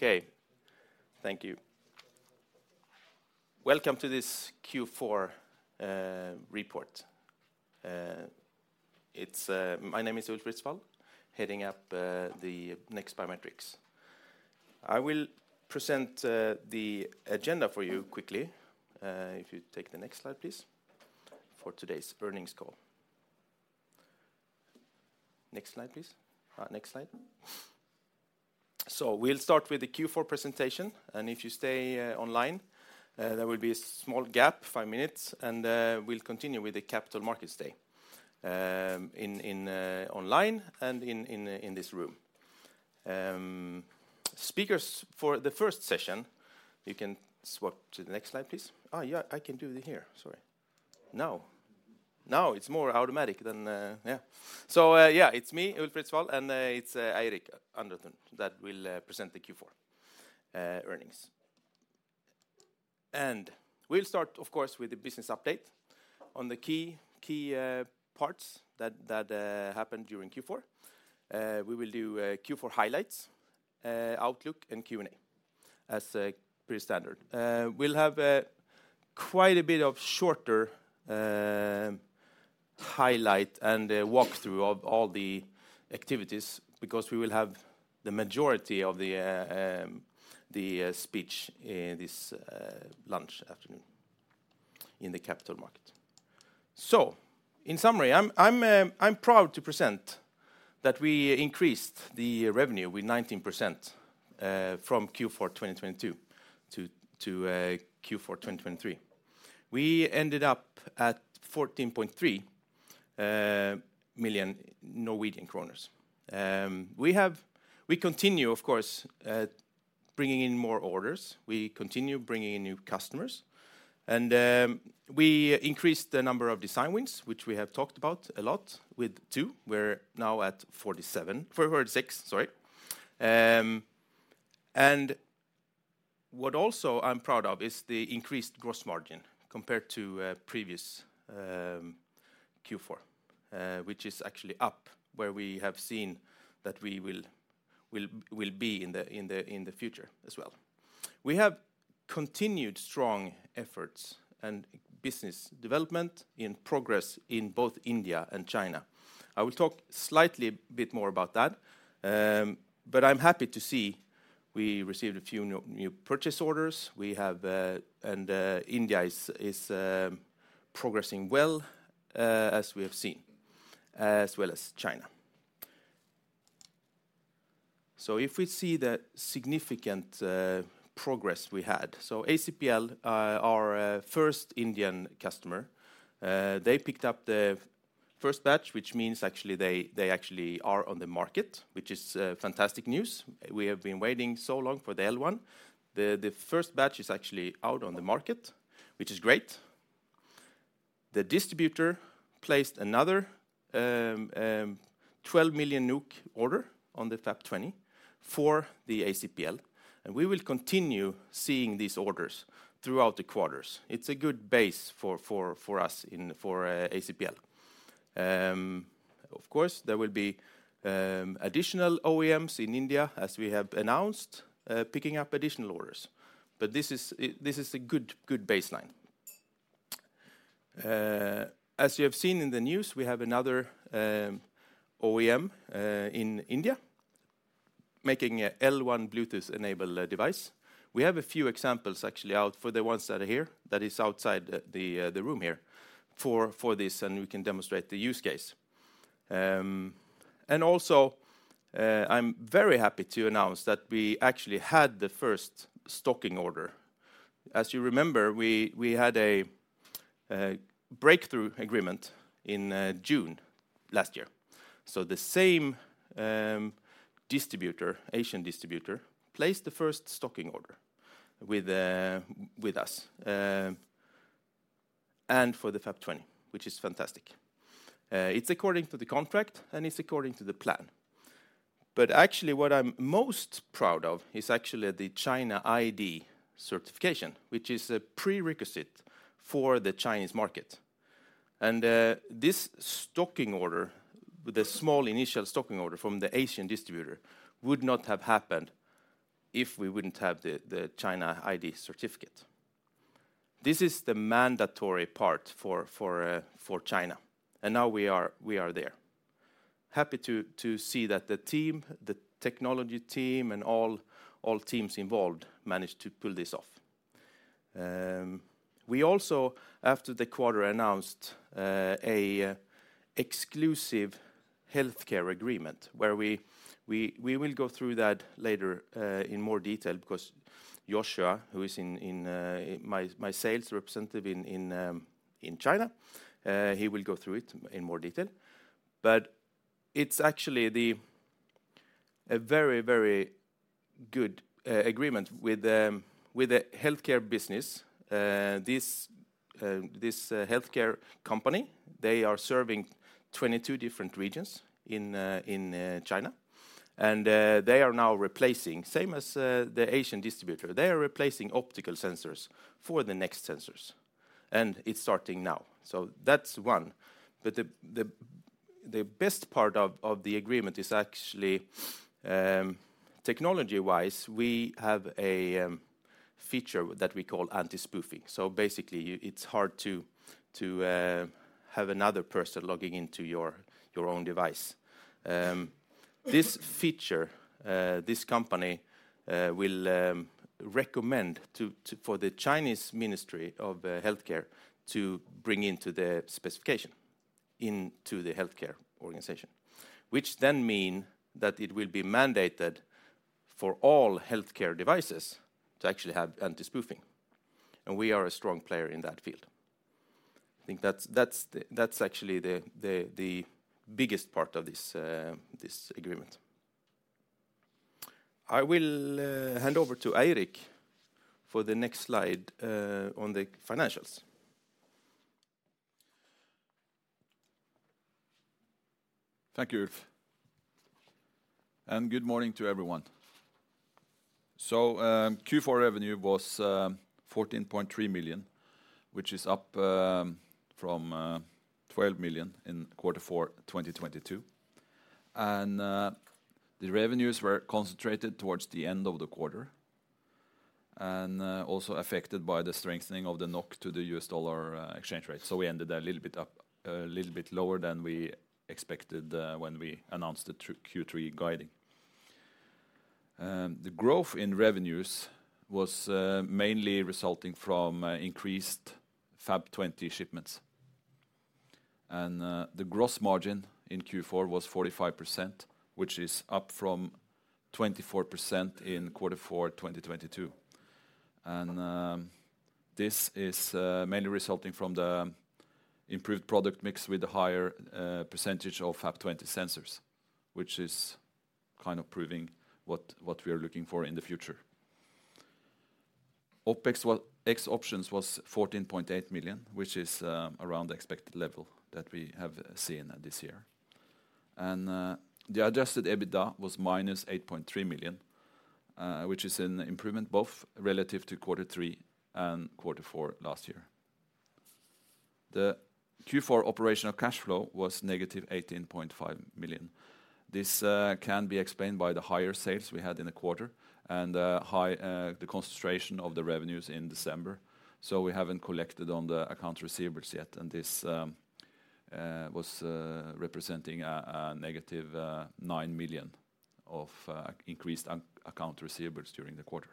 Okay, thank you. Welcome to this Q4 report. My name is Ulf Ritsvall, heading up NEXT Biometrics. I will present the agenda for you quickly. If you take the next slide, please, for today's earnings call. Next slide, please. Next slide. So we'll start with the Q4 presentation, and if you stay online, there will be a small gap, five minutes, and we'll continue with the capital markets day online and in this room. Speakers for the first session, you can swap to the next slide, please. Oh, yeah, I can do it here. Sorry. Now. Now it's more automatic than, yeah. So yeah, it's me, Ulf Ritsvall, and it's Eirik Underthun that will present the Q4 earnings. And we'll start, of course, with the business update on the key parts that happened during Q4. We will do Q4 highlights, Outlook, and Q&A as pretty standard. ` We'll have quite a bit of shorter highlight and walkthrough of all the activities because we will have the majority of the speech this lunch afternoon in the capital market. So in summary, I'm proud to present that we increased the revenue with 19% from Q4 2022 to Q4 2023. We ended up at 14.3 million Norwegian kroner. We continue, of course, bringing in more orders. We continue bringing in new customers. And we increased the number of design wins, which we have talked about a lot, with two. We're now at 47. We're at six, sorry. And what also I'm proud of is the increased gross margin compared to previous Q4, which is actually up, where we have seen that we will be in the future as well. We have continued strong efforts and business development in progress in both India and China. I will talk slightly a bit more about that, but I'm happy to see we received a few new purchase orders. India is progressing well, as we have seen, as well as China. If we see the significant progress we had. ACPL, our first Indian customer, they picked up the first batch, which means actually they actually are on the market, which is fantastic news. We have been waiting so long for the L1. The first batch is actually out on the market, which is great. The distributor placed another 12 million order on the FAP20 for the ACPL. We will continue seeing these orders throughout the quarters. It's a good base for us for ACPL. Of course, there will be additional OEMs in India, as we have announced, picking up additional orders. This is a good baseline. As you have seen in the news, we have another OEM in India making an L1 Bluetooth-enabled device. We have a few examples actually out for the ones that are here, that is outside the room here, for this, and we can demonstrate the use case. Also, I'm very happy to announce that we actually had the first stocking order. As you remember, we had a breakthrough agreement in June last year. The same distributor, Asian distributor, placed the first stocking order with us and for the FAP20, which is fantastic. It's according to the contract, and it's according to the plan. Actually, what I'm most proud of is actually the China ID certification, which is a prerequisite for the Chinese market. This stocking order, the small initial stocking order from the Asian distributor, would not have happened if we wouldn't have the China ID certificate. This is the mandatory part for China. Now we are there. Happy to see that the team, the technology team, and all teams involved managed to pull this off. We also, after the quarter, announced an exclusive healthcare agreement, where we will go through that later in more detail because Joshua, who is my sales representative in China, he will go through it in more detail. But it's actually a very, very good agreement with the healthcare business. This healthcare company, they are serving 22 different regions in China. They are now replacing, same as the Asian distributor, they are replacing optical sensors for the NEXT sensors. It's starting now. So that's one. But the best part of the agreement is actually, technology-wise, we have a feature that we call anti-spoofing. So basically, it's hard to have another person logging into your own device. This feature, this company will recommend for the Chinese Ministry of Healthcare to bring into the specification, into the healthcare organization, which then means that it will be mandated for all healthcare devices to actually have anti-spoofing. And we are a strong player in that field. I think that's actually the biggest part of this agreement. I will hand over to Eirik for the next slide on the financials. Thank you, Ulf. Good morning to everyone. Q4 revenue was 14.3 million, which is up from 12 million in Q4 2022. The revenues were concentrated towards the end of the quarter and also affected by the strengthening of the NOK to the U.S. dollar exchange rate. We ended a little bit lower than we expected when we announced the Q3 guiding. The growth in revenues was mainly resulting from increased FAP20 shipments. The gross margin in Q4 was 45%, which is up from 24% in quarter four 2022. This is mainly resulting from the improved product mix with a higher percentage of FAP20 sensors, which is kind of proving what we are looking for in the future. OpEx was 14.8 million, which is around the expected level that we have seen this year. The Adjusted EBITDA was -8.3 million, which is an improvement both relative to quarter three and quarter four last year. The Q4 operational cash flow was -18.5 million. This can be explained by the higher sales we had in the quarter and the concentration of the revenues in December. So we haven't collected on the account receivables yet, and this was representing a -9 million of increased account receivables during the quarter.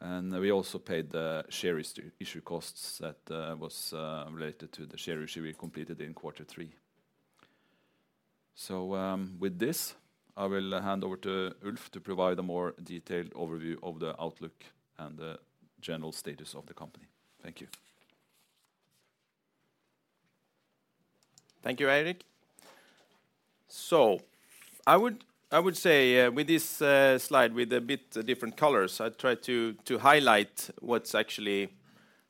And we also paid the share issue costs that was related to the share issue we completed in quarter three. So with this, I will hand over to Ulf to provide a more detailed overview of the Outlook and the general status of the company. Thank you. Thank you, Eirik. So I would say with this slide, with a bit different colors, I try to highlight what's actually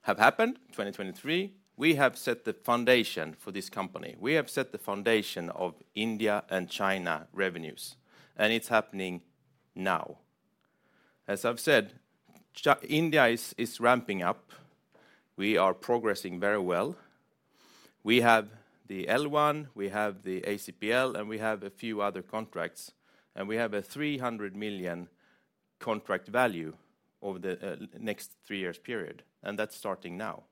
happened in 2023. We have set the foundation for this company. We have set the foundation of India and China revenues. It's happening now. As I've said, India is ramping up. We are progressing very well. We have the L1. We have the ACPL. We have a few other contracts. We have a $300 million contract value over the next three years' period. That's starting now.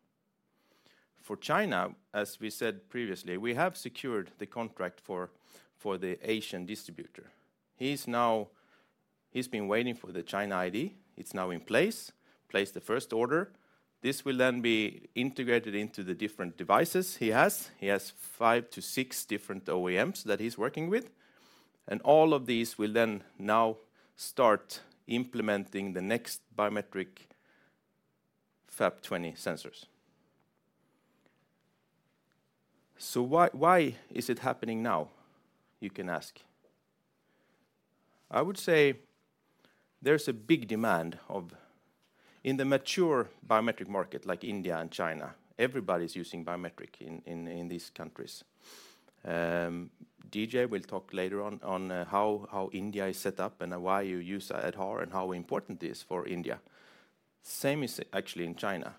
For China, as we said previously, we have secured the contract for the Asian distributor. He's been waiting for the China ID. It's now in place. Placed the first order. This will then be integrated into the different devices he has. He has five to six different OEMs that he's working with. All of these will then now start implementing the NEXT Biometrics FAP20 sensors. So why is it happening now, you can ask? I would say there's a big demand in the mature biometric market, like India and China. Everybody's using biometrics in these countries. DJ will talk later on how India is set up and why you use Aadhaar and how important it is for India. Same is actually in China.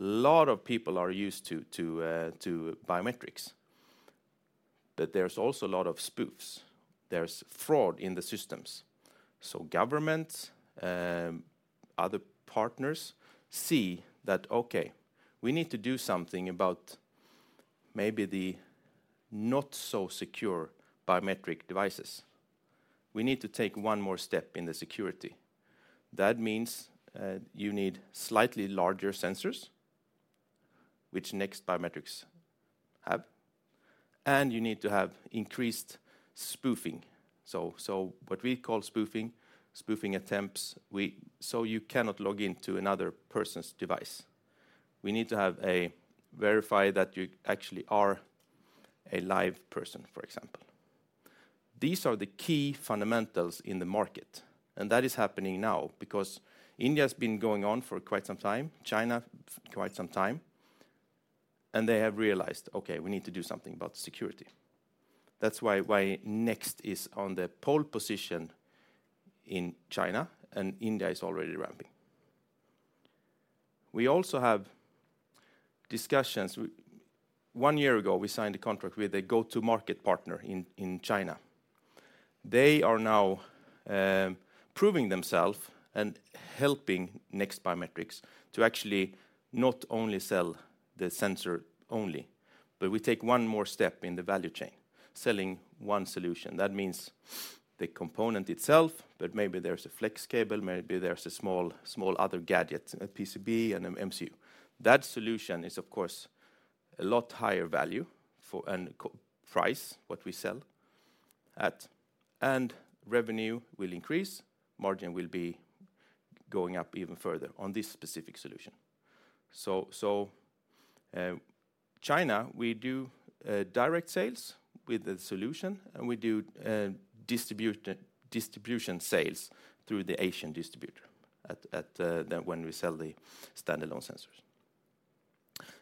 A lot of people are used to biometrics. But there's also a lot of spoofs. There's fraud in the systems. So governments, other partners see that, okay, we need to do something about maybe the not-so-secure biometric devices. We need to take one more step in the security. That means you need slightly larger sensors, which NEXT Biometrics have. And you need to have increased spoofing. So what we call spoofing, spoofing attempts, so you cannot log into another person's device. We need to verify that you actually are a live person, for example. These are the key fundamentals in the market. And that is happening now because India has been going on for quite some time, China quite some time. And they have realized, okay, we need to do something about security. That's why NEXT is on the pole position in China. And India is already ramping. We also have discussions. One year ago, we signed a contract with a go-to-market partner in China. They are now proving themselves and helping NEXT Biometrics to actually not only sell the sensor only, but we take one more step in the value chain, selling one solution. That means the component itself, but maybe there's a flex cable. Maybe there's a small other gadget, a PCB and an MCU. That solution is, of course, a lot higher value and price, what we sell at. Revenue will increase. Margin will be going up even further on this specific solution. China, we do direct sales with the solution. We do distribution sales through the Asian distributor when we sell the standalone sensors.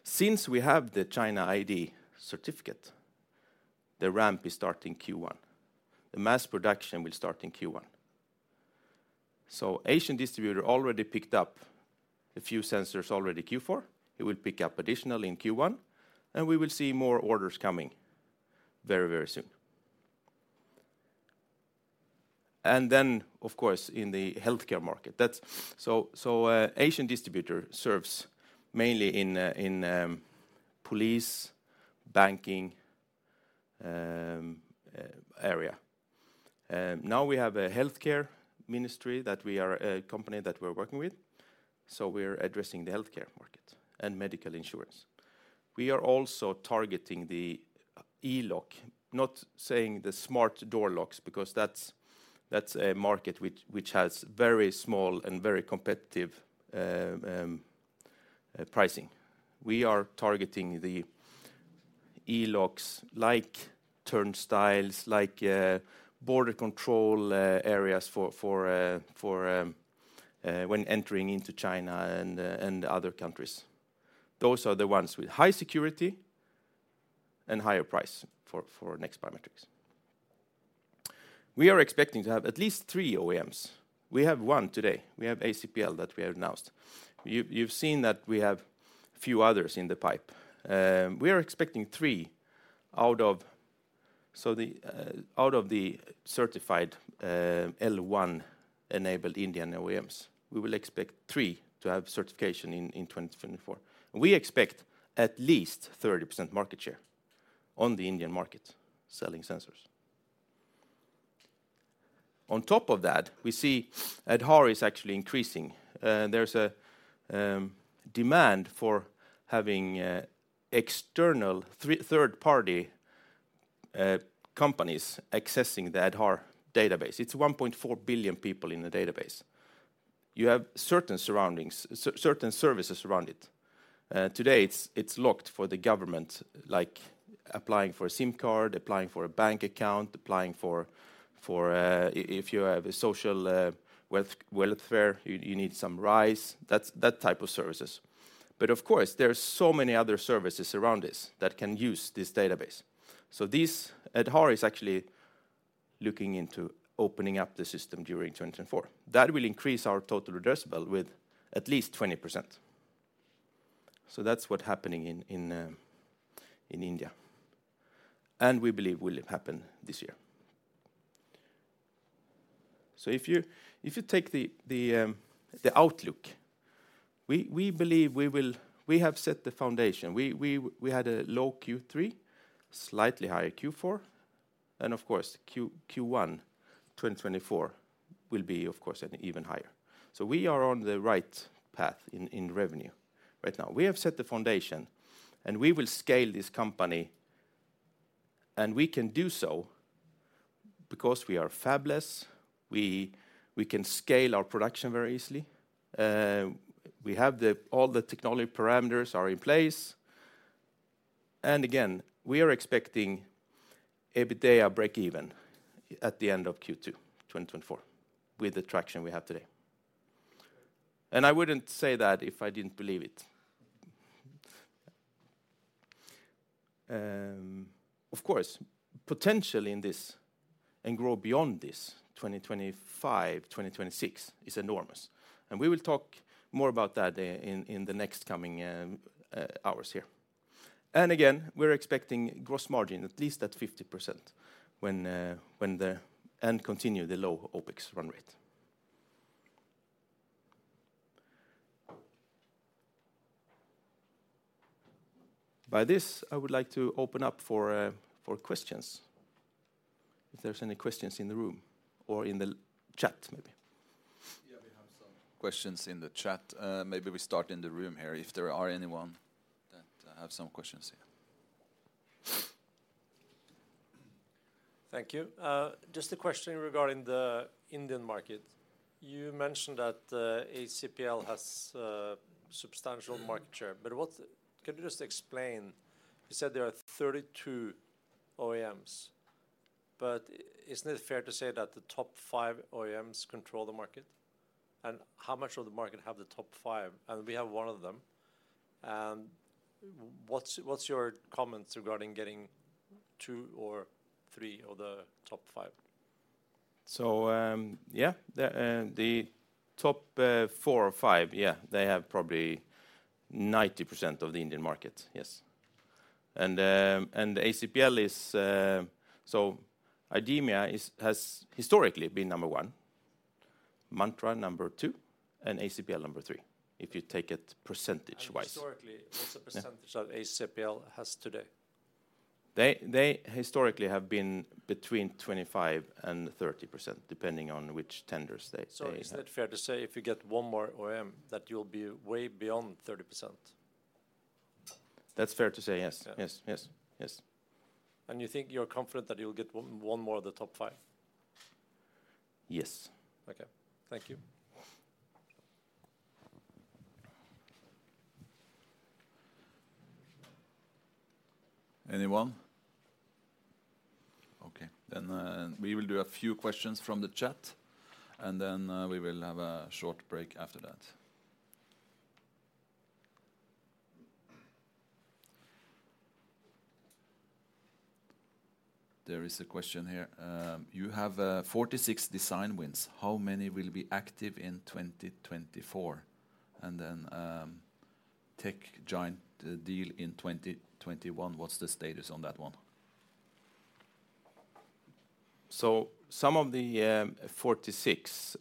Since we have the China ID certificate, the ramp is starting Q1. The mass production will start in Q1. The Asian distributor already picked up a few sensors Q4. He will pick up additional in Q1. We will see more orders coming very, very soon. Then, of course, in the healthcare market. The Asian distributor serves mainly in police, banking area. Now we have a healthcare ministry that we are a company that we're working with. So we're addressing the healthcare market and medical insurance. We are also targeting the e-lock, not saying the smart door locks, because that's a market which has very small and very competitive pricing. We are targeting the e-locks, like turnstiles, like border control areas when entering into China and other countries. Those are the ones with high security and higher price for NEXT Biometrics. We are expecting to have atleast three OEMs. We have one today. We have ACPL that we have announced. You've seen that we have a few others in the pipe. We are expecting three out of the certified L1-enabled Indian OEMs. We will expect three to have certification in 2024. We expect at least 30% market share on the Indian market selling sensors. On top of that, we see Aadhaar is actually increasing. There's a demand for having external third-party companies accessing the Aadhaar database. It's 1.4 billion people in the database. You have certain surroundings, certain services around it. Today, it's locked for the government, like applying for a SIM card, applying for a bank account, applying for if you have social welfare, you need some rice, that type of services. But of course, there are so many other services around this that can use this database. So Aadhaar is actually looking into opening up the system during 2024. That will increase our total addressable with at least 20%. So that's what's happening in India. And we believe will happen this year. So if you take the outlook, we believe we have set the foundation. We had a low Q3, slightly higher Q4. And of course, Q1 2024 will be, of course, even higher. So we are on the right path in revenue right now. We have set the foundation. We will scale this company. We can do so because we are fabless. We can scale our production very easily. We have all the technology parameters are in place. Again, we are expecting EBITDA break-even at the end of Q2 2024 with the traction we have today. I wouldn't say that if I didn't believe it. Of course, potential in this and grow beyond this 2025, 2026 is enormous. We will talk more about that in the next coming hours here. Again, we're expecting gross margin at least at 50% when the and continue the low OpEx run rate. By this, I would like to open up for questions, if there's any questions in the room or in the chat, maybe. Yeah, we have some questions in the chat. Maybe we start in the room here if there are anyone that have some questions here. Thank you. Just a question regarding the Indian market. You mentioned that ACPL has substantial market share. But can you just explain? You said there are 32 OEMs. But isn't it fair to say that the top five OEMs control the market? And how much of the market have the top five? And we have one of them. And what's your comments regarding getting two or three of the top five? So yeah, the top four or five, yeah, they have probably 90% of the Indian market, yes. And ACPL is so IDEMIA has historically been number one, Mantra number two, and ACPL number three, if you take it percentage-wise. Historically, what's the percentage that ACPL has today? They historically have been between 25% and 30%, depending on which tenders they handle. Isn't it fair to say if you get one more OEM that you'll be way beyond 30%? That's fair to say, yes. Yes, yes, yes. You think you're confident that you'll get one more of the top five? Yes. OK. Thank you. Anyone? Okay. Then we will do a few questions from the chat. And then we will have a short break after that. There is a question here. You have 46 design wins. How many will be active in 2024? And then tech giant deal in 2021. What's the status on that one? So some of the 46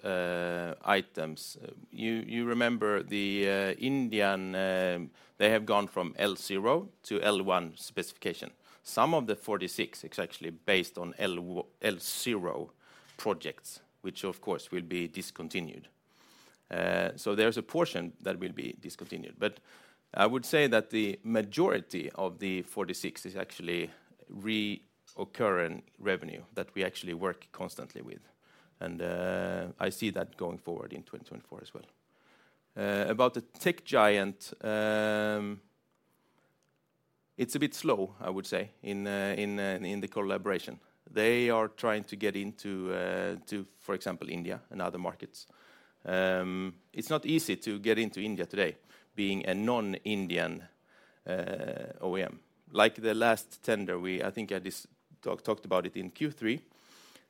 items, you remember the Indian, they have gone from L0 to L1 specification. Some of the 46 is actually based on L0 projects, which, of course, will be discontinued. So there's a portion that will be discontinued. But I would say that the majority of the 46 is actually recurring revenue that we actually work constantly with. And I see that going forward in 2024 as well. About the tech giant, it's a bit slow, I would say, in the collaboration. They are trying to get into, for example, India and other markets. It's not easy to get into India today being a non-Indian OEM. Like the last tender, I think I talked about it in Q3.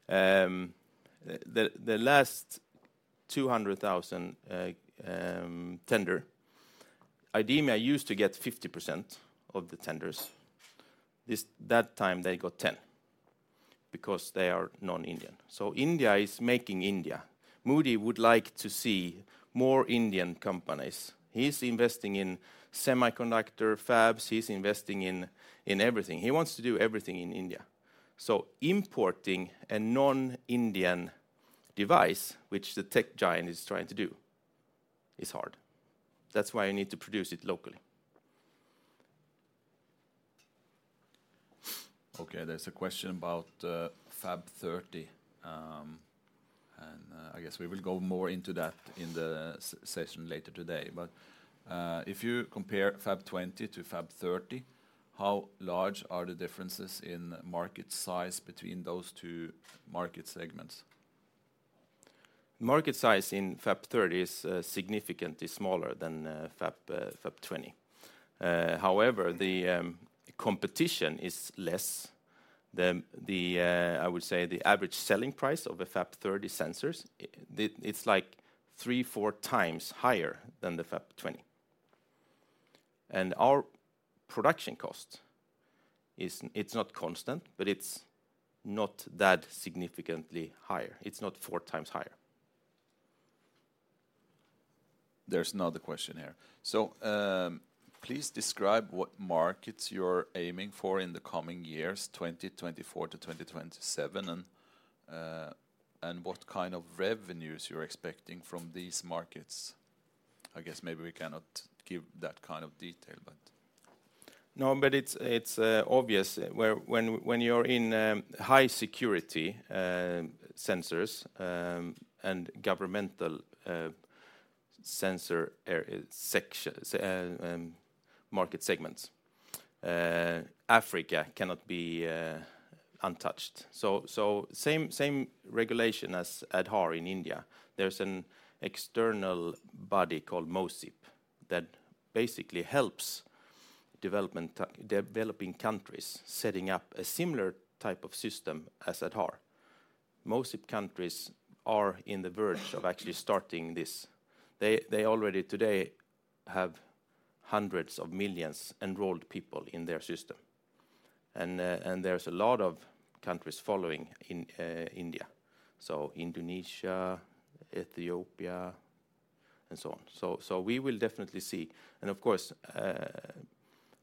The last 200,000 tender, IDEMIA used to get 50% of the tenders. That time, they got 10% because they are non-Indian. So India is Make in India. Modi would like to see more Indian companies. He's investing in semiconductor fabs. He's investing in everything. He wants to do everything in India. So importing a non-Indian device, which the tech giant is trying to do, is hard. That's why you need to produce it locally. Okay. There's a question about FAP30. And I guess we will go more into that in the session later today. But if you compare FAP20 to FAP30, how large are the differences in market size between those two market segments? Market size in FAP30 is significantly smaller than FAP20. However, the competition is less. I would say the average selling price of a FAP30 sensor, it's like 3-4x higher than the FAP20. And our production cost, it's not constant. But it's not that significantly higher. It's not 4x higher. There's another question here. So please describe what markets you're aiming for in the coming years, 2024 to 2027, and what kind of revenues you're expecting from these markets. I guess maybe we cannot give that kind of detail, but. No, but it's obvious. When you're in high-security sensors and governmental sensor market segments, Africa cannot be untouched. So same regulation as Aadhaar in India. There's an external body called MOSIP that basically helps developing countries setting up a similar type of system as Aadhaar. MOSIP countries are in the verge of actually starting this. They already today have hundreds of millions enrolled people in their system. And there's a lot of countries following in India, so Indonesia, Ethiopia, and so on. So we will definitely see. And of course,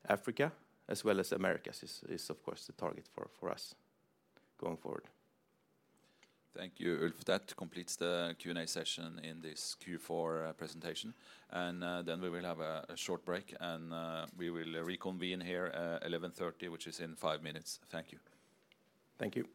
Africa, as well as America, is, of course, the target for us going forward. Thank you, Ulf. That completes the Q&A session in this Q4 presentation. Then we will have a short break. We will reconvene here at 11:30 A.M., which is in five minutes. Thank you. Thank you.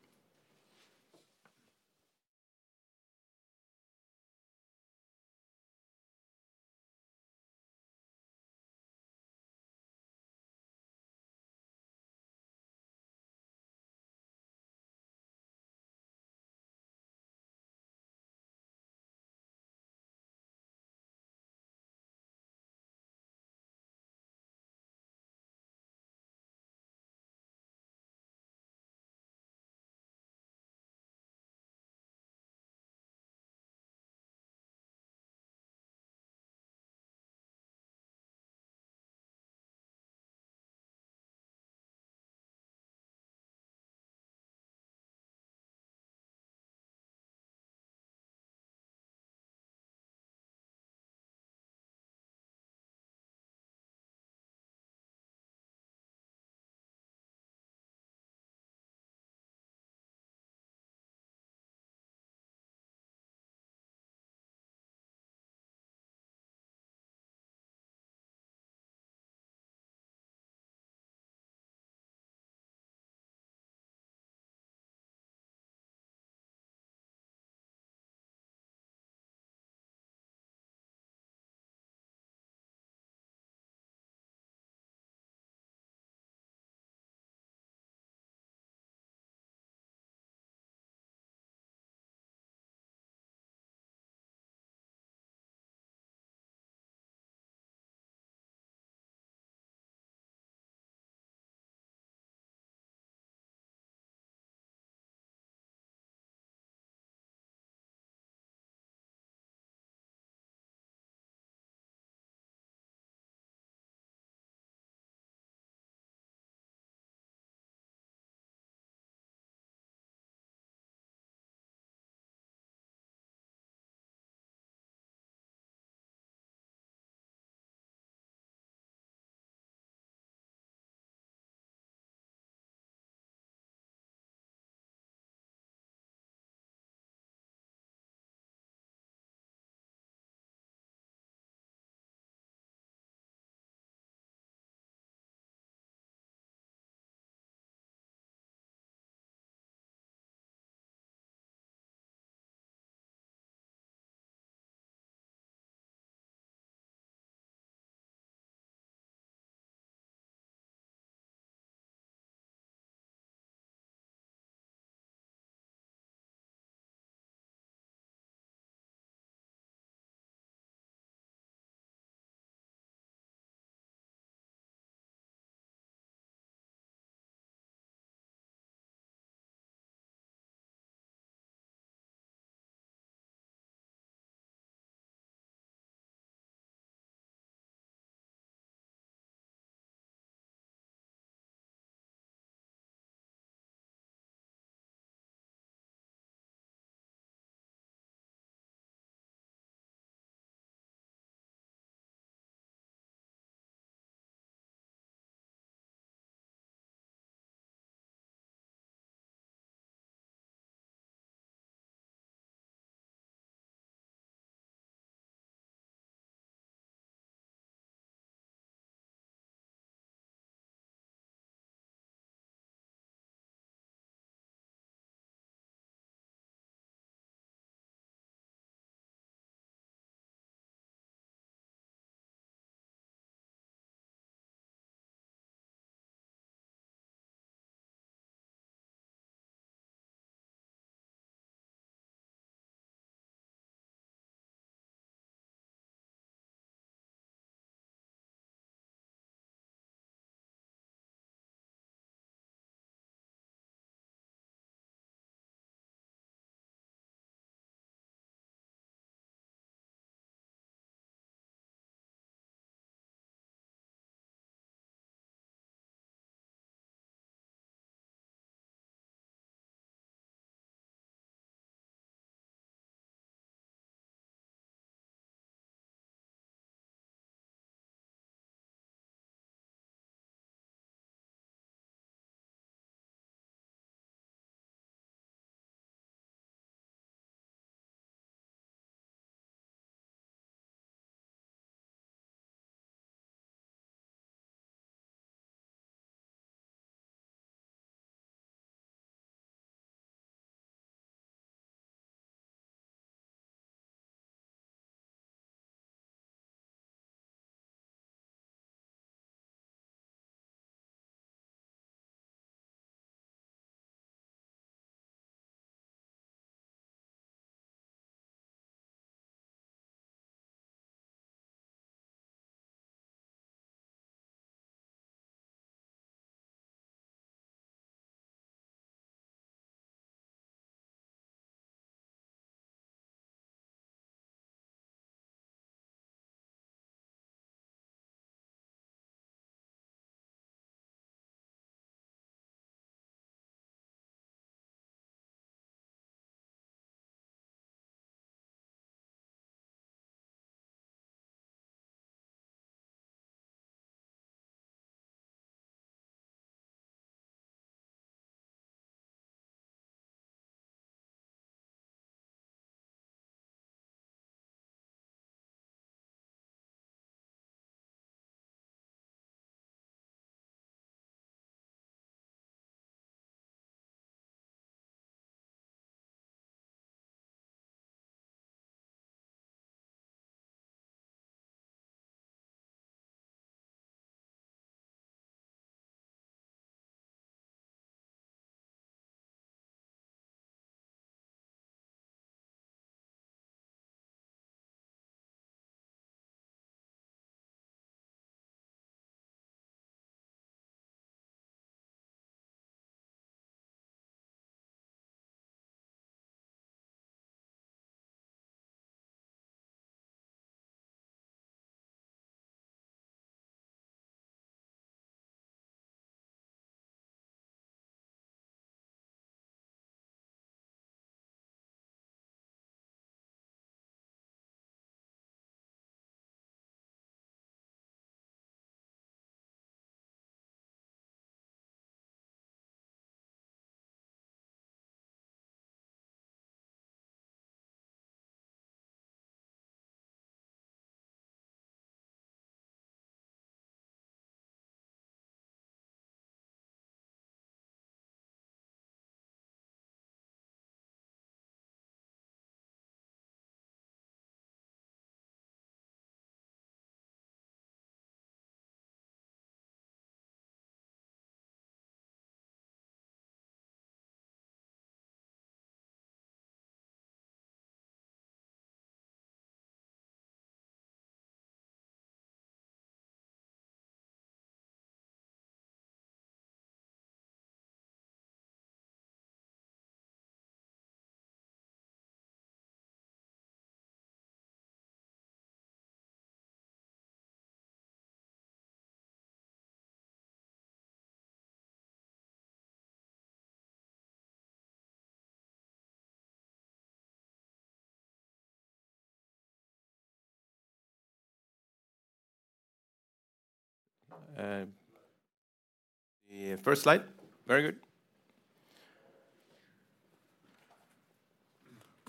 The first slide. Very good.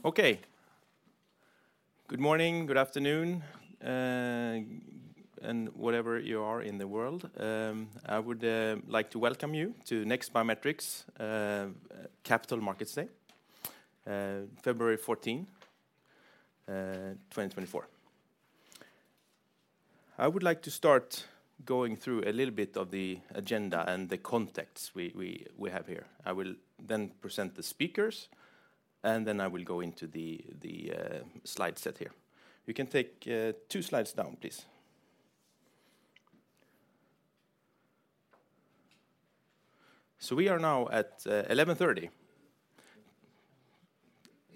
Okay. Good morning, good afternoon, and wherever you are in the world. I would like to welcome you to NEXT Biometrics Capital Markets Day, February 14, 2024. I would like to start going through a little bit of the agenda and the context we have here. I will then present the speakers. Then I will go into the slide set here. You can take two slides down, please. So we are now at 11:30 A.M.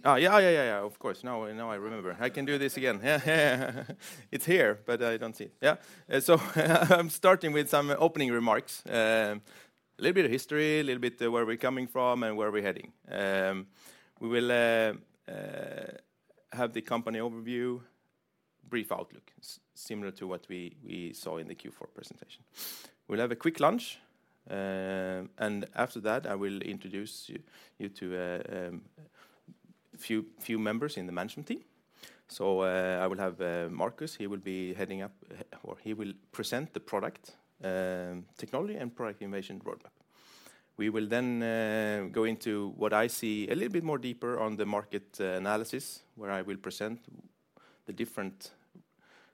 Yeah, yeah, yeah, yeah. Of course. Now I remember. I can do this again. Yeah, yeah, yeah. It's here. But I don't see it. Yeah. So I'm starting with some opening remarks, a little bit of history, a little bit where we're coming from, and where we're heading. We will have the company overview, brief outlook, similar to what we saw in the Q4 presentation. We'll have a quick lunch. After that, I will introduce you to a few members in the management team. I will have Marcus. He will be heading up, or he will present the product technology and product innovation roadmap. We will then go into what I see a little bit more deeper on the market analysis, where I will present the different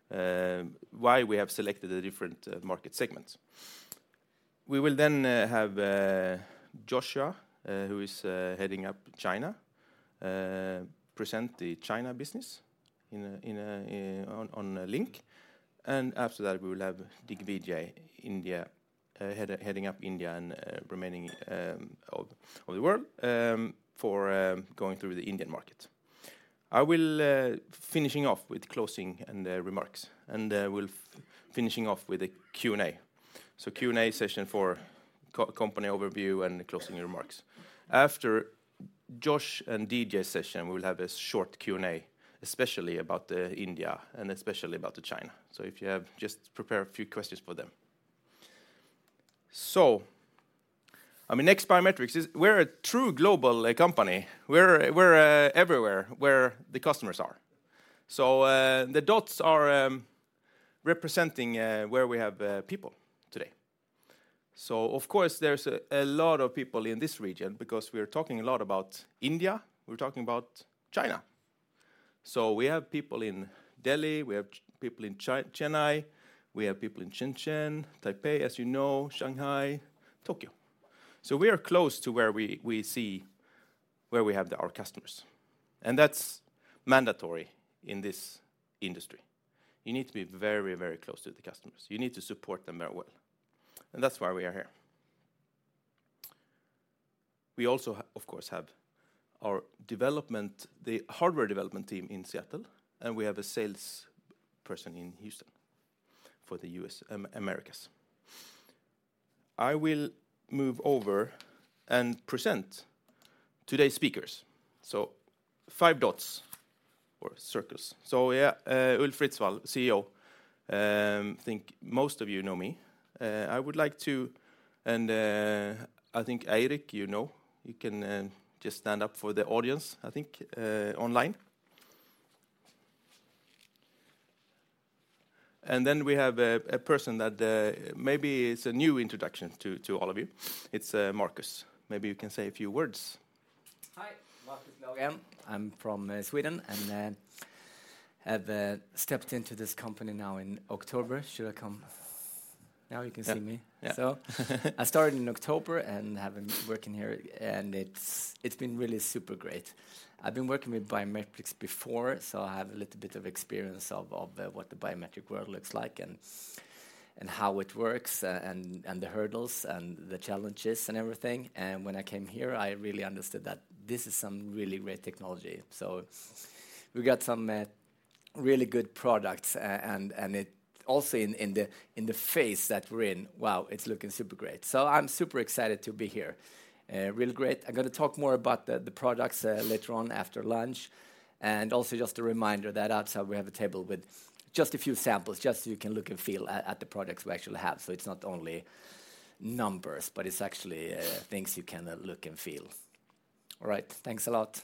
why we have selected the different market segments. We will then have Joshua, who is heading up China, present the China business online. After that, we will have Digvijay, heading up India and the remaining of the world for going through the Indian market. I will be finishing off with closing and remarks. We'll be finishing off with a Q&A. Q&A session for company overview and closing remarks. After Josh and DJ's session, we will have a short Q&A, especially about India and especially about China. So if you have, just prepare a few questions for them. So NEXT Biometrics, we're a true global company. We're everywhere where the customers are. So the dots are representing where we have people today. So of course, there's a lot of people in this region because we're talking a lot about India. We're talking about China. So we have people in Delhi. We have people in Chennai. We have people in Shenzhen, Taipei, as you know, Shanghai, Tokyo. So we are close to where we see where we have our customers. And that's mandatory in this industry. You need to be very, very close to the customers. You need to support them very well. And that's why we are here. We also, of course, have our hardware development team in Seattle. And we have a salesperson in Houston for the Americas. I will move over and present today's speakers. So five dots or circles. So Ulf Ritsvall, CEO. I think most of you know me. I would like to, and I think Eirik, you know. You can just stand up for the audience, I think, online. And then we have a person that maybe is a new introduction to all of you. It's Marcus. Maybe you can say a few words. Hi. Marcus Laurén again. I'm from Sweden. I have stepped into this company now in October. Should I come? Now you can see me. So I started in October and have been working here. It's been really super great. I've been working with biometrics before. So I have a little bit of experience of what the biometric world looks like and how it works and the hurdles and the challenges and everything. When I came here, I really understood that this is some really great technology. So we got some really good products. Also in the phase that we're in, wow, it's looking super great. So I'm super excited to be here. Real great. I'm going to talk more about the products later on after lunch. Also just a reminder that outside we have a table with just a few samples, just so you can look and feel at the products we actually have. It's not only numbers, but it's actually things you can look and feel. All right. Thanks a lot.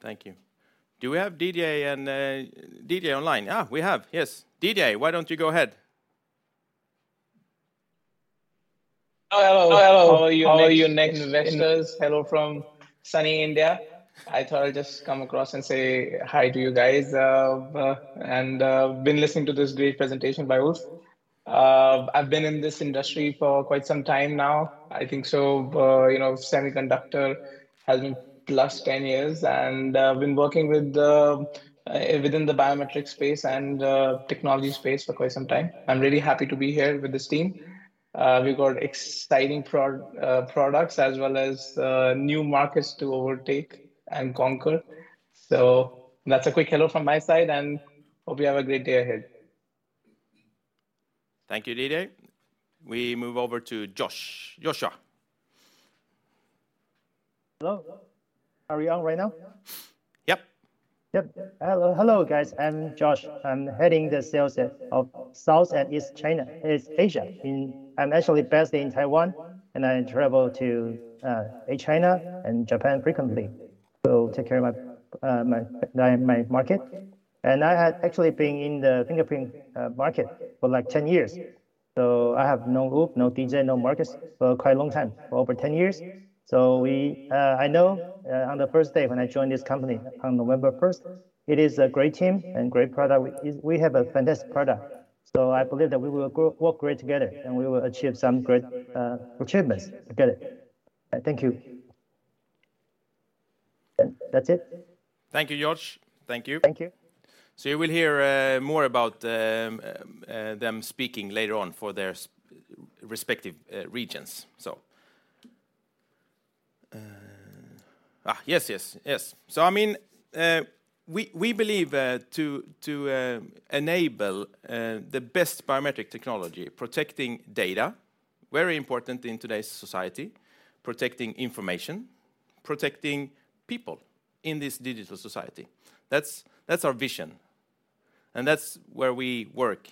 Thank you. Do we have DJ online? Yeah, we have. Yes. DJ, why don't you go ahead? Hello. How are you, NEXT investors? Hello from sunny India. I thought I'd just come across and say hi to you guys. I've been listening to this great presentation by Ulf. I've been in this industry for quite some time now, I think so. Semiconductor has been +10 years. I've been working within the biometric space and technology space for quite some time. I'm really happy to be here with this team. We've got exciting products as well as new markets to overtake and conquer. That's a quick hello from my side. Hope you have a great day ahead. Thank you, DJ. We move over to Josh. Joshua. Hello. Are we on right now? Yep. Yep. Hello, guys. I'm Josh. I'm heading the sales of South and East Asia. I'm actually based in Taiwan. I travel to China and Japan frequently to take care of my market. I had actually been in the fingerprint market for like 10 years. So I have known Ulf, known DJ, known Marcus for quite a long time, for over 10 years. So I know on the first day when I joined this company on November 1st, it is a great team and great product. We have a fantastic product. So I believe that we will work great together. We will achieve some great achievements together. Thank you. That's it. Thank you, Josh. Thank you. Thank you. So you will hear more about them speaking later on for their respective regions, so. Yes, yes, yes. So I mean, we believe to enable the best biometric technology, protecting data, very important in today's society, protecting information, protecting people in this digital society. That's our vision. And that's where we work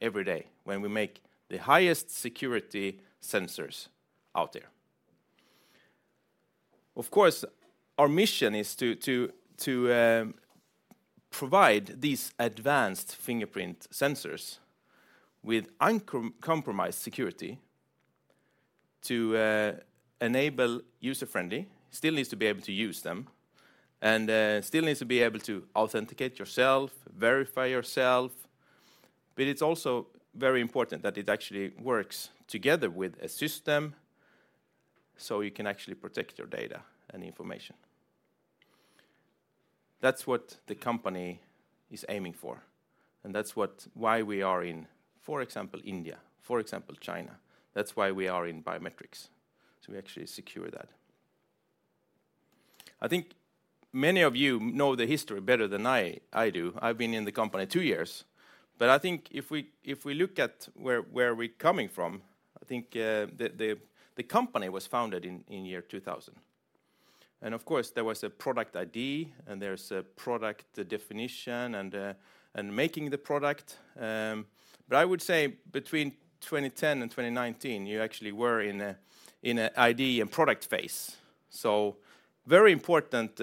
every day when we make the highest security sensors out there. Of course, our mission is to provide these advanced fingerprint sensors with uncompromised security to enable user-friendly. You still need to be able to use them. And still need to be able to authenticate yourself, verify yourself. But it's also very important that it actually works together with a system so you can actually protect your data and information. That's what the company is aiming for. And that's why we are in, for example, India, for example, China. That's why we are in biometrics. So we actually secure that. I think many of you know the history better than I do. I've been in the company two years. But I think if we look at where we're coming from, I think the company was founded in the year 2000. And of course, there was a product R&D. And there's a product definition and making the product. But I would say between 2010 and 2019, you actually were in an R&D and product phase. So very important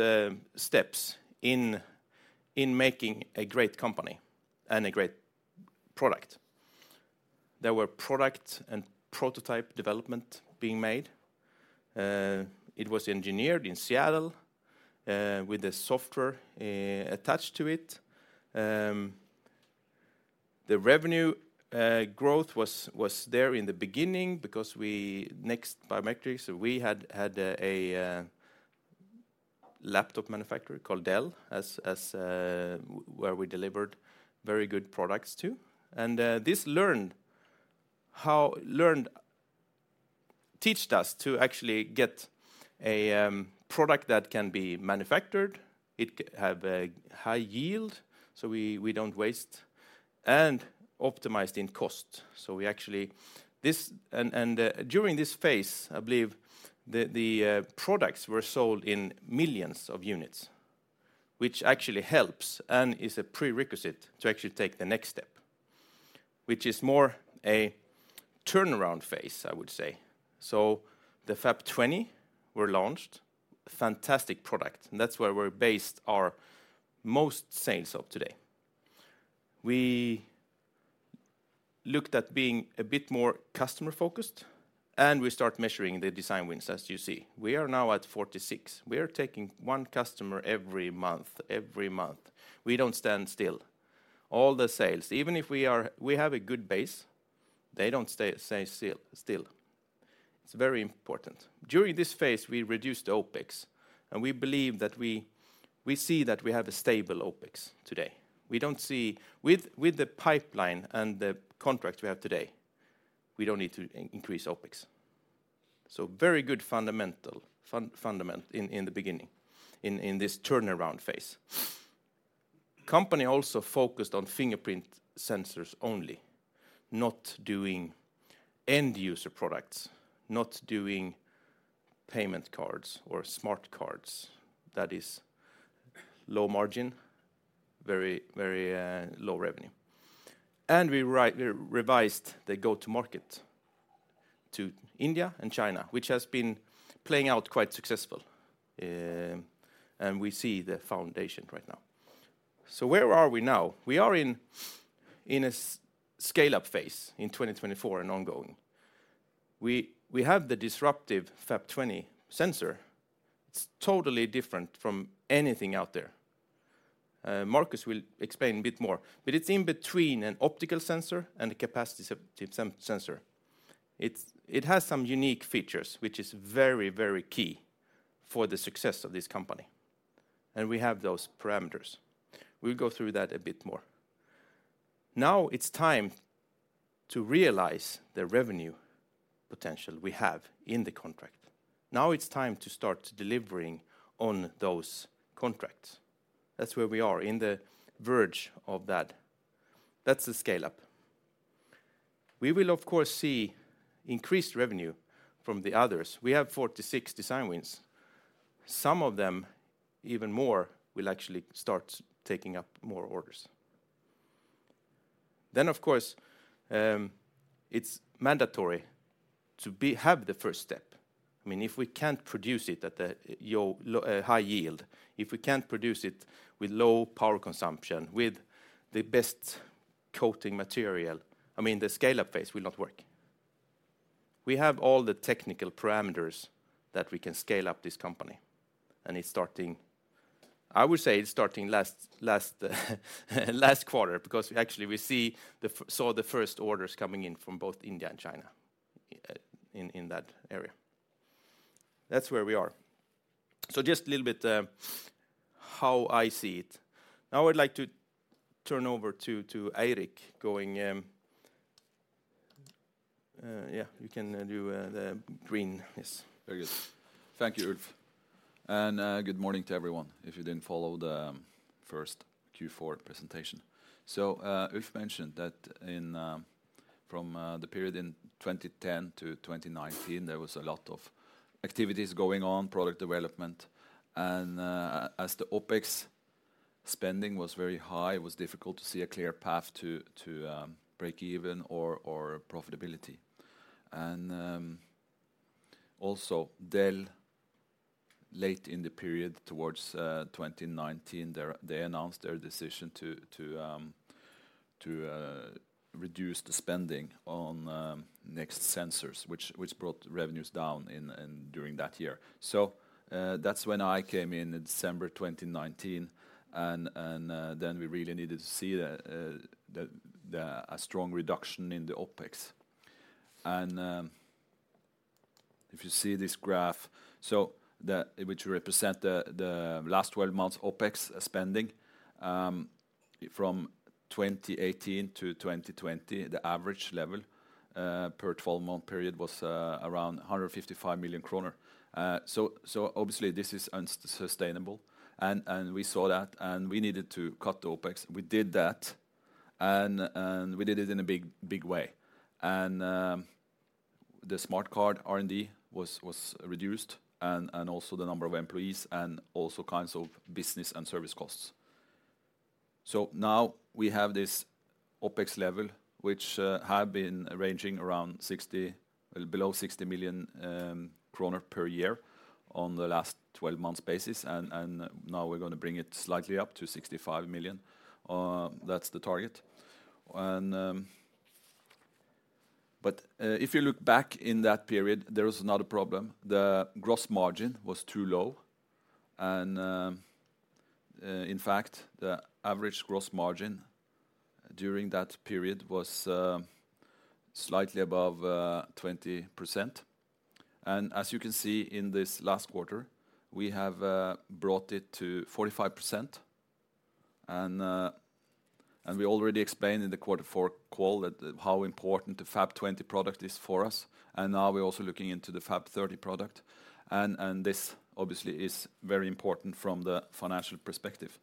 steps in making a great company and a great product. There were product and prototype development being made. It was engineered in Seattle with the software attached to it. The revenue growth was there in the beginning because NEXT Biometrics, we had a laptop manufacturer called Dell where we delivered very good products to. And this taught us to actually get a product that can be manufactured. It can have a high yield so we don't waste and optimized in cost. So we actually, and during this phase, I believe the products were sold in millions of units, which actually helps and is a prerequisite to actually take the next step, which is more a turnaround phase, I would say. So the FAP20 were launched. Fantastic product. And that's where we're based our most sales of today. We looked at being a bit more customer-focused. And we start measuring the design wins, as you see. We are now at 46. We are taking one customer every month, every month. We don't stand still. All the sales, even if we have a good base, they don't stay still. It's very important. During this phase, we reduced the OpEx. And we believe that we see that we have a stable OpEx today. We don't see, with the pipeline and the contracts we have today, we don't need to increase OpEx. So very good fundamental in the beginning in this turnaround phase. The company also focused on fingerprint sensors only, not doing end-user products, not doing payment cards or smart cards that is low margin, very, very low revenue. We revised the go-to-market to India and China, which has been playing out quite successful. We see the foundation right now. So where are we now? We are in a scale-up phase in 2024 and ongoing. We have the disruptive FAP20 sensor. It's totally different from anything out there. Marcus will explain a bit more. But it's in between an optical sensor and a capacitive sensor. It has some unique features, which is very, very key for the success of this company. We have those parameters. We'll go through that a bit more. Now it's time to realize the revenue potential we have in the contract. Now it's time to start delivering on those contracts. That's where we are on the verge of that. That's the scale-up. We will, of course, see increased revenue from the others. We have 46 design wins. Some of them, even more, will actually start taking up more orders. Then, of course, it's mandatory to have the first step. I mean, if we can't produce it at the high yield, if we can't produce it with low power consumption, with the best coating material, I mean, the scale-up phase will not work. We have all the technical parameters that we can scale up this company. It's starting, I would say, it's starting last quarter because actually we saw the first orders coming in from both India and China in that area. That's where we are. So just a little bit how I see it. Now I'd like to turn over to Eirik going. Yeah, you can do the green. Yes. Very good. Thank you, Ulf. Good morning to everyone if you didn't follow the first Q4 presentation. Ulf mentioned that from the period in 2010 to 2019, there was a lot of activities going on, product development. As the OpEx spending was very high, it was difficult to see a clear path to break even or profitability. Also, Dell, late in the period towards 2019, they announced their decision to reduce the spending on NEXT sensors, which brought revenues down during that year. That's when I came in in December 2019. Then we really needed to see a strong reduction in the OpEx. If you see this graph, which represents the last 12 months' OpEx spending from 2018 to 2020, the average level per 12-month period was around 155 million kroner. Obviously, this is unsustainable. We saw that. We needed to cut the OpEx. We did that. We did it in a big way. The smart card R&D was reduced and also the number of employees and also kinds of business and service costs. So now we have this OpEx level, which had been ranging around below 60 million kroner per year on the last 12-month basis. And now we're going to bring it slightly up to 65 million. That's the target. But if you look back in that period, there was another problem. The gross margin was too low. And in fact, the average gross margin during that period was slightly above 20%. And as you can see in this last quarter, we have brought it to 45%. And we already explained in the quarter four call how important the FAP20 product is for us. Now we're also looking into the FAP30 product. This, obviously, is very important from the financial perspective.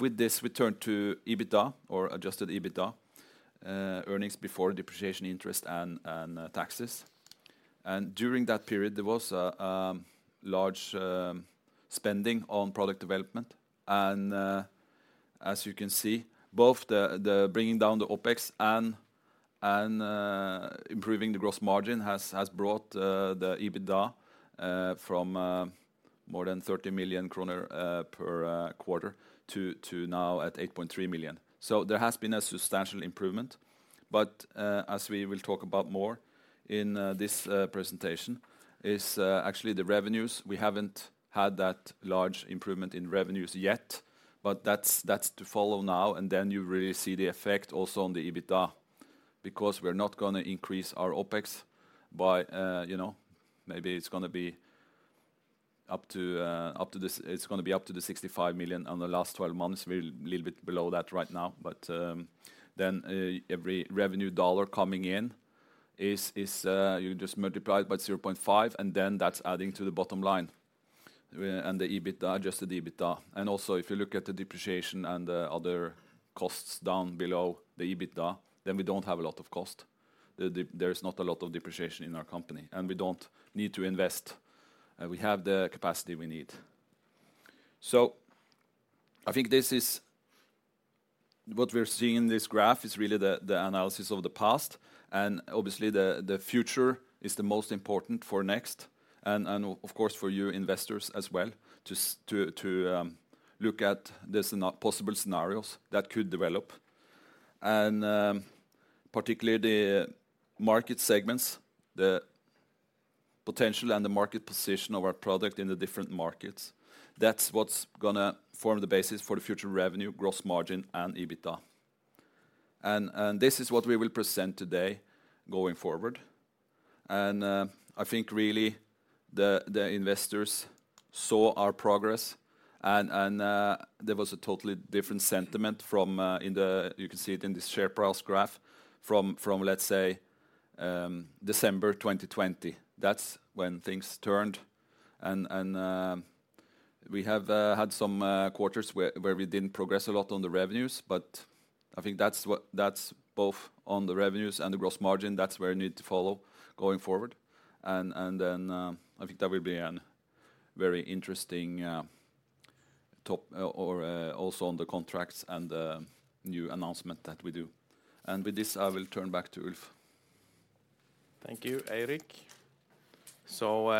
With this, we turned to EBITDA or Adjusted EBITDA, Earnings Before Depreciation, Interest, and Taxes. During that period, there was large spending on product development. As you can see, both bringing down the OpEx and improving the gross margin has brought the EBITDA from more than 30 million kroner per quarter to now at 8.3 million. So there has been a substantial improvement. But as we will talk about more in this presentation, it's actually the revenues. We haven't had that large improvement in revenues yet. That's to follow now. Then you really see the effect also on the EBITDA because we're not going to increase our OpEx. Maybe it's going to be up to the 65 million on the last 12 months. We're a little bit below that right now. But then every revenue dollar coming in, you just multiply it by 0.5. And then that's adding to the bottom line and the Adjusted EBITDA. And also, if you look at the depreciation and the other costs down below the EBITDA, then we don't have a lot of cost. There is not a lot of depreciation in our company. And we don't need to invest. We have the capacity we need. So I think what we're seeing in this graph is really the analysis of the past. Obviously, the future is the most important for NEXT and, of course, for you investors as well to look at the possible scenarios that could develop, and particularly the market segments, the potential and the market position of our product in the different markets. That's what's going to form the basis for the future revenue, gross margin, and EBITDA. This is what we will present today going forward. I think really the investors saw our progress. There was a totally different sentiment from in the. You can see it in this share price graph from, let's say, December 2020. That's when things turned. We have had some quarters where we didn't progress a lot on the revenues. But I think that's both on the revenues and the gross margin. That's where you need to follow going forward. Then I think that will be a very interesting topic also on the contracts and the new announcement that we do. With this, I will turn back to Ulf. Thank you, Eirik. So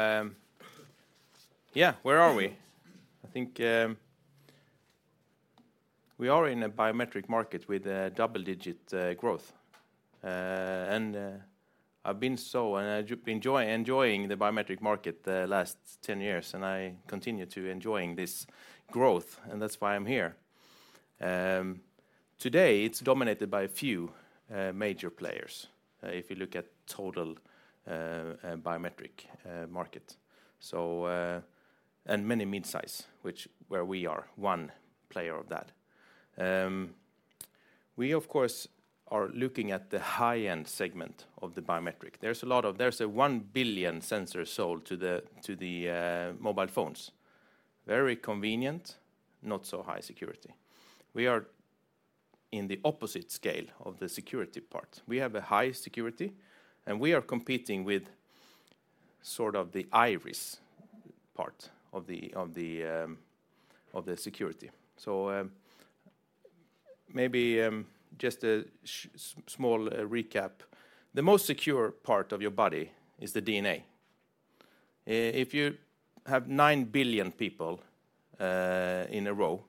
yeah, where are we? I think we are in a biometric market with double-digit growth. I've been enjoying the biometric market the last 10 years. I continue to enjoy this growth. That's why I'm here. Today, it's dominated by a few major players if you look at total biometric market and many midsize, where we are one player of that. We, of course, are looking at the high-end segment of the biometric. There's a lot of 1 billion sensors sold to the mobile phones. Very convenient, not so high security. We are in the opposite scale of the security part. We have a high security. We are competing with sort of the IRIS part of the security. Maybe just a small recap. The most secure part of your body is the DNA. If you have 9 billion people in a row,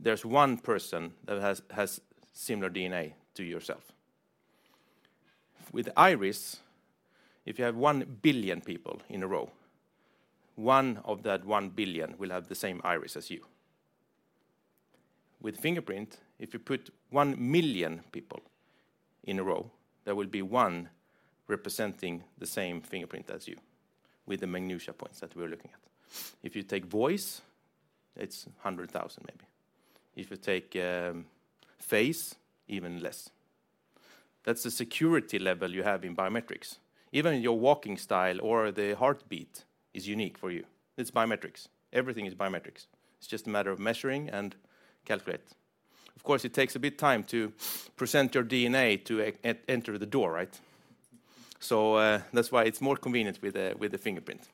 there's one person that has similar DNA to yourself. With iris, if you have 1 billion people in a row, one of that 1 billion will have the same iris as you. With fingerprint, if you put 1 million people in a row, there will be one representing the same fingerprint as you with the minutiae points that we're looking at. If you take voice, it's 100,000 maybe. If you take face, even less. That's the security level you have in biometrics. Even your walking style or the heartbeat is unique for you. It's biometrics. Everything is biometrics. It's just a matter of measuring and calculate. Of course, it takes a bit of time to present your DNA to enter the door, right? So that's why it's more convenient with the fingerprint.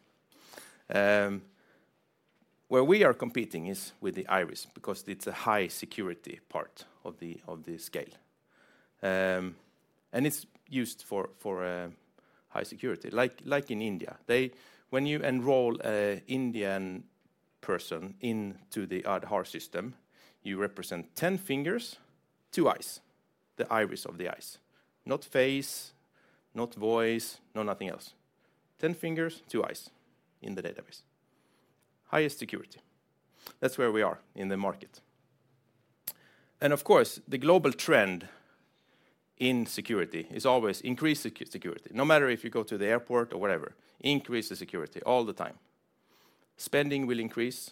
Where we are competing is with the iris because it's a high security part of the scale. It's used for high security, like in India. When you enroll an Indian person into the Aadhaar System, you present 10 fingers, 2 eyes, the iris of the eyes, not face, not voice, no nothing else. 10 fingers, 2 eyes in the database. Highest security. That's where we are in the market. Of course, the global trend in security is always increased security, no matter if you go to the airport or whatever. Increase the security all the time. Spending will increase.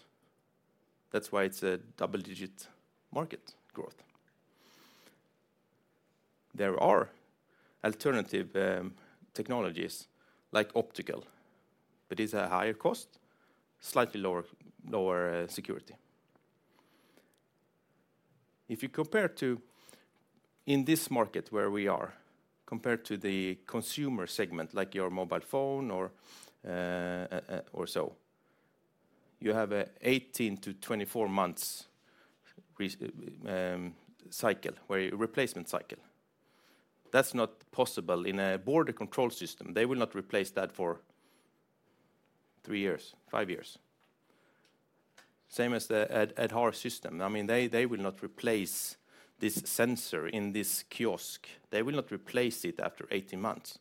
That's why it's a double-digit market growth. There are alternative technologies like optical. It's a higher cost, slightly lower security. If you compare to in this market where we are, compared to the consumer segment like your mobile phone or so, you have an 18 to 24-month cycle where your replacement cycle. That's not possible in a border control system. They will not replace that for three years, five years, same as the Aadhaar System. I mean, they will not replace this sensor in this kiosk. They will not replace it after 18 months.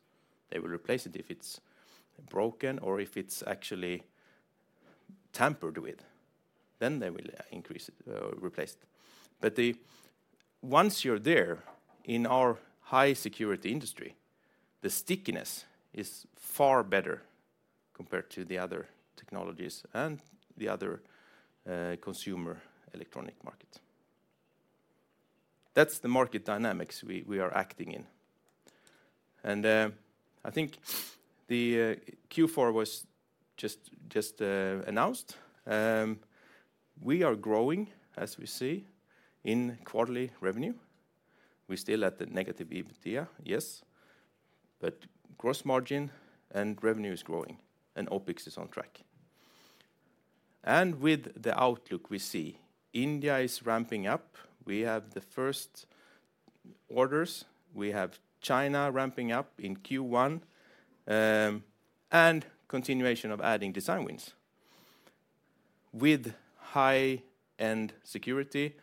They will replace it if it's broken or if it's actually tampered with. Then they will increase it or replace it. But once you're there in our high-security industry, the stickiness is far better compared to the other technologies and the other consumer electronic markets. That's the market dynamics we are acting in. I think the Q4 was just announced. We are growing, as we see, in quarterly revenue. We're still at the negative EBITDA, yes. But gross margin and revenue is growing. And OPEX is on track. And with the outlook, we see India is ramping up. We have the first orders. We have China ramping up in Q1 and continuation of adding design wins. With high-end security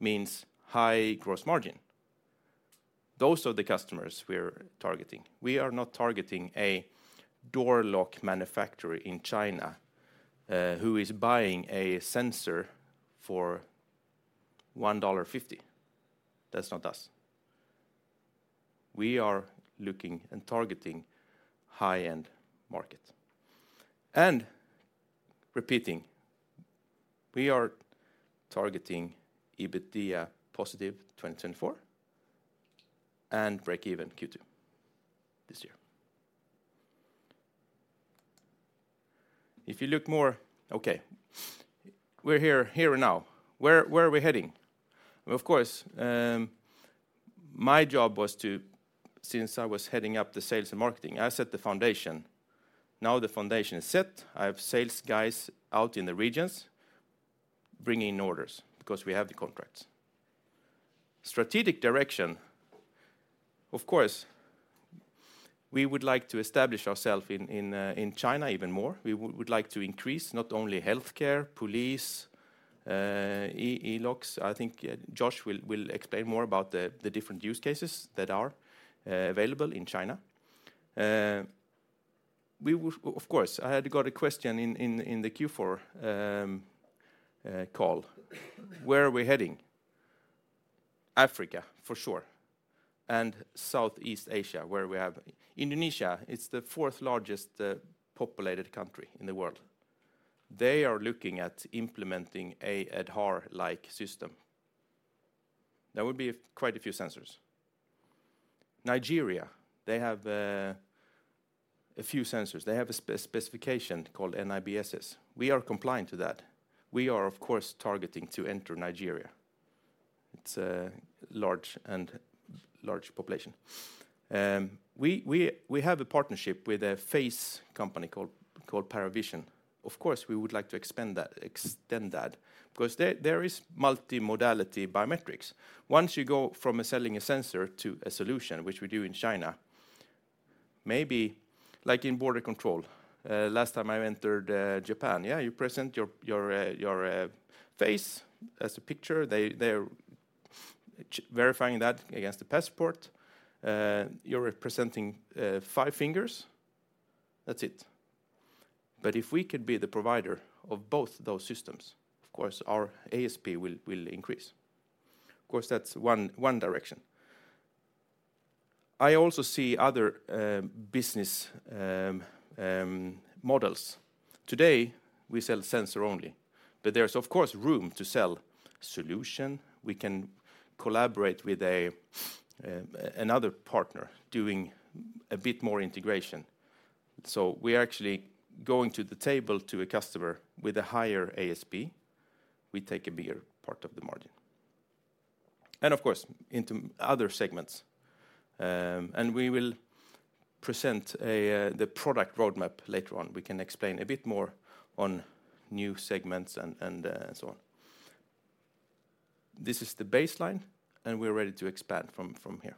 means high gross margin. Those are the customers we're targeting. We are not targeting a door lock manufacturer in China who is buying a sensor for $1.50. That's not us. We are looking and targeting high-end market. And repeating, we are targeting EBITDA positive 2024 and break even Q2 this year. If you look more okay, we're here and now. Where are we heading? Of course, my job was to since I was heading up the sales and marketing, I set the foundation. Now the foundation is set. I have sales guys out in the regions bringing in orders because we have the contracts. Strategic direction, of course, we would like to establish ourselves in China even more. We would like to increase not only healthcare, police, e-locks. I think Josh will explain more about the different use cases that are available in China. Of course, I had got a question in the Q4 call. Where are we heading? Africa, for sure, and Southeast Asia, where we have Indonesia. It's the fourth largest populated country in the world. They are looking at implementing an Aadhaar-like system. That would be quite a few sensors. Nigeria, they have a few sensors. They have a specification called NIBSS. We are compliant to that. We are, of course, targeting to enter Nigeria. It's a large population. We have a partnership with a face company called Paravision. Of course, we would like to extend that because there is multimodality biometrics. Once you go from selling a sensor to a solution, which we do in China, maybe like in border control, last time I entered Japan, yeah, you present your face as a picture. They're verifying that against the passport. You're presenting five fingers. That's it. But if we could be the provider of both those systems, of course, our ASP will increase. Of course, that's one direction. I also see other business models. Today, we sell sensor only. But there's, of course, room to sell solution. We can collaborate with another partner doing a bit more integration. So we're actually going to the table to a customer with a higher ASP. We take a bigger part of the margin, and of course, into other segments. And we will present the product roadmap later on. We can explain a bit more on new segments and so on. This is the baseline. We're ready to expand from here.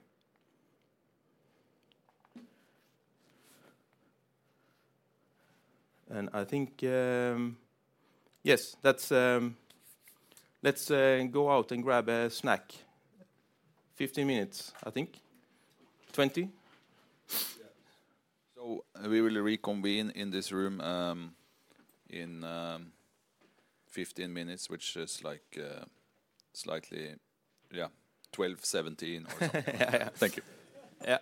I think yes, let's go out and grab a snack. 15 minutes, I think. 20? Yeah. So we will reconvene in this room in 15 minutes, which is slightly yeah, 12:17 or so. Yeah. Thank you. Yeah.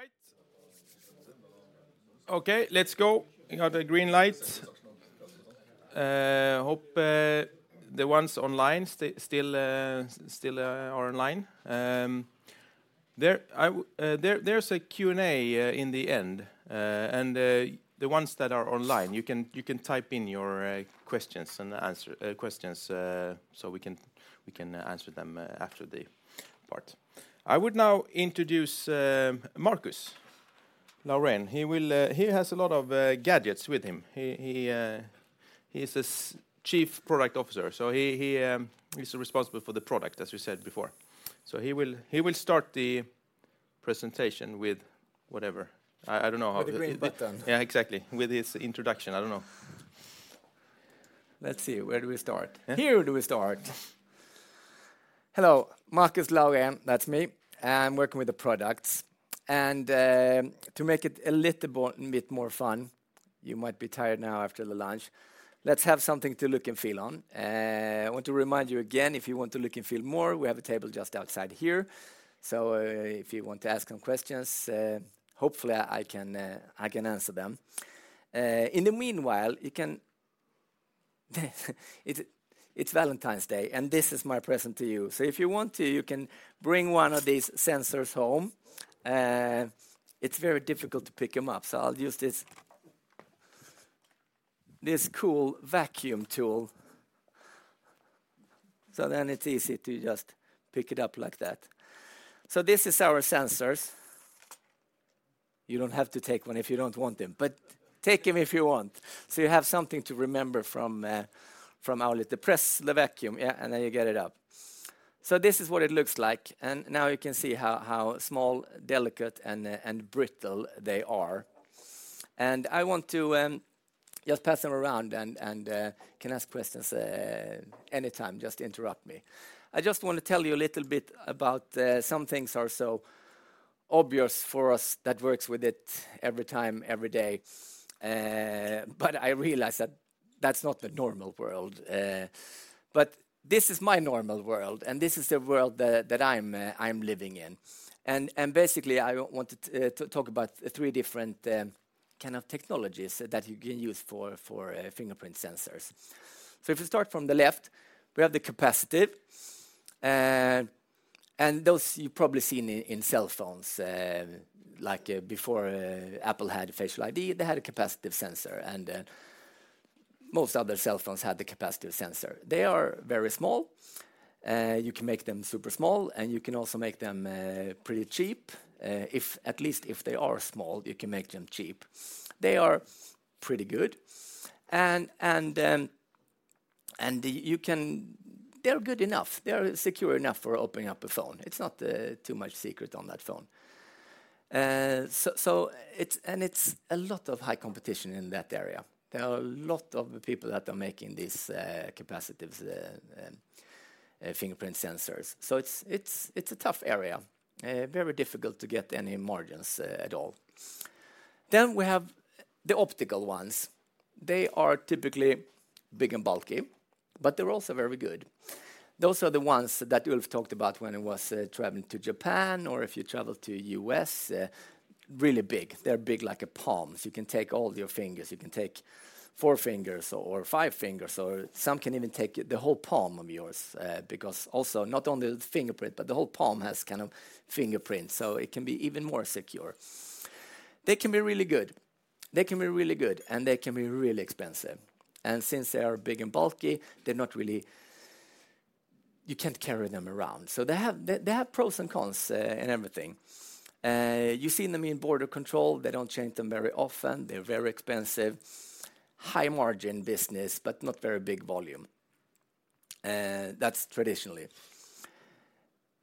All right. Okay, let's go. We got the green light. I hope the ones online still are online. There's a Q&A in the end, and the ones that are online, you can type in your questions and answer questions so we can answer them after the part. I would now introduce Marcus Laurén. He has a lot of gadgets with him. He is a Chief Product Officer, so he is responsible for the product, as we said before. So he will start the presentation with whatever. I don't know how to. With the green button. Yeah, exactly. With his introduction. I don't know. Let's see. Where do we start? Here do we start. Hello. Marcus Laurén. That's me. I'm working with the products. To make it a little bit more fun, you might be tired now after the lunch, let's have something to look and feel on. I want to remind you again, if you want to look and feel more, we have a table just outside here. So if you want to ask some questions, hopefully I can answer them. In the meanwhile, you can, it's Valentine's Day, and this is my present to you. So if you want to, you can bring one of these sensors home. It's very difficult to pick them up, so I'll use this cool vacuum tool. So then it's easy to just pick it up like that. So this is our sensors. You don't have to take one if you don't want them, but take them if you want. So you have something to remember from our little press, the vacuum. Yeah, and then you get it up. This is what it looks like. Now you can see how small, delicate, and brittle they are. I want to just pass them around and you can ask questions anytime. Just interrupt me. I just want to tell you a little bit about some things that are so obvious for us that work with it every time, every day. But I realize that that's not the normal world. This is my normal world, and this is the world that I'm living in. Basically, I want to talk about three different kinds of technologies that you can use for fingerprint sensors. If we start from the left, we have the capacitive. Those you've probably seen in cell phones. Like before Apple had Face ID, they had a capacitive sensor, and most other cell phones had the capacitive sensor. They are very small. You can make them super small, and you can also make them pretty cheap. At least if they are small, you can make them cheap. They are pretty good. And you can, they're good enough. They're secure enough for opening up a phone. It's not too much secret on that phone. And it's a lot of high competition in that area. There are a lot of people that are making these capacitive fingerprint sensors. So it's a tough area. Very difficult to get any margins at all. Then we have the optical ones. They are typically big and bulky, but they're also very good. Those are the ones that Ulf talked about when he was traveling to Japan, or if you travel to the U.S.. Really big. They're big like palms. You can take all your fingers. You can take four fingers or five fingers, or some can even take the whole palm of yours. Because also, not only the fingerprint, but the whole palm has kind of fingerprints, so it can be even more secure. They can be really good. They can be really good, and they can be really expensive. And since they are big and bulky, they're not really—you can't carry them around. So they have pros and cons in everything. You see them in border control. They don't change them very often. They're very expensive. High margin business, but not very big volume. That's traditionally.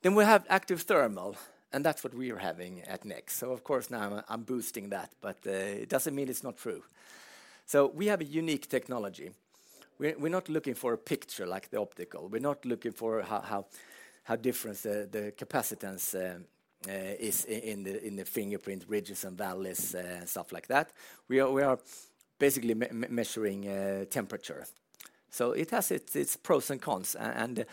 Then we have Active Thermal, and that's what we are having at NEXT. So of course, now I'm boosting that, but it doesn't mean it's not true. So we have a unique technology. We're not looking for a picture like the optical. We're not looking for how different the capacitance is in the fingerprint, ridges and valleys, stuff like that. We are basically measuring temperature. So it has its pros and cons, and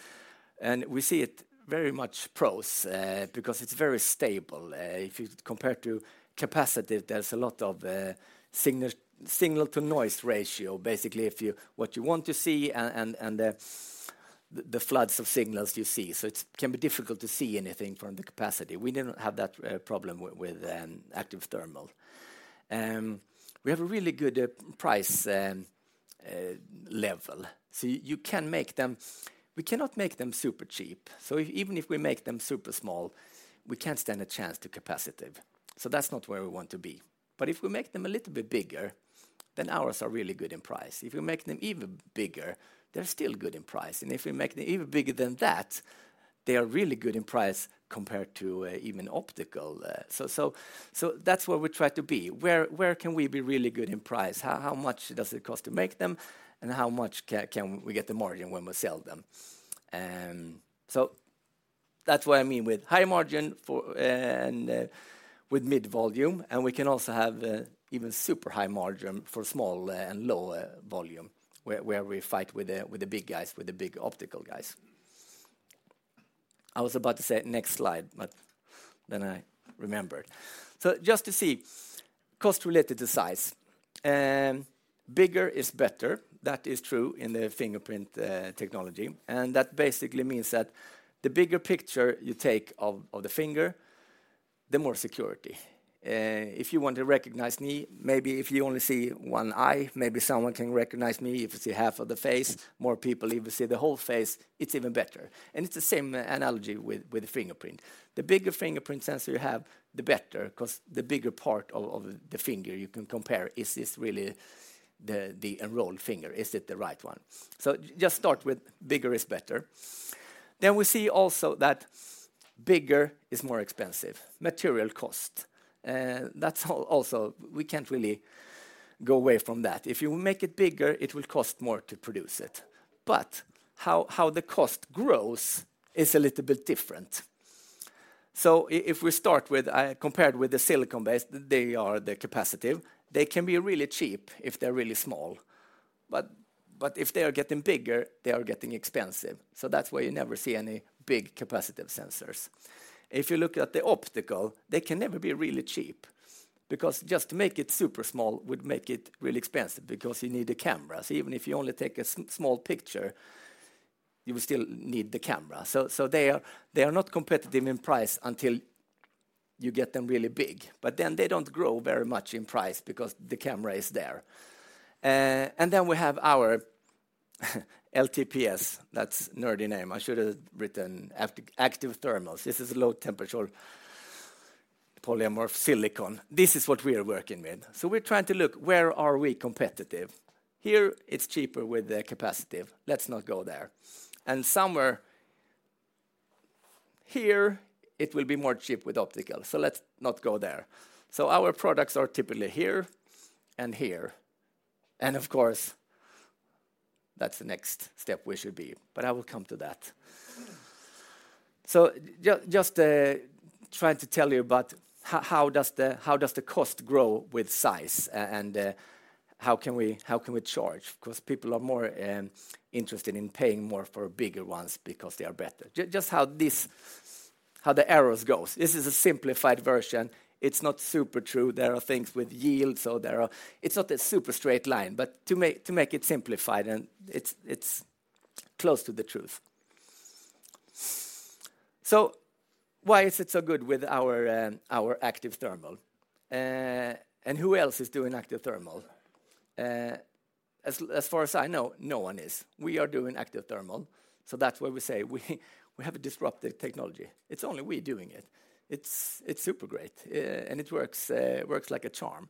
we see it very much pros because it's very stable. If you compare to capacitive, there's a lot of signal-to-noise ratio, basically what you want to see and the floods of signals you see. So it can be difficult to see anything from the capacity. We didn't have that problem with active thermal. We have a really good price level. So you can make them, we cannot make them super cheap. So even if we make them super small, we can't stand a chance to capacitive. So that's not where we want to be. But if we make them a little bit bigger, then ours are really good in price. If we make them even bigger, they're still good in price. If we make them even bigger than that, they are really good in price compared to even optical. That's where we try to be. Where can we be really good in price? How much does it cost to make them, and how much can we get the margin when we sell them? That's what I mean with high margin and with mid volume. We can also have even super high margin for small and low volume where we fight with the big guys, with the big optical guys. I was about to say next slide, but then I remembered. Just to see, cost-related to size. Bigger is better. That is true in the fingerprint technology. That basically means that the bigger picture you take of the finger, the more security. If you want to recognize me, maybe if you only see one eye, maybe someone can recognize me. If you see half of the face, more people even see the whole face. It's even better. It's the same analogy with the fingerprint. The bigger fingerprint sensor you have, the better, because the bigger part of the finger you can compare is really the enrolled finger. Is it the right one? Just start with bigger is better. We see also that bigger is more expensive. Material cost. That's also, we can't really go away from that. If you make it bigger, it will cost more to produce it. How the cost grows is a little bit different. If we start with, I compared with the silicon-based, they are the capacitive. They can be really cheap if they're really small. But if they are getting bigger, they are getting expensive. So that's why you never see any big capacitive sensors. If you look at the optical, they can never be really cheap because just to make it super small would make it really expensive because you need a camera. So even if you only take a small picture, you will still need the camera. So they are not competitive in price until you get them really big. But then they don't grow very much in price because the camera is there. And then we have our LTPS. That's a nerdy name. I should have written Active Thermals. This is Low-Temperature Polycrystalline Silicon. This is what we are working with. So we're trying to look, where are we competitive? Here, it's cheaper with the capacitive. Let's not go there. And somewhere here, it will be more cheap with optical. So let's not go there. So our products are typically here and here. And of course, that's the next step we should be. But I will come to that. So just trying to tell you about how does the cost grow with size and how can we charge? Because people are more interested in paying more for bigger ones because they are better. Just how the arrows go. This is a simplified version. It's not super true. There are things with yield, so there are, it's not a super straight line. But to make it simplified, and it's close to the truth. So why is it so good with our Active Thermal? And who else is doing Active Thermal? As far as I know, no one is. We are doing Active Thermal. So that's why we say we have a disruptive technology. It's only we doing it. It's super great, and it works like a charm.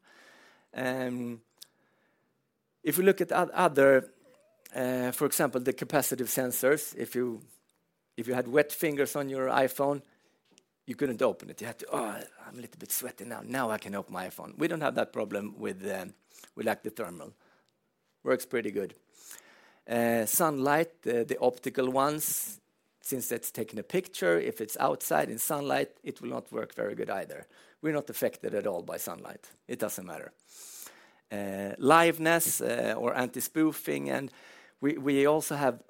If we look at other, for example, the capacitive sensors, if you had wet fingers on your iPhone, you couldn't open it. You had to, "Oh, I'm a little bit sweaty now. Now I can open my iPhone." We don't have that problem with Active Thermal. Works pretty good. Sunlight, the optical ones, since it's taking a picture, if it's outside in sunlight, it will not work very good either. We're not affected at all by sunlight. It doesn't matter. Liveness or anti-spoofing. And we also have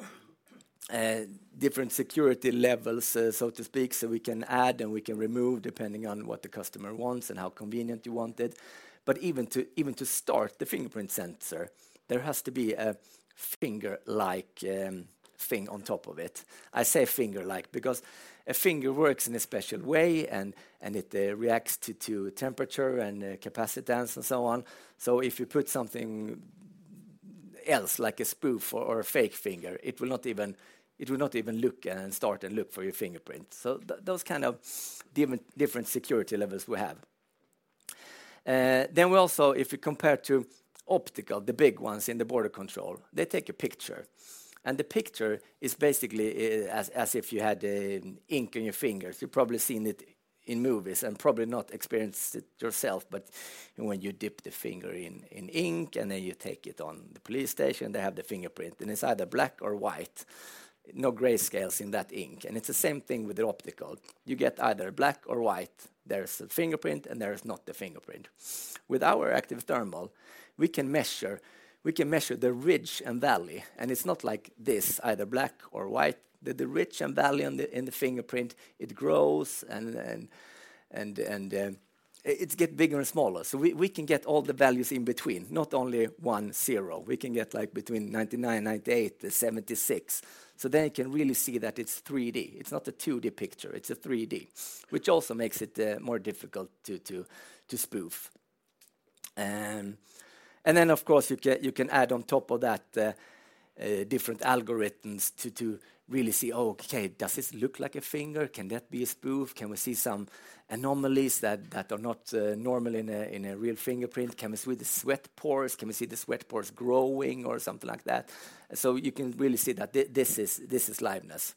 different security levels, so to speak. So we can add and we can remove depending on what the customer wants and how convenient you want it. But even to start the fingerprint sensor, there has to be a finger-like thing on top of it. I say finger-like because a finger works in a special way, and it reacts to temperature and capacitance and so on. So if you put something else like a spoof or a fake finger, it will not even look and start and look for your fingerprint. So those kind of different security levels we have. Then we also, if you compare to optical, the big ones in the border control, they take a picture. And the picture is basically as if you had ink on your fingers. You've probably seen it in movies and probably not experienced it yourself. But when you dip the finger in ink and then you take it on the police station, they have the fingerprint, and it's either black or white. No grayscales in that ink. And it's the same thing with the optical. You get either black or white. There's a fingerprint, and there's not the fingerprint. With our Active Thermal, we can measure the ridge and valley. It's not like this, either black or white. The ridge and valley in the fingerprint, it grows, and it gets bigger and smaller. So we can get all the values in between, not only 1 0. We can get between 99, 98, 76. So then you can really see that it's 3D. It's not a 2D picture. It's a 3D, which also makes it more difficult to spoof. Then, of course, you can add on top of that different algorithms to really see, "Okay, does this look like a finger? Can that be a spoof? Can we see some anomalies that are not normal in a real fingerprint? Can we see the sweat pores? Can we see the sweat pores growing or something like that?" So you can really see that this is liveness.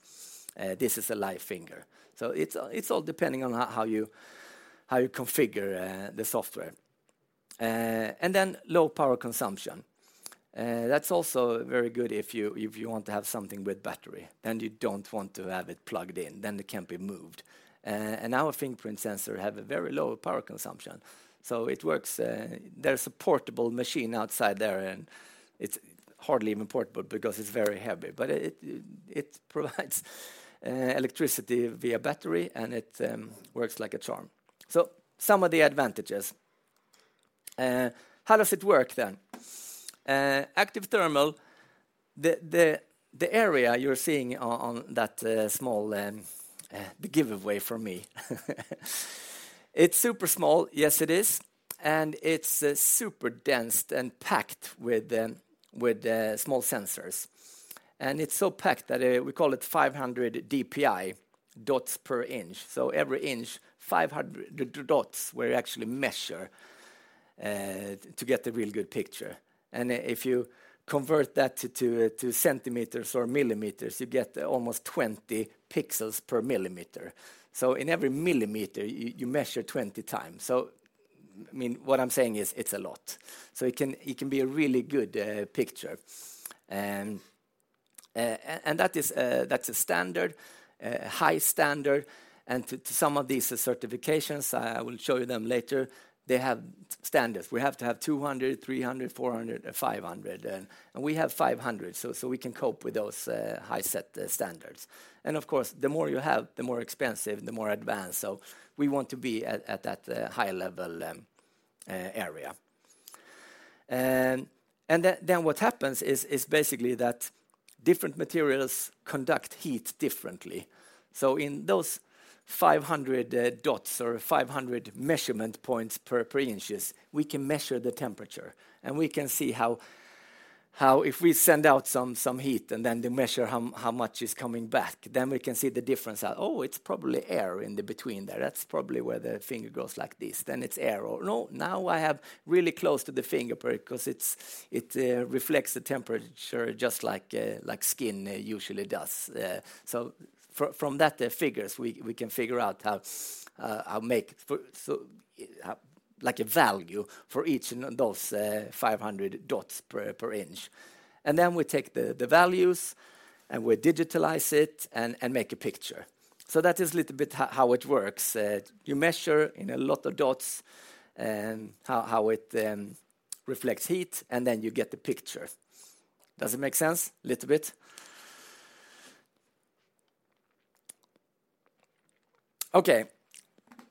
This is a live finger. So it's all depending on how you configure the software. Then low power consumption. That's also very good if you want to have something with battery. Then you don't want to have it plugged in. Then it can't be moved. And our fingerprint sensor has a very low power consumption. So it works. There's a portable machine outside there, and it's hardly even portable because it's very heavy. But it provides electricity via battery, and it works like a charm. So some of the advantages. How does it work then? Active Thermal, the area you're seeing on that small, the giveaway for me. It's super small. Yes, it is. And it's super dense and packed with small sensors. It's so packed that we call it 500 dpi, dots per inch. So every inch, 500 dots where you actually measure to get a real good picture. And if you convert that to centimeters or millimeters, you get almost 20 pixels per millimeter. So in every millimeter, you measure 20x. So I mean, what I'm saying is it's a lot. So it can be a really good picture. And that's a standard, a high standard. And to some of these certifications, I will show you them later. They have standards. We have to have 200, 300, 400, 500. And we have 500, so we can cope with those high-set standards. And of course, the more you have, the more expensive, the more advanced. So we want to be at that high-level area. And then what happens is basically that different materials conduct heat differently. So in those 500 dots or 500 measurement points per inch, we can measure the temperature. And we can see how if we send out some heat and then they measure how much is coming back, then we can see the difference out. Oh, it's probably air in the between there. That's probably where the finger grows like this. Then it's air. Or no, now I have really close to the finger because it reflects the temperature just like skin usually does. So from that figures, we can figure out how to make like a value for each of those 500 dots per inch. And then we take the values, and we digitize it and make a picture. So that is a little bit how it works. You measure in a lot of dots how it reflects heat, and then you get the picture. Does it make sense? A little bit? Okay.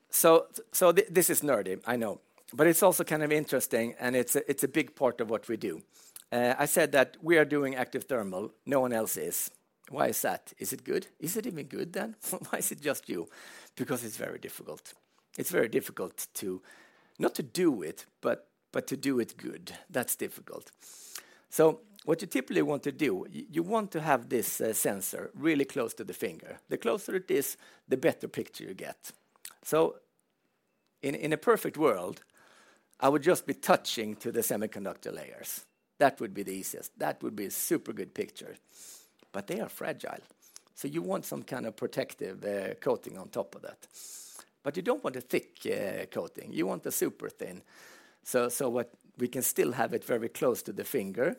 So this is nerdy, I know. But it's also kind of interesting, and it's a big part of what we do. I said that we are doing active thermal. No one else is. Why is that? Is it good? Is it even good then? Why is it just you? Because it's very difficult. It's very difficult not to do it, but to do it good. That's difficult. So what you typically want to do, you want to have this sensor really close to the finger. The closer it is, the better picture you get. So in a perfect world, I would just be touching to the semiconductor layers. That would be the easiest. That would be a super good picture. But they are fragile. So you want some kind of protective coating on top of that. But you don't want a thick coating. You want a super thin. So we can still have it very close to the finger.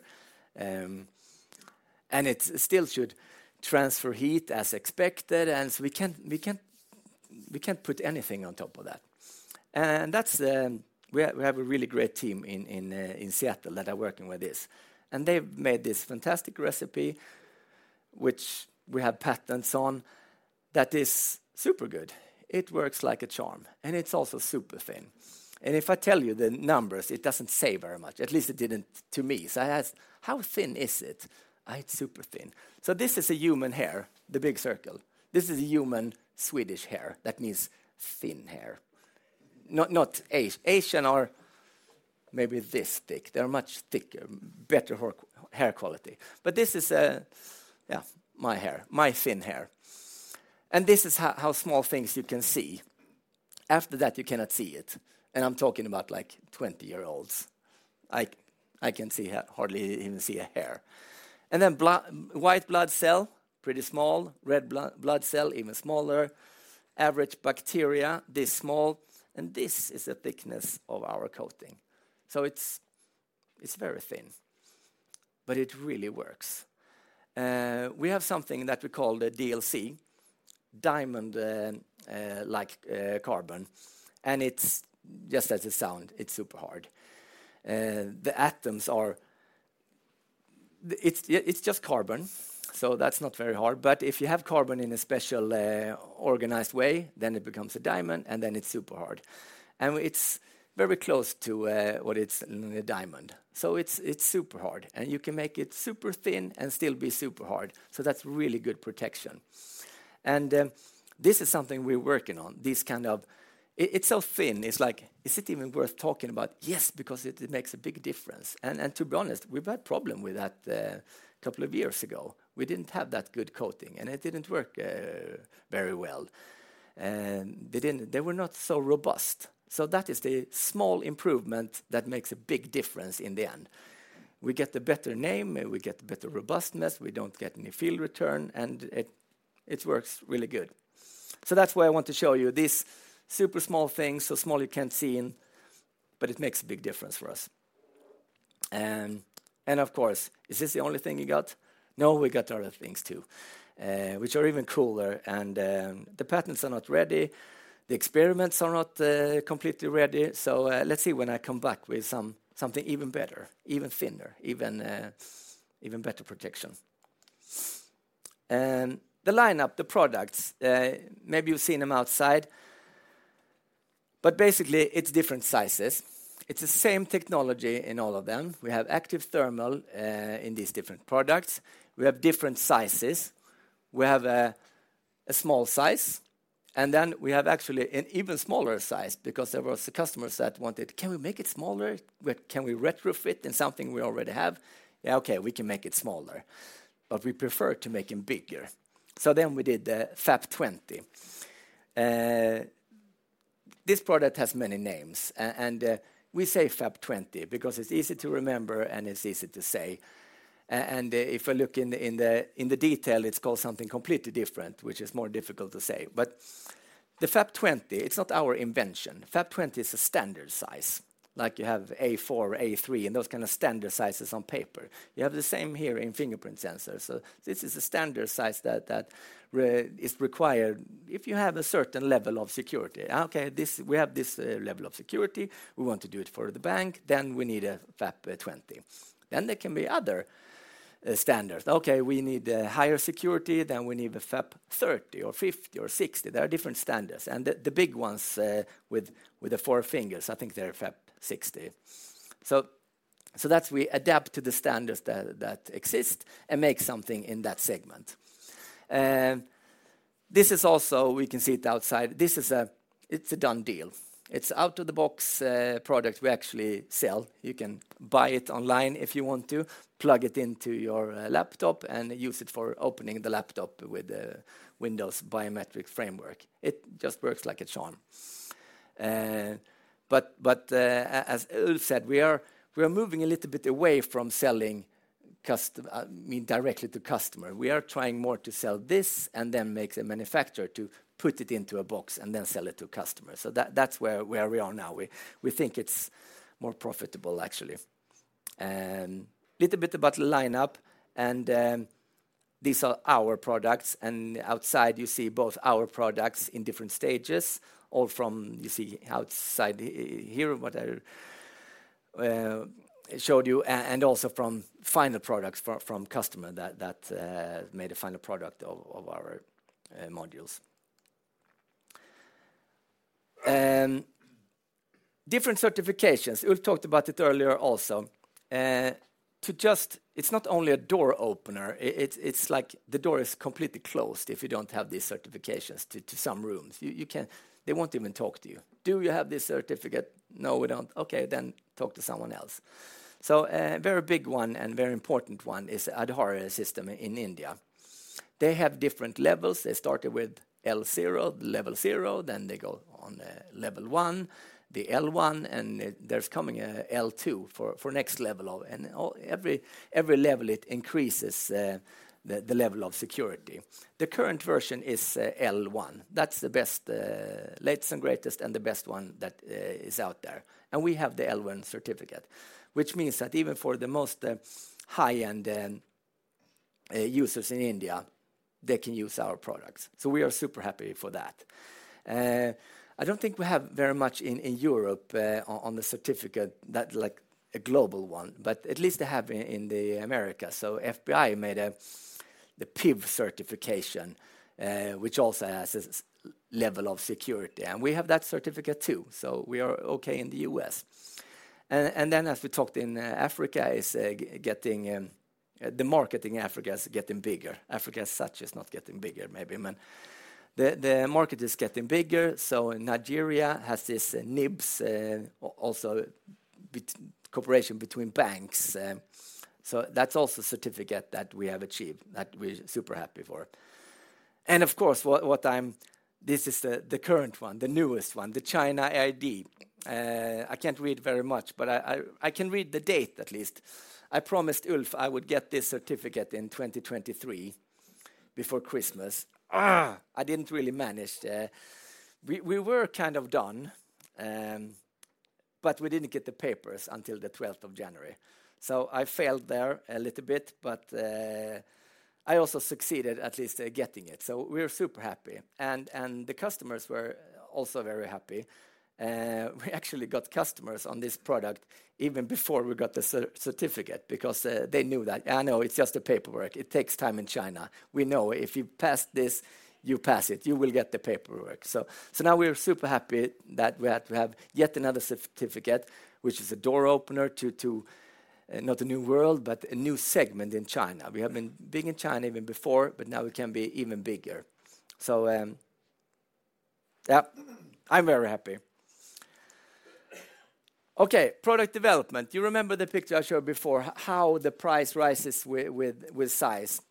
It still should transfer heat as expected. So we can't put anything on top of that. We have a really great team in Seattle that are working with this. They've made this fantastic recipe, which we have patents on, that is super good. It works like a charm. It's also super thin. If I tell you the numbers, it doesn't say very much. At least it didn't to me. I asked, "How thin is it?" It's super thin. This is a human hair, the big circle. This is a human Swedish hair. That means thin hair. Not Asian are maybe this thick. They're much thicker, better hair quality. This is, yeah, my hair, my thin hair. This is how small things you can see. After that, you cannot see it. I'm talking about 20-year-olds. I can hardly even see a hair. Then white blood cell, pretty small. Red blood cell, even smaller. Average bacteria, this small. And this is the thickness of our coating. So it's very thin. But it really works. We have something that we call the DLC, Diamond-Like Carbon. And just as a sound, it's super hard. The atoms are, it's just carbon. So that's not very hard. But if you have carbon in a special organized way, then it becomes a diamond, and then it's super hard. And it's very close to what it's in a diamond. So it's super hard. And you can make it super thin and still be super hard. So that's really good protection. And this is something we're working on. These kind of, it's so thin. It's like, "Is it even worth talking about?" Yes, because it makes a big difference. To be honest, we've had a problem with that a couple of years ago. We didn't have that good coating, and it didn't work very well. They were not so robust. That is the small improvement that makes a big difference in the end. We get the better name. We get better robustness. We don't get any field return. It works really good. That's why I want to show you these super small things, so small you can't see in, but it makes a big difference for us. Of course, is this the only thing you got? No, we got other things too, which are even cooler. The patents are not ready. The experiments are not completely ready. So let's see when I come back with something even better, even thinner, even better protection. The lineup, the products, maybe you've seen them outside. But basically, it's different sizes. It's the same technology in all of them. We have Active Thermal in these different products. We have different sizes. We have a small size. And then we have actually an even smaller size because there were customers that wanted, "Can we make it smaller? Can we retrofit in something we already have?" Yeah, okay, we can make it smaller. But we prefer to make them bigger. So then we did the FAP20. This product has many names. And we say FAP20 because it's easy to remember and it's easy to say. And if we look in the detail, it's called something completely different, which is more difficult to say. But the FAP20, it's not our invention. FAP20 is a standard size. Like you have A4, A3, and those kind of standard sizes on paper. You have the same here in fingerprint sensors. So this is a standard size that is required if you have a certain level of security. Okay, we have this level of security. We want to do it for the bank. Then we need a FAP20. Then there can be other standards. Okay, we need higher security. Then we need a FAP30 or 50 or 60. There are different standards. And the big ones with the four fingers, I think they're FAP60. So we adapt to the standards that exist and make something in that segment. This is also. We can see it outside. This is a done deal. It's an out-of-the-box product we actually sell. You can buy it online if you want to, plug it into your laptop, and use it for opening the laptop with the Windows Biometric Framework. It just works like a charm. But as Ulf said, we are moving a little bit away from selling, I mean, directly to customer. We are trying more to sell this and then make a manufacturer to put it into a box and then sell it to customers. So that's where we are now. We think it's more profitable, actually. A little bit about the lineup. And these are our products. And outside, you see both our products in different stages, all from you see outside here what I showed you, and also from final products from customers that made a final product of our modules. Different certifications. Ulf talked about it earlier also. It's not only a door opener. It's like the door is completely closed if you don't have these certifications to some rooms. They won't even talk to you. "Do you have this certificate?" "No, we don't." "Okay, then talk to someone else." So a very big one and very important one is Aadhaar System in India. They have different levels. They started with L0, the level zero. Then they go on level one, the L1, and there's coming an L2 for next level of—and every level, it increases the level of security. The current version is L1. That's the best, latest and greatest, and the best one that is out there. And we have the L1 certificate, which means that even for the most high-end users in India, they can use our products. So we are super happy for that. I don't think we have very much in Europe on the certificate that's like a global one, but at least they have in America. So FBI made the PIV certification, which also has a level of security. And we have that certificate too. So we are okay in the U.S.. And then as we talked in Africa, the market in Africa is getting bigger. Africa as such is not getting bigger maybe, but the market is getting bigger. So Nigeria has this NIBSS, also cooperation between banks. So that's also a certificate that we have achieved that we're super happy for. And of course, what I'm—this is the current one, the newest one, the China ID. I can't read very much, but I can read the date at least. I promised Ulf I would get this certificate in 2023 before Christmas. I didn't really manage. We were kind of done, but we didn't get the papers until the 12th of January. So I failed there a little bit, but I also succeeded at least getting it. So we're super happy. And the customers were also very happy. We actually got customers on this product even before we got the certificate because they knew that, "I know it's just a paperwork. It takes time in China. We know if you pass this, you pass it. You will get the paperwork." So now we're super happy that we have yet another certificate, which is a door opener to not a new world, but a new segment in China. We have been big in China even before, but now we can be even bigger. So yeah, I'm very happy. Okay, product development. You remember the picture I showed before, how the price rises with size.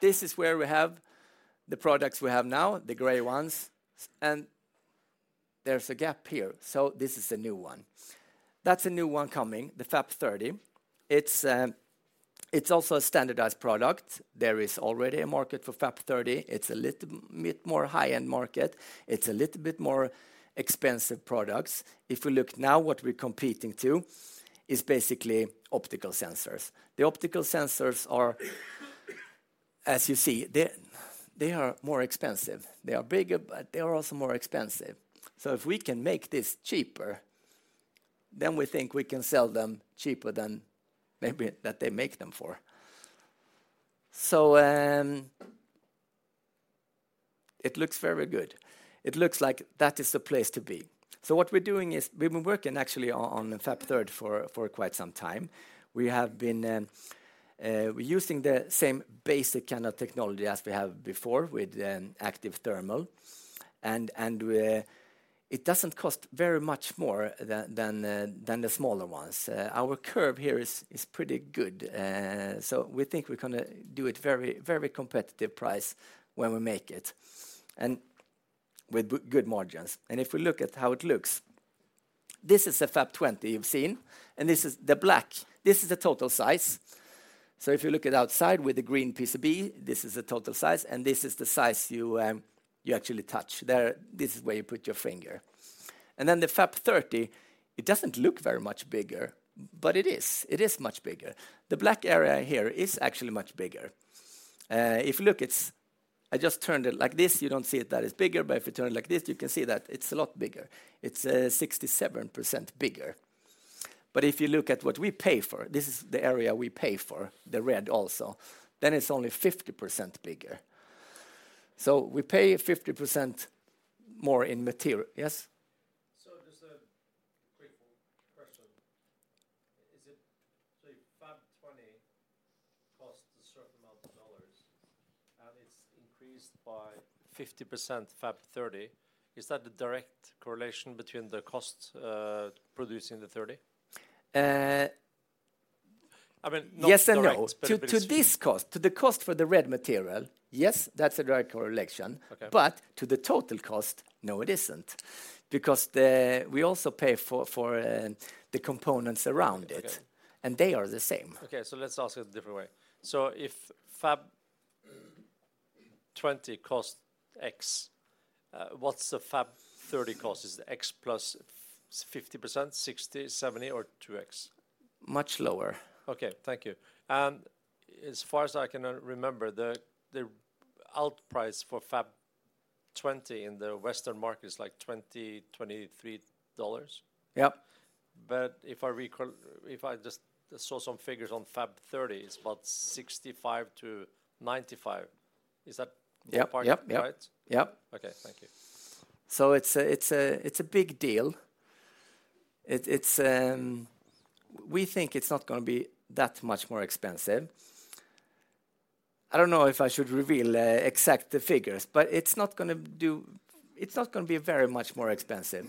This is where we have the products we have now, the gray ones. There's a gap here. This is a new one. That's a new one coming, the FAP30. It's also a standardized product. There is already a market for FAP30. It's a little bit more high-end market. It's a little bit more expensive products. If we look now, what we're competing to is basically optical sensors. The optical sensors are, as you see, they are more expensive. They are bigger, but they are also more expensive. So if we can make this cheaper, then we think we can sell them cheaper than maybe that they make them for. It looks very good. It looks like that is the place to be. What we're doing is we've been working actually on FAP30 for quite some time. We have been using the same basic kind of technology as we have before with Active Thermal. It doesn't cost very much more than the smaller ones. Our curve here is pretty good. We think we're going to do it very, very competitive price when we make it and with good margins. If we look at how it looks, this is the FAP20 you've seen. This is the black. This is the total size. If you look at outside with the green PCB, this is the total size. This is the size you actually touch. This is where you put your finger. Then the FAP30, it doesn't look very much bigger, but it is. It is much bigger. The black area here is actually much bigger. If you look, I just turned it like this. You don't see it that it's bigger, but if you turn it like this, you can see that it's a lot bigger. It's 67% bigger. But if you look at what we pay for, this is the area we pay for, the red also, then it's only 50% bigger. So we pay 50% more in material. Yes? So just a quick question. Is it so FAP20 costs a certain amount of dollars and it's increased by 50% FAP30. Is that the direct correlation between the cost producing the 30? I mean, not direct, but it's. Yes and no. To this cost, to the cost for the red material, yes, that's a direct correlation. But to the total cost, no, it isn't because we also pay for the components around it and they are the same. Okay, so let's ask it a different way. If FAP20 costs X, what's the FAP30 cost? Is it X plus 50%, 60, 70, or 2X? Much lower. Okay, thank you. And as far as I can remember, the outprice for FAP20 in the Western market is like $20-$23. Yep. But if I just saw some figures on FAP30, it's about 65-95. Is that the part, right? Yep. Yep. Okay, thank you. So it's a big deal. We think it's not going to be that much more expensive. I don't know if I should reveal exact figures, but it's not going to be very much more expensive.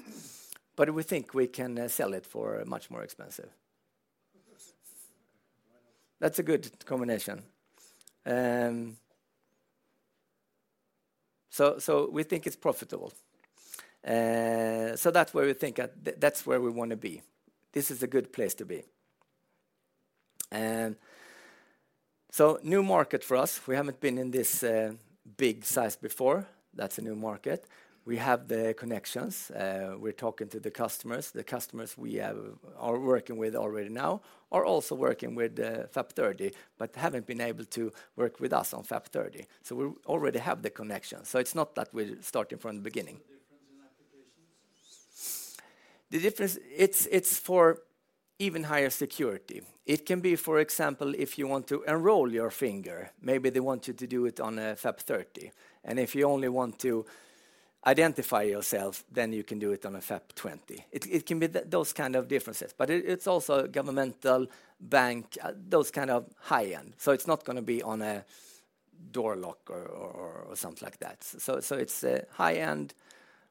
But we think we can sell it for much more expensive. That's a good combination. So we think it's profitable. So that's where we think we want to be. This is a good place to be. So new market for us. We haven't been in this big size before. That's a new market. We have the connections. We're talking to the customers. The customers we are working with already now are also working with FAP30 but haven't been able to work with us on FAP30. So we already have the connections. So it's not that we're starting from the beginning. The difference in applications? The difference, it's for even higher security. It can be, for example, if you want to enroll your finger, maybe they want you to do it on a FAP30. And if you only want to identify yourself, then you can do it on a FAP20. It can be those kind of differences. But it's also governmental, bank, those kind of high-end. So it's not going to be on a door lock or something like that. So it's high-end,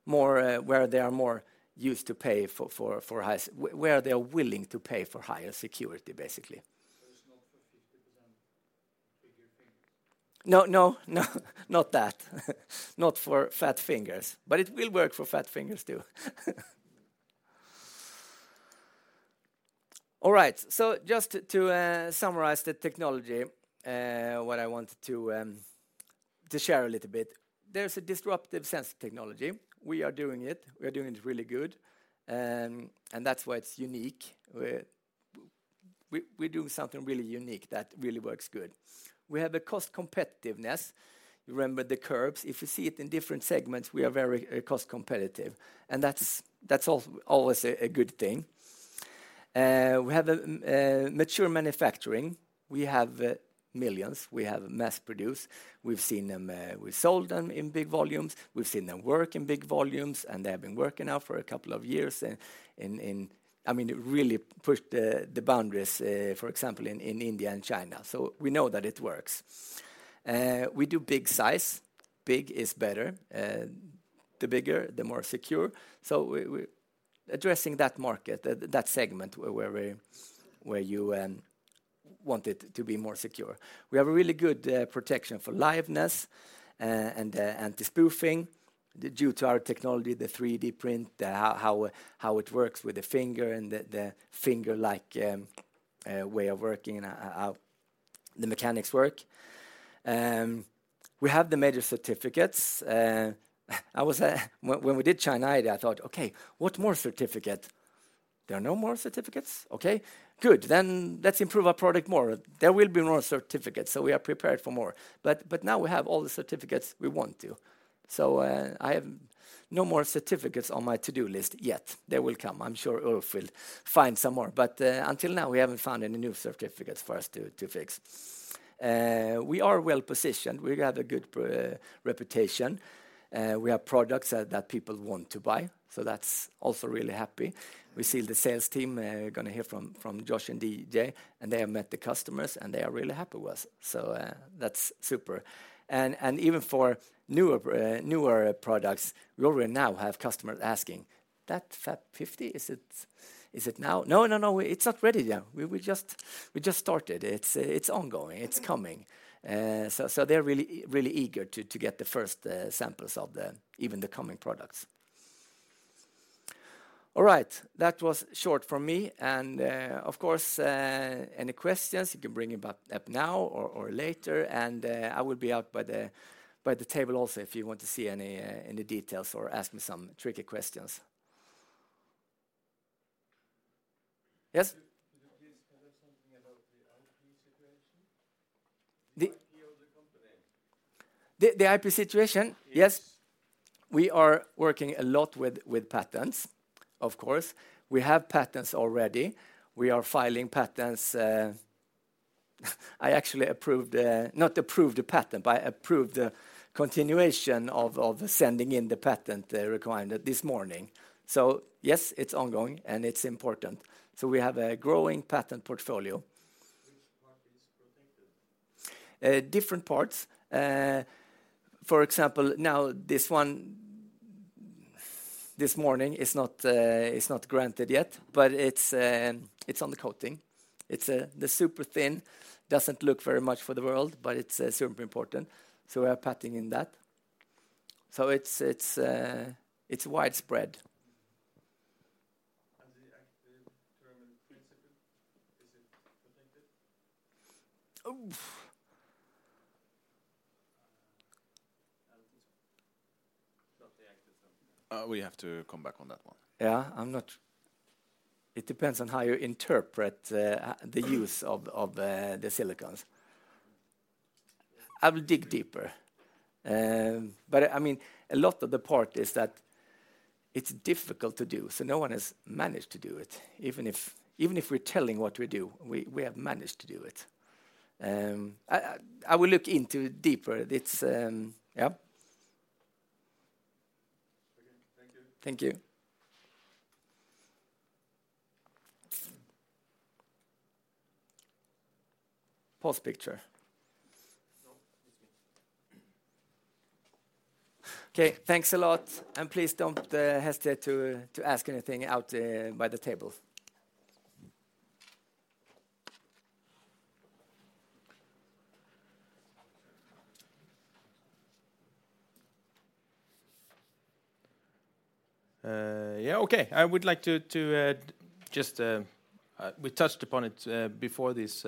where they are more used to pay for higher where they are willing to pay for higher security, basically. So it's not for 50% triggered fingers? No, no, no. Not that. Not for fat fingers. But it will work for fat fingers too. All right. So just to summarize the technology, what I wanted to share a little bit. There's a disruptive sensor technology. We are doing it. We are doing it really good. And that's why it's unique. We're doing something really unique that really works good. We have a cost competitiveness. You remember the curves. If you see it in different segments, we are very cost competitive. And that's always a good thing. We have mature manufacturing. We have millions. We have mass-produced. We've seen them. We've sold them in big volumes. We've seen them work in big volumes. And they have been working now for a couple of years. I mean, it really pushed the boundaries, for example, in India and China. So we know that it works. We do big size. Big is better. The bigger, the more secure. So addressing that market, that segment where you want it to be more secure. We have a really good protection for liveness and anti-spoofing due to our technology, the 3D print, how it works with the finger and the finger-like way of working and how the mechanics work. We have the major certificates. When we did China ID, I thought, "Okay, what more certificate? There are no more certificates? Okay, good. Then let's improve our product more. There will be more certificates. So we are prepared for more." But now we have all the certificates we want to. So I have no more certificates on my to-do list yet. They will come. I'm sure Ulf will find some more. But until now, we haven't found any new certificates for us to fix. We are well-positioned. We have a good reputation. We have products that people want to buy. So that's also really happy. We see the sales team. You're going to hear from Josh and DJ. And they have met the customers and they are really happy with us. So that's super. And even for newer products, we already now have customers asking, "That FAP50, is it now?" No, no, no. It's not ready yet. We just started. It's ongoing. It's coming. So they're really eager to get the first samples of even the coming products. All right. That was short from me. And of course, any questions, you can bring them up now or later. And I will be out by the table also if you want to see any details or ask me some tricky questions. Yes? Could you please tell us something about the IP situation? The IP of the company? The IP situation? Yes. We are working a lot with patents, of course. We have patents already. We are filing patents. I actually approved, not approved a patent, but I approved the continuation of sending in the patent requirement this morning. So yes, it's ongoing and it's important. So we have a growing patent portfolio. Which part is protected? Different parts. For example, now this one this morning is not granted yet, but it's on the coating. It's super thin. Doesn't look very much for the world, but it's super important. So we are patenting in that. So it's widespread. And the active thermal principle, is it protected? Not the active thermal. We have to come back on that one. Yeah. It depends on how you interpret the use of the silicons. I will dig deeper. But I mean, a lot of the part is that it's difficult to do. So no one has managed to do it. Even if we're telling what we do, we have managed to do it. I will look into it deeper. Yeah. Okay. Thank you. Thank you. Pause picture. No, it's me. Okay. Thanks a lot. And please don't hesitate to ask anything out by the table. Yeah. Okay. I would like to just we touched upon it before this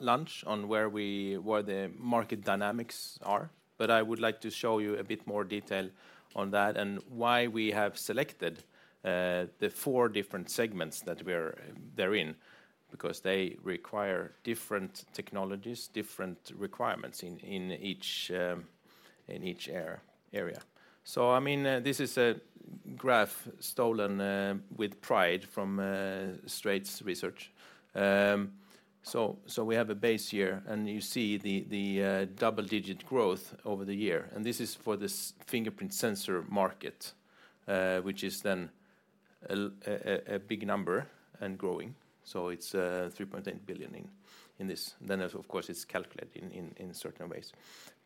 lunch on where the market dynamics are. But I would like to show you a bit more detail on that and why we have selected the four different segments that we're in because they require different technologies, different requirements in each area. So I mean, this is a graph stolen with pride from Straits Research. So we have a base here. And you see the double-digit growth over the year. And this is for the fingerprint sensor market, which is then a big number and growing. So it's $3.8 billion in this. Then, of course, it's calculated in certain ways.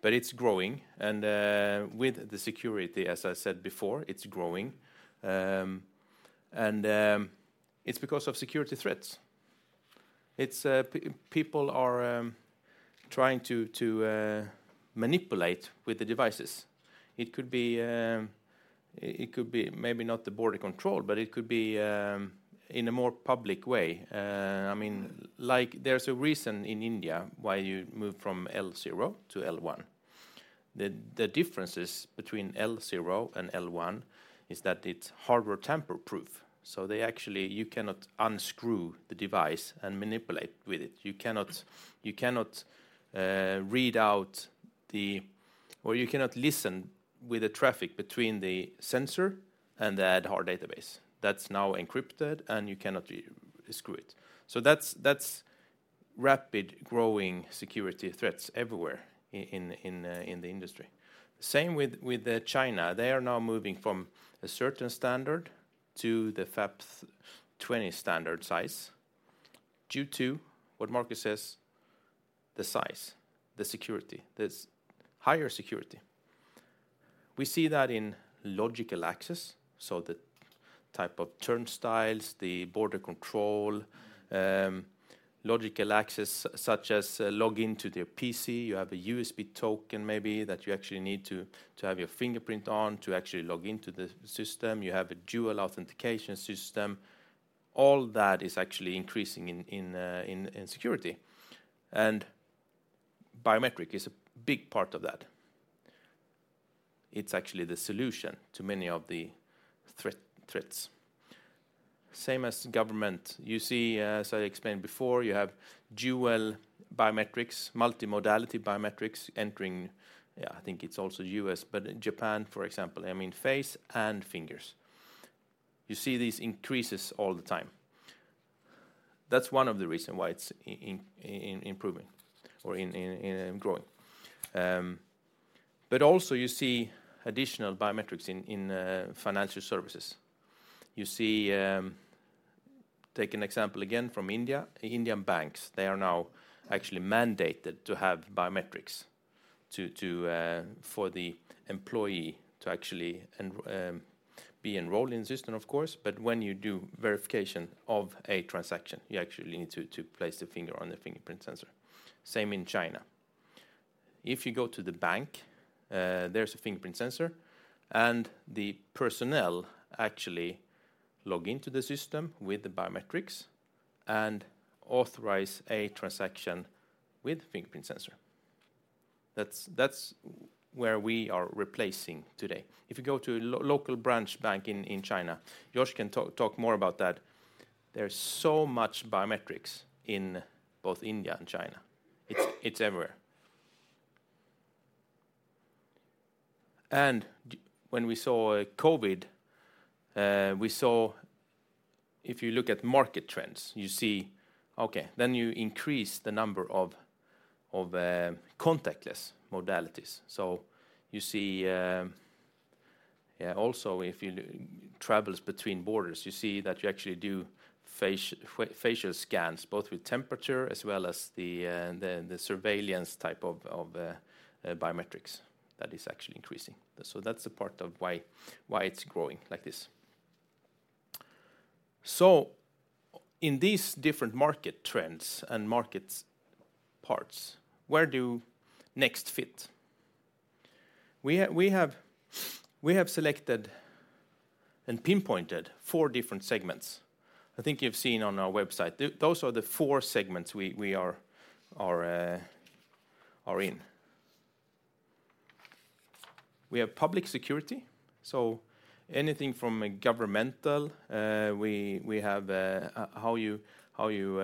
But it's growing. And with the security, as I said before, it's growing. And it's because of security threats. People are trying to manipulate with the devices. It could be maybe not the border control, but it could be in a more public way. I mean, there's a reason in India why you move from L0 to L1. The differences between L0 and L1 is that it's hardware tamper-proof. So you cannot unscrew the device and manipulate with it. You cannot read out the or you cannot listen with the traffic between the sensor and the Aadhaar database. That's now encrypted and you cannot screw it. So that's rapid growing security threats everywhere in the industry. Same with China. They are now moving from a certain standard to the FAP20 standard size due to what Marcus says, the size, the security, the higher security. We see that in logical access. So the type of turnstiles, the border control, logical access such as log into their PC. You have a USB token maybe that you actually need to have your fingerprint on to actually log into the system. You have a dual authentication system. All that is actually increasing in security. And biometric is a big part of that. It's actually the solution to many of the threats. Same as government. You see, as I explained before, you have dual biometrics, multimodality biometrics entering. Yeah, I think it's also U.S., but Japan, for example. I mean, face and fingers. You see these increases all the time. That's one of the reasons why it's improving or growing. But also you see additional biometrics in financial services. You see, take an example again from India, Indian banks. They are now actually mandated to have biometrics for the employee to actually be enrolled in the system, of course. But when you do verification of a transaction, you actually need to place the finger on the fingerprint sensor. Same in China. If you go to the bank, there's a fingerprint sensor. And the personnel actually log into the system with the biometrics and authorize a transaction with the fingerprint sensor. That's where we are replacing today. If you go to a local branch bank in China, Josh can talk more about that. There's so much biometrics in both India and China. It's everywhere. And when we saw COVID, we see if you look at market trends, you see, okay, then you increase the number of contactless modalities. So you see also if you travel between borders, you see that you actually do facial scans both with temperature as well as the surveillance type of biometrics that is actually increasing. So that's a part of why it's growing like this. So in these different market trends and market parts, where does NEXT fit? We have selected and pinpointed four different segments. I think you've seen on our website. Those are the four segments we are in. We have public security. So anything from governmental, we have how you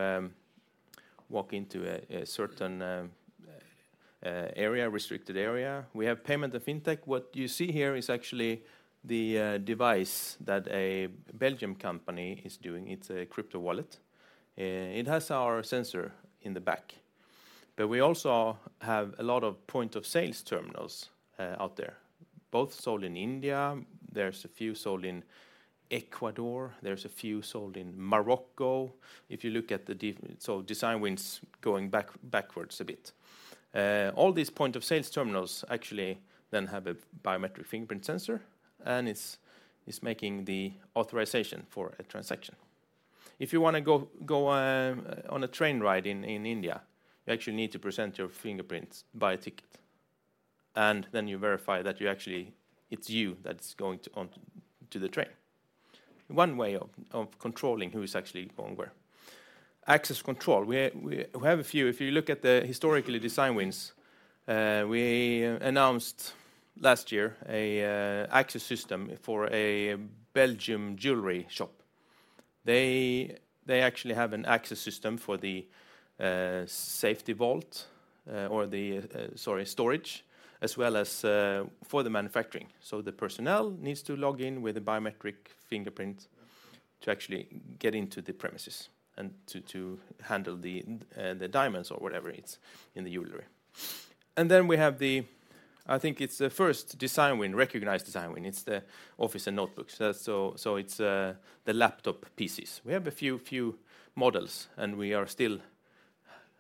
walk into a certain area, restricted area. We have payment of fintech. What you see here is actually the device that a Belgian company is doing. It's a crypto wallet. It has our sensor in the back. But we also have a lot of point-of-sale terminals out there, both sold in India. There's a few sold in Ecuador. There's a few sold in Morocco. If you look at those design wins going backwards a bit. All these point-of-sale terminals actually then have a biometric fingerprint sensor and it's making the authorization for a transaction. If you want to go on a train ride in India, you actually need to present your fingerprints by a ticket. And then you verify that it's you that's going onto the train. One way of controlling who's actually going where. Access control. We have a few. If you look at the historical design wins, we announced last year an access system for a Belgian jewelry shop. They actually have an access system for the safety vault or the, sorry, storage as well as for the manufacturing. So the personnel needs to log in with a biometric fingerprint to actually get into the premises and to handle the diamonds or whatever it's in the jewelry. And then we have the I think it's the first design win, recognized design win. It's the office and notebooks. So it's the laptop PCs. We have a few models. We are still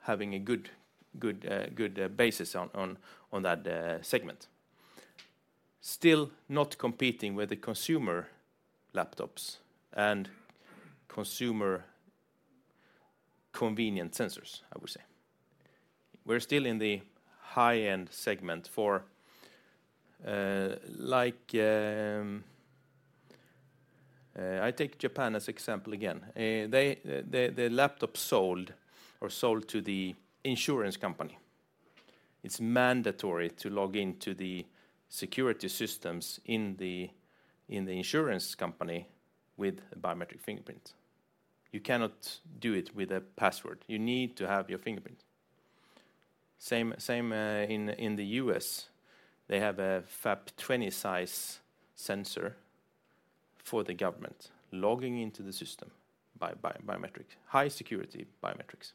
having a good basis on that segment. Still not competing with the consumer laptops and consumer convenient sensors, I would say. We're still in the high-end segment. For I take Japan as example again. The laptop sold or sold to the insurance company. It's mandatory to log into the security systems in the insurance company with a biometric fingerprint. You cannot do it with a password. You need to have your fingerprint. Same in the U.S. They have a FAP20 size sensor for the government logging into the system by biometrics, high security biometrics.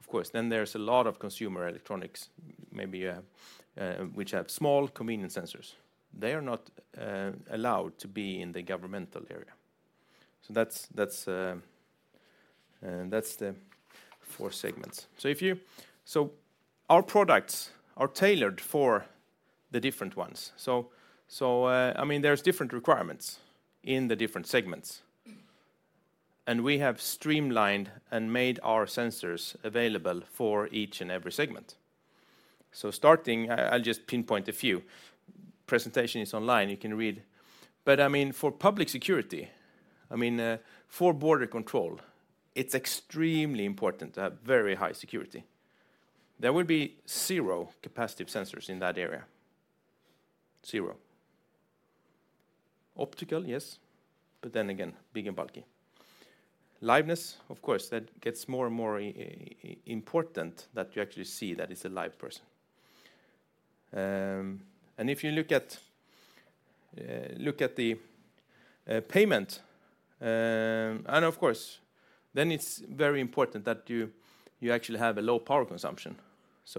Of course, then there's a lot of consumer electronics, maybe which have small convenient sensors. They are not allowed to be in the governmental area. So that's the four segments. So our products are tailored for the different ones. So I mean, there's different requirements in the different segments. We have streamlined and made our sensors available for each and every segment. Starting, I'll just pinpoint a few. Presentation is online. You can read. I mean, for public security, I mean, for border control, it's extremely important to have very high security. There will be zero capacitive sensors in that area. Zero. Optical, yes. But then again, big and bulky. Liveness, of course, that gets more and more important that you actually see that it's a live person. If you look at the payment and of course, then it's very important that you actually have a low power consumption.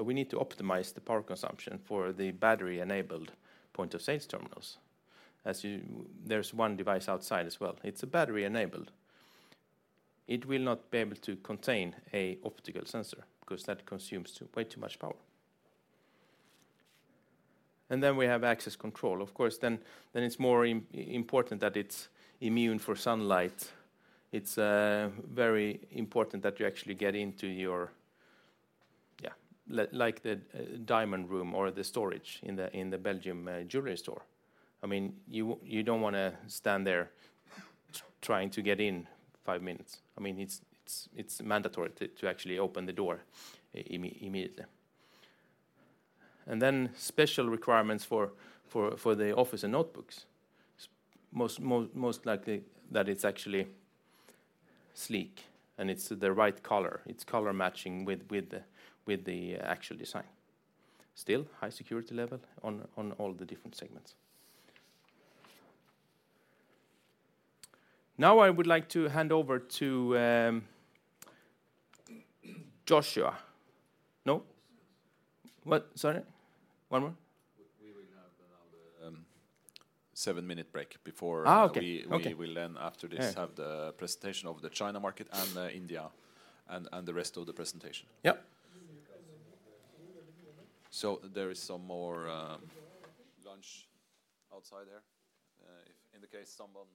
We need to optimize the power consumption for the battery-enabled point-of-sale terminals. There's one device outside as well. It's a battery-enabled. It will not be able to contain an optical sensor because that consumes way too much power. Then we have access control. Of course, then it's more important that it's immune for sunlight. It's very important that you actually get into your, like the diamond room or the storage in the Belgian jewelry store. I mean, you don't want to stand there trying to get in five minutes. I mean, it's mandatory to actually open the door immediately. Then special requirements for the office and notebooks. It's most likely that it's actually sleek and it's the right color. It's color matching with the actual design. Still, high security level on all the different segments. Now I would like to hand over to Joshua. No? Sorry? One more? We will have now the 7-minute break before we will then, after this, have the presentation of the China market and India and the rest of the presentation. Yeah. There is some more lunch outside there in the case someone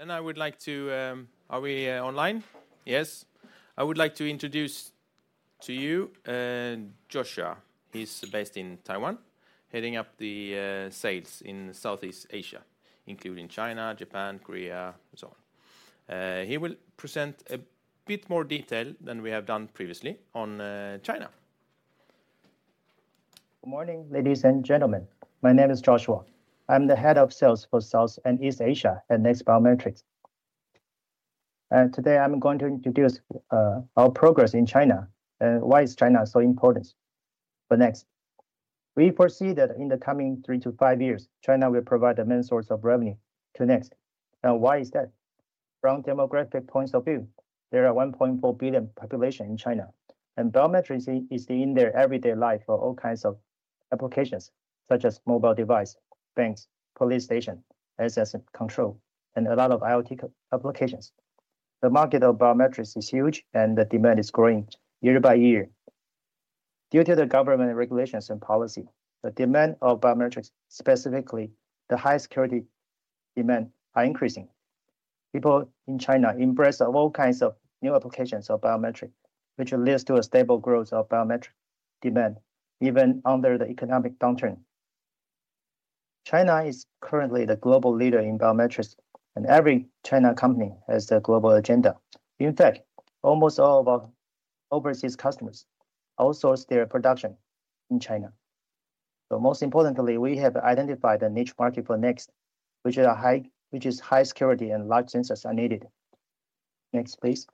didn't get it. Then I would like to—are we online? Yes. I would like to introduce to you Joshua. He's based in Taiwan, heading up the sales in Southeast Asia, including China, Japan, Korea, and so on. He will present a bit more detail than we have done previously on China. Good morning, ladies and gentlemen. My name is Joshua. I'm the head of sales for South and East Asia at NEXT Biometrics. Today I'm going to introduce our progress in China and why China is so important for NEXT. We foresee that in the coming three to five years, China will provide the main source of revenue to NEXT. Now, why is that? From demographic points of view, there are 1.4 billion population in China. Biometrics is in their everyday life for all kinds of applications such as mobile device, banks, police station, asset control, and a lot of IoT applications. The market of biometrics is huge, and the demand is growing year by year. Due to the government regulations and policy, the demand of biometrics, specifically the high security demand, is increasing. People in China embrace all kinds of new applications of biometrics, which leads to a stable growth of biometric demand even under the economic downturn. China is currently the global leader in biometrics, and every China company has a global agenda. In fact, almost all of our overseas customers outsource their production in China. So most importantly, we have identified a niche market for NEXT, which is high security and large sensors are needed. Next, please.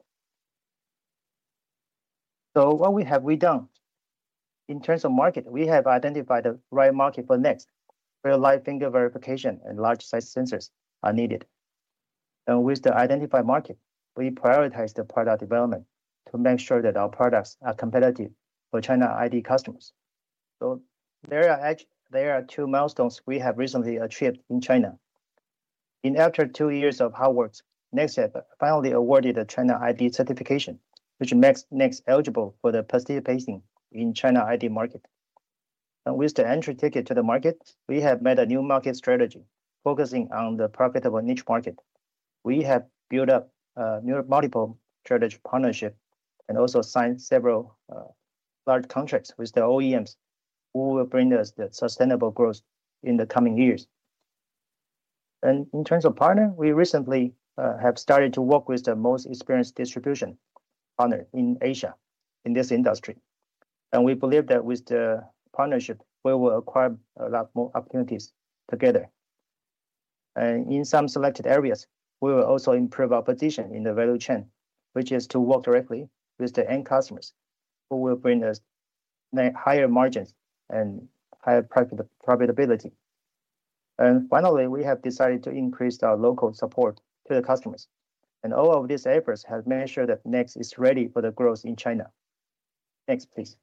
So what have we done? In terms of market, we have identified the right market for NEXT where live finger verification and large-sized sensors are needed. And with the identified market, we prioritize the product development to make sure that our products are competitive for China ID customers. So there are two milestones we have recently achieved in China. In after two years of hard work, NEXT finally awarded the China ID certification, which makes NEXT eligible for participating in the China ID market. With the entry ticket to the market, we have made a new market strategy focusing on the profitable niche market. We have built up a multiple strategy partnership and also signed several large contracts with the OEMs who will bring us the sustainable growth in the coming years. In terms of partner, we recently have started to work with the most experienced distribution partner in Asia in this industry. We believe that with the partnership, we will acquire a lot more opportunities together. In some selected areas, we will also improve our position in the value chain, which is to work directly with the end customers who will bring us higher margins and higher profitability. Finally, we have decided to increase our local support to the customers. All of these efforts have made sure that NEXT is ready for the growth in China. Next, please.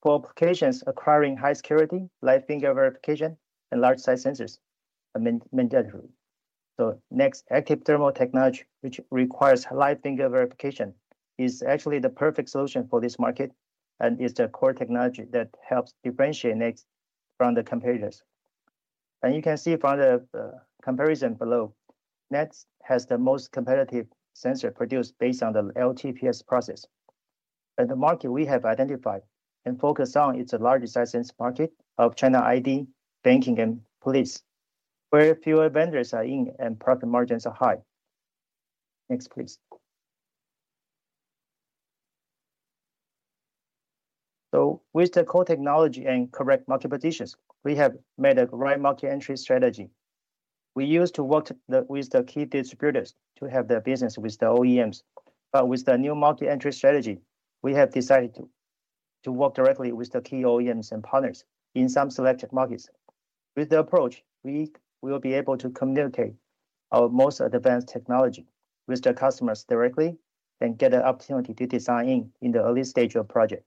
For applications acquiring high security, live finger verification, and large-sized sensors, it's mandatory. NEXT Active Thermal Technology, which requires live finger verification, is actually the perfect solution for this market and is the core technology that helps differentiate NEXT from the competitors. You can see from the comparison below, NEXT has the most competitive sensor produced based on the LTPS process. The market we have identified and focused on is the large-sized sensor market of China ID, banking, and police, where fewer vendors are in and profit margins are high. Next, please. With the core technology and correct market positions, we have made a right market entry strategy. We used to work with the key distributors to have the business with the OEMs. But with the new market entry strategy, we have decided to work directly with the key OEMs and partners in some selected markets. With the approach, we will be able to communicate our most advanced technology with the customers directly and get an opportunity to sign in the early stage of the project.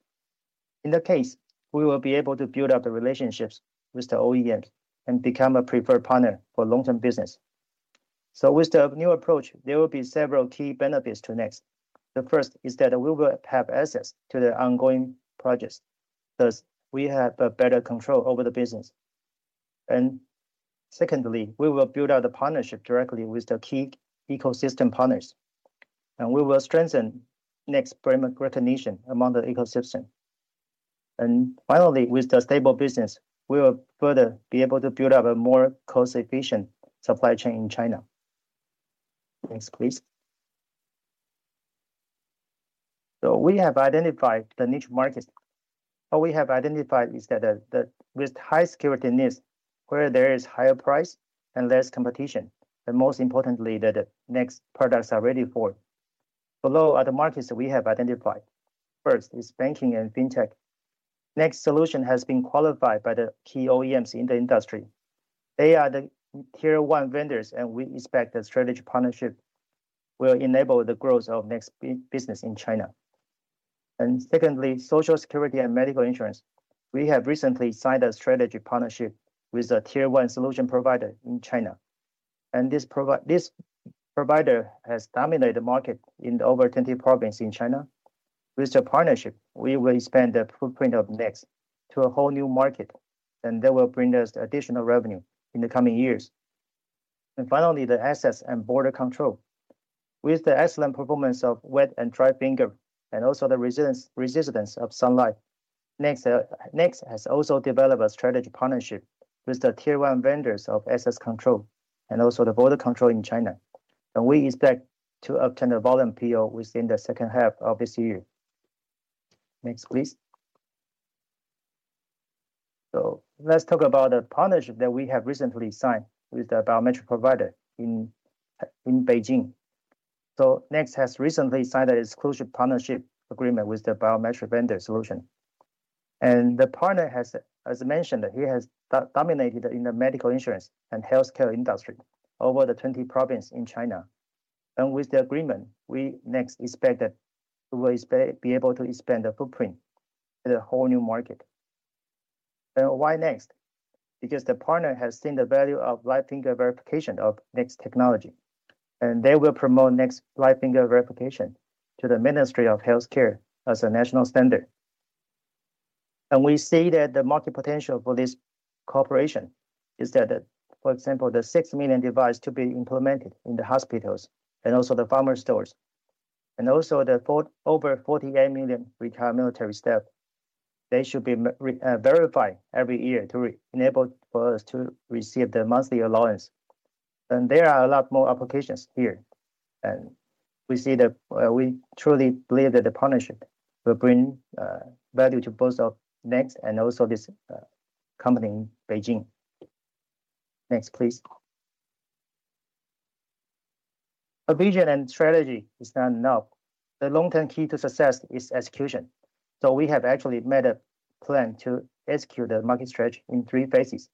In that case, we will be able to build up the relationships with the OEMs and become a preferred partner for long-term business. So with the new approach, there will be several key benefits to NEXT. The first is that we will have access to the ongoing projects. Thus, we have better control over the business. And secondly, we will build up the partnership directly with the key ecosystem partners. And we will strengthen NEXT's brand recognition among the ecosystem. And finally, with the stable business, we will further be able to build up a more cost-efficient supply chain in China. Next, please. So we have identified the niche market. What we have identified is that with high security needs where there is higher price and less competition, and most importantly, that NEXT products are ready for. Below, other markets we have identified. First is banking and fintech. NEXT's solution has been qualified by the key OEMs in the industry. They are the tier one vendors, and we expect the strategy partnership will enable the growth of NEXT's business in China. And secondly, social security and medical insurance. We have recently signed a strategy partnership with a tier one solution provider in China. And this provider has dominated the market in over 20 provinces in China. With the partnership, we will expand the footprint of NEXT to a whole new market, and that will bring us additional revenue in the coming years. Finally, the access and border control. With the excellent performance of wet and dry finger and also the resistance of sunlight, NEXT has also developed a strategic partnership with the tier one vendors of access control and also the border control in China. We expect to obtain a volume PO within the second half of this year. Next, please. Let's talk about the partnership that we have recently signed with the biometric provider in Beijing. NEXT has recently signed an exclusive partnership agreement with the biometric vendor solution. The partner has, as mentioned, he has dominated in the medical insurance and healthcare industry over the 20 provinces in China. With the agreement, we next expect that we will be able to expand the footprint to the whole new market. Why NEXT? Because the partner has seen the value of live finger verification of NEXT's technology. They will promote NEXT's live finger verification to the Ministry of Healthcare as a national standard. We see that the market potential for this corporation is that, for example, the 6 million devices to be implemented in the hospitals and also the pharma stores. Also the over 48 million retired military staff. They should be verified every year to enable us to receive the monthly allowance. There are a lot more applications here. We truly believe that the partnership will bring value to both of NEXT and also this company in Beijing. Next, please. A vision and strategy is not enough. The long-term key to success is execution. So, we have actually made a plan to execute the market strategy in three phases.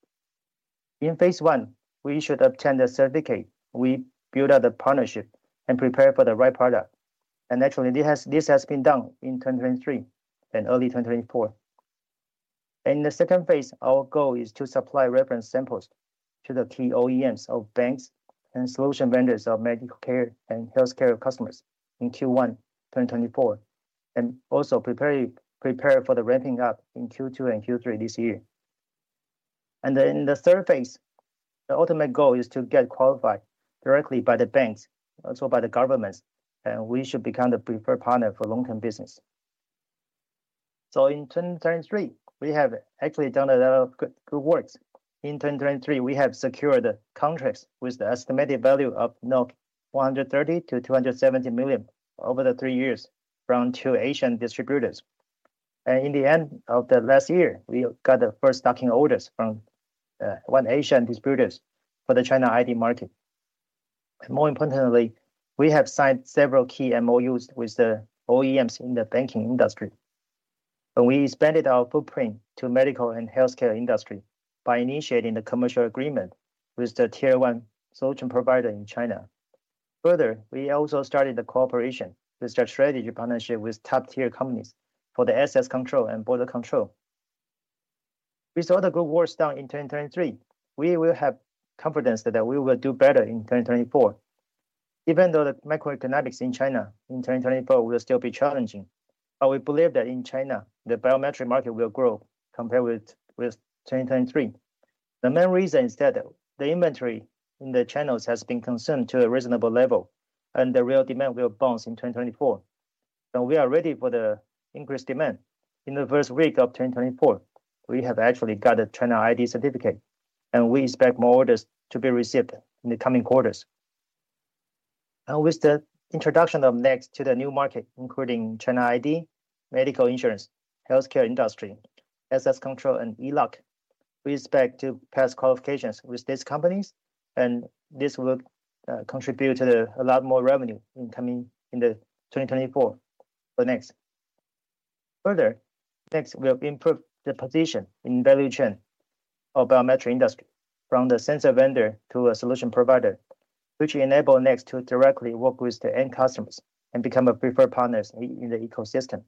In phase one, we should obtain the certificate. We build up the partnership and prepare for the right product. And actually, this has been done in 2023 and early 2024. In the second phase, our goal is to supply reference samples to the key OEMs of banks and solution vendors of medical care and healthcare customers in Q1 2024 and also prepare for the ramping up in Q2 and Q3 this year. And then in the third phase, the ultimate goal is to get qualified directly by the banks, also by the governments, and we should become the preferred partner for long-term business. So in 2023, we have actually done a lot of good work. In 2023, we have secured contracts with the estimated value of 130 million-270 million over the three years from two Asian distributors. In the end of last year, we got the first stocking orders from one Asian distributor for the China ID market. More importantly, we have signed several key MOUs with the OEMs in the banking industry. We expanded our footprint to the medical and healthcare industry by initiating the commercial agreement with the tier one solution provider in China. Further, we also started the cooperation with the strategic partnership with top-tier companies for the assets control and border control. With all the good work done in 2023, we will have confidence that we will do better in 2024. Even though the macroeconomics in China in 2024 will still be challenging, but we believe that in China, the biometric market will grow compared with 2023. The main reason is that the inventory in the channels has been consumed to a reasonable level, and the real demand will bounce in 2024. We are ready for the increased demand. In the first week of 2024, we have actually got the China ID certificate, and we expect more orders to be received in the coming quarters. With the introduction of NEXT to the new market, including China ID, medical insurance, healthcare industry, assets control, and e-lock, we expect to pass qualifications with these companies. This will contribute to a lot more revenue in 2024 for NEXT. Further, NEXT will improve the position in the value chain of the biometric industry from the sensor vendor to a solution provider, which enables NEXT to directly work with the end customers and become preferred partners in the ecosystem.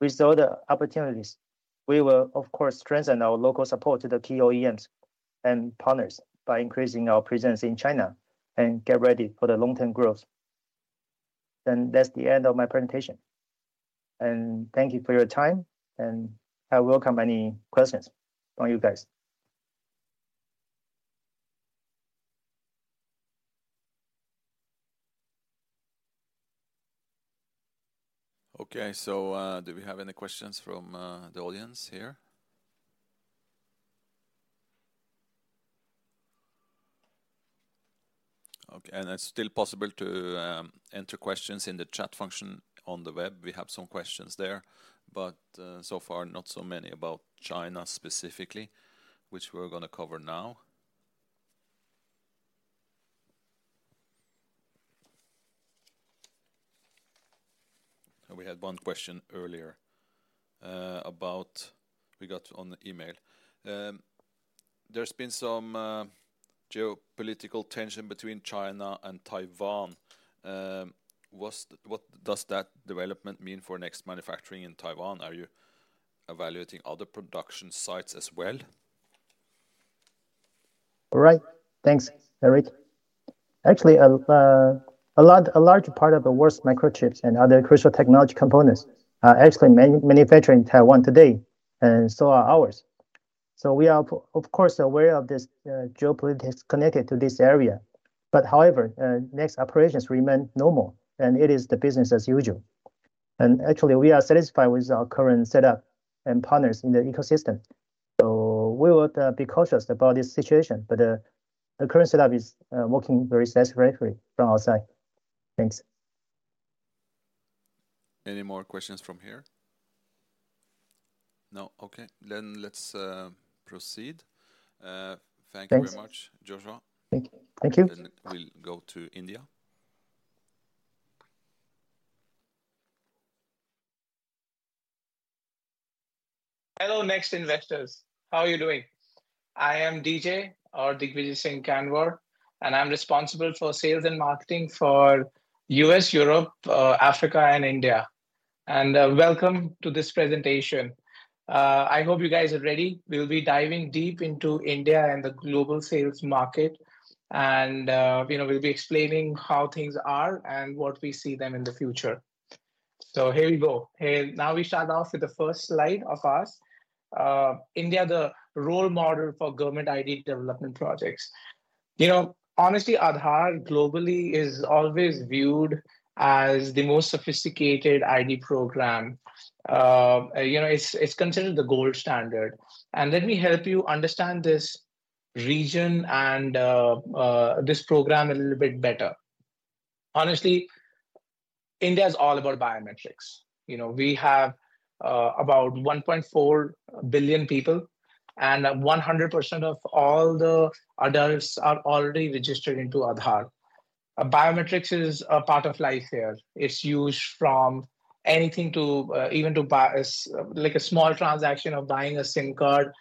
With all the opportunities, we will, of course, strengthen our local support to the key OEMs and partners by increasing our presence in China and get ready for the long-term growth. That's the end of my presentation. Thank you for your time, and I welcome any questions from you guys. Okay, so do we have any questions from the audience here? Okay, and it's still possible to enter questions in the chat function on the web. We have some questions there, but so far not so many about China specifically, which we're going to cover now. And we had one question earlier about we got on the email. There's been some geopolitical tension between China and Taiwan. What does that development mean for NEXT manufacturing in Taiwan? Are you evaluating other production sites as well? All right. Thanks, Eirik. Actually, a large part of the worst microchips and other crucial technology components are actually manufactured in Taiwan today and so are ours. So we are, of course, aware of this geopolitics connected to this area. But however, NEXT operations remain normal, and it is the business as usual. And actually, we are satisfied with our current setup and partners in the ecosystem. So we would be cautious about this situation, but the current setup is working very satisfactory from our side. Thanks. Any more questions from here? No? Okay, then let's proceed. Thank you very much, Joshua. Thank you. Then we'll go to India. Hello, NEXT investors. How are you doing? I am DJ or Digvijay Singh Kanwar, and I'm responsible for sales and marketing for U.S., Europe, Africa, and India. Welcome to this presentation. I hope you guys are ready. We'll be diving deep into India and the global sales market, and we'll be explaining how things are and what we see them in the future. Here we go. Now we start off with the first slide of ours. India, the role model for government ID development projects. Honestly, Aadhaar globally is always viewed as the most sophisticated ID program. It's considered the gold standard. Let me help you understand this region and this program a little bit better. Honestly, India is all about biometrics. We have about 1.4 billion people, and 100% of all the adults are already registered into Aadhaar. Biometrics is a part of life here. It's used from anything to even a small transaction of buying a SIM card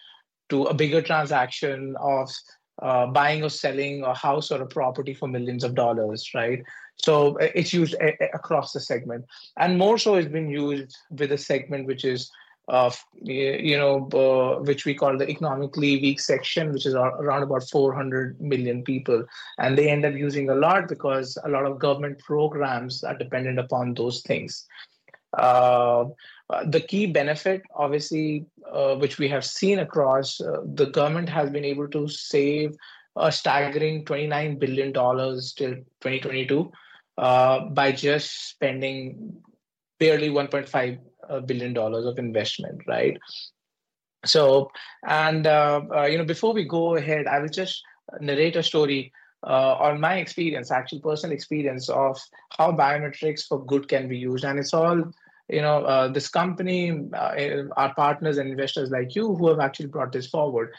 to a bigger transaction of buying or selling a house or a property for millions of dollars, right? So it's used across the segment. And more so, it's been used with a segment which we call the economically weak section, which is around about 400 million people. And they end up using a lot because a lot of government programs are dependent upon those things. The key benefit, obviously, which we have seen across, the government has been able to save a staggering $29 billion till 2022 by just spending barely $1.5 billion of investment, right? And before we go ahead, I will just narrate a story on my experience, actual personal experience of how biometrics for good can be used. It's all this company, our partners, and investors like you who have actually brought this forward.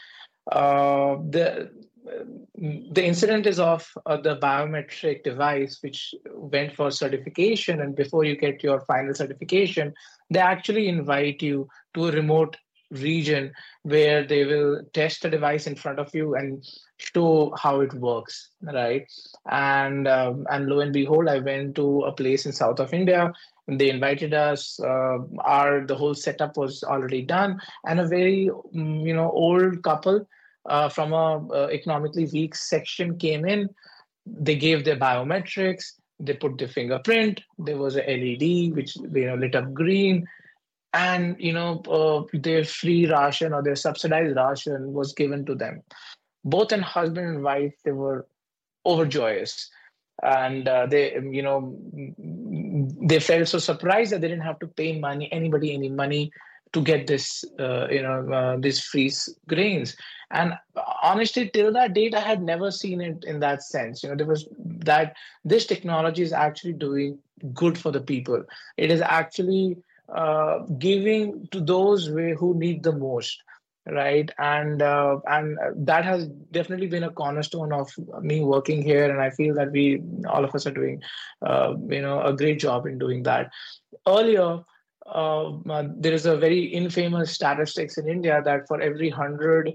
The incident is of the biometric device which went for certification. Before you get your final certification, they actually invite you to a remote region where they will test the device in front of you and show how it works, right? Lo and behold, I went to a place in south of India. They invited us. The whole setup was already done. A very old couple from an economically weak section came in. They gave their biometrics. They put their fingerprint. There was an LED which lit up green. Their free ration or their subsidized ration was given to them. Both the husband and wife, they were overjoyous. They felt so surprised that they didn't have to pay anybody any money to get these free grains. And honestly, till that date, I had never seen it in that sense. There was that this technology is actually doing good for the people. It is actually giving to those who need the most, right? And that has definitely been a cornerstone of me working here. And I feel that all of us are doing a great job in doing that. Earlier, there is a very infamous statistic in India that for every $100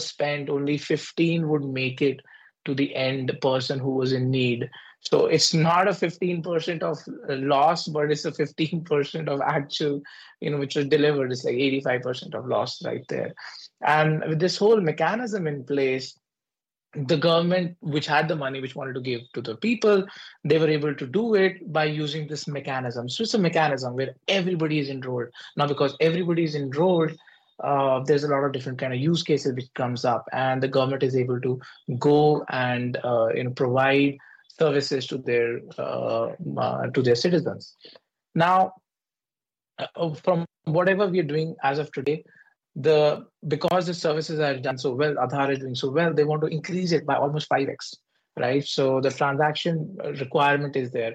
spent, only 15 would make it to the end person who was in need. So it's not a 15% of loss, but it's a 15% of actual which was delivered. It's like 85% of loss right there. And with this whole mechanism in place, the government which had the money which wanted to give to the people, they were able to do it by using this mechanism. So it's a mechanism where everybody is enrolled. Now, because everybody is enrolled, there's a lot of different kind of use cases which comes up. And the government is able to go and provide services to their citizens. Now, from whatever we are doing as of today, because the services are done so well, Aadhaar is doing so well, they want to increase it by almost 5x, right? So the transaction requirement is there.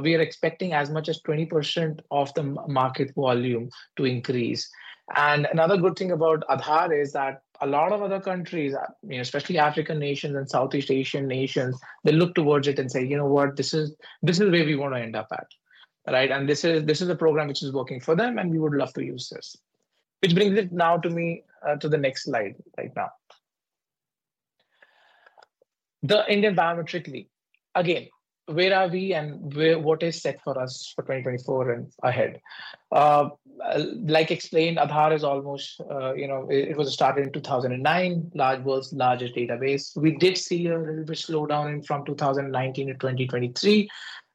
We are expecting as much as 20% of the market volume to increase. And another good thing about Aadhaar is that a lot of other countries, especially African nations and Southeast Asian nations, they look towards it and say, "You know what? This is where we want to end up at," right? And this is a program which is working for them, and we would love to use this. Which brings it now to me to the next slide right now. The Indian biometric league. Again, where are we and what is set for us for 2024 and ahead? Like explained, Aadhaar is almost it was started in 2009, world's largest database. We did see a little bit slowdown from 2019 to 2023.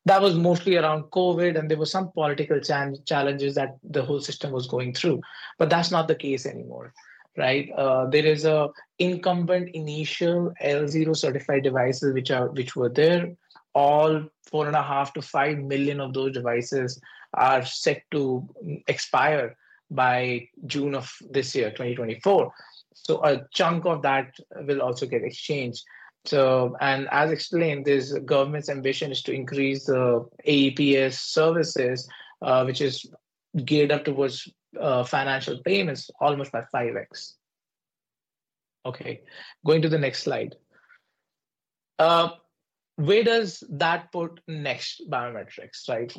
That was mostly around COVID, and there were some political challenges that the whole system was going through. But that's not the case anymore, right? There is an incumbent initial L0 certified devices which were there. All 4.5-5 million of those devices are set to expire by June of this year, 2024. So a chunk of that will also get exchanged. And as explained, this government's ambition is to increase the AePS services, which is geared up towards financial payments, almost by 5x. Okay, going to the next slide. Where does that put NEXT Biometrics, right?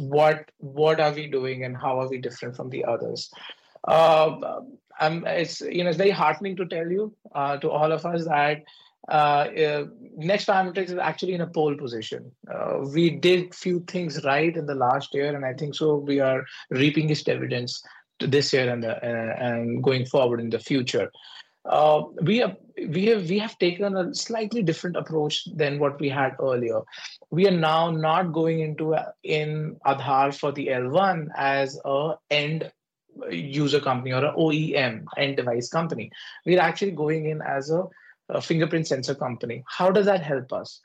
What are we doing, and how are we different from the others? It's very heartening to tell you, to all of us, that NEXT Biometrics is actually in a pole position. We did a few things right in the last year, and I think so we are reaping its dividends this year and going forward in the future. We have taken a slightly different approach than what we had earlier. We are now not going into Aadhaar for the L1 as an end-user company or an OEM, end-device company. We're actually going in as a fingerprint sensor company. How does that help us?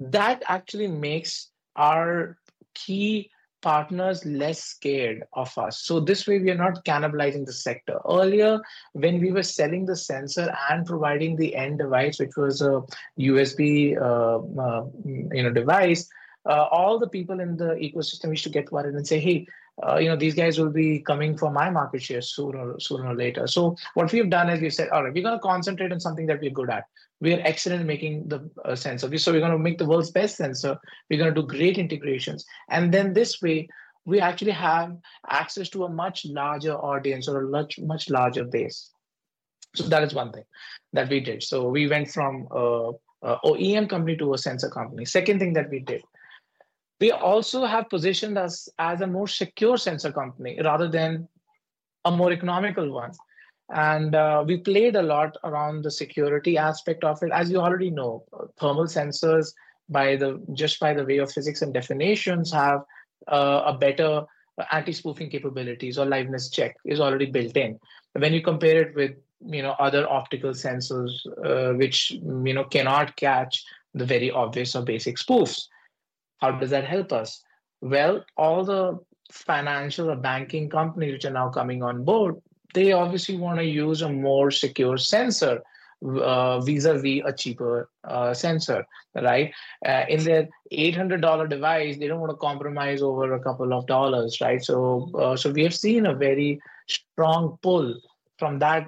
That actually makes our key partners less scared of us. So this way, we are not cannibalizing the sector. Earlier, when we were selling the sensor and providing the end device, which was a USB device, all the people in the ecosystem used to get worried and say, "Hey, these guys will be coming for my market share sooner or later." So what we have done is we've said, "All right, we're going to concentrate on something that we're good at. We are excellent at making the sensors. So we're going to make the world's best sensor. We're going to do great integrations." And then this way, we actually have access to a much larger audience or a much larger base. So that is one thing that we did. So we went from an OEM company to a sensor company. Second thing that we did, we also have positioned us as a more secure sensor company rather than a more economical one. We played a lot around the security aspect of it. As you already know, thermal sensors, just by the way of physics and definitions, have better anti-spoofing capabilities. Or liveness check is already built in. When you compare it with other optical sensors which cannot catch the very obvious or basic spoofs, how does that help us? Well, all the financial or banking companies which are now coming on board, they obviously want to use a more secure sensor vis-à-vis a cheaper sensor, right? In their $800 device, they don't want to compromise over a couple of dollars, right? So we have seen a very strong pull from the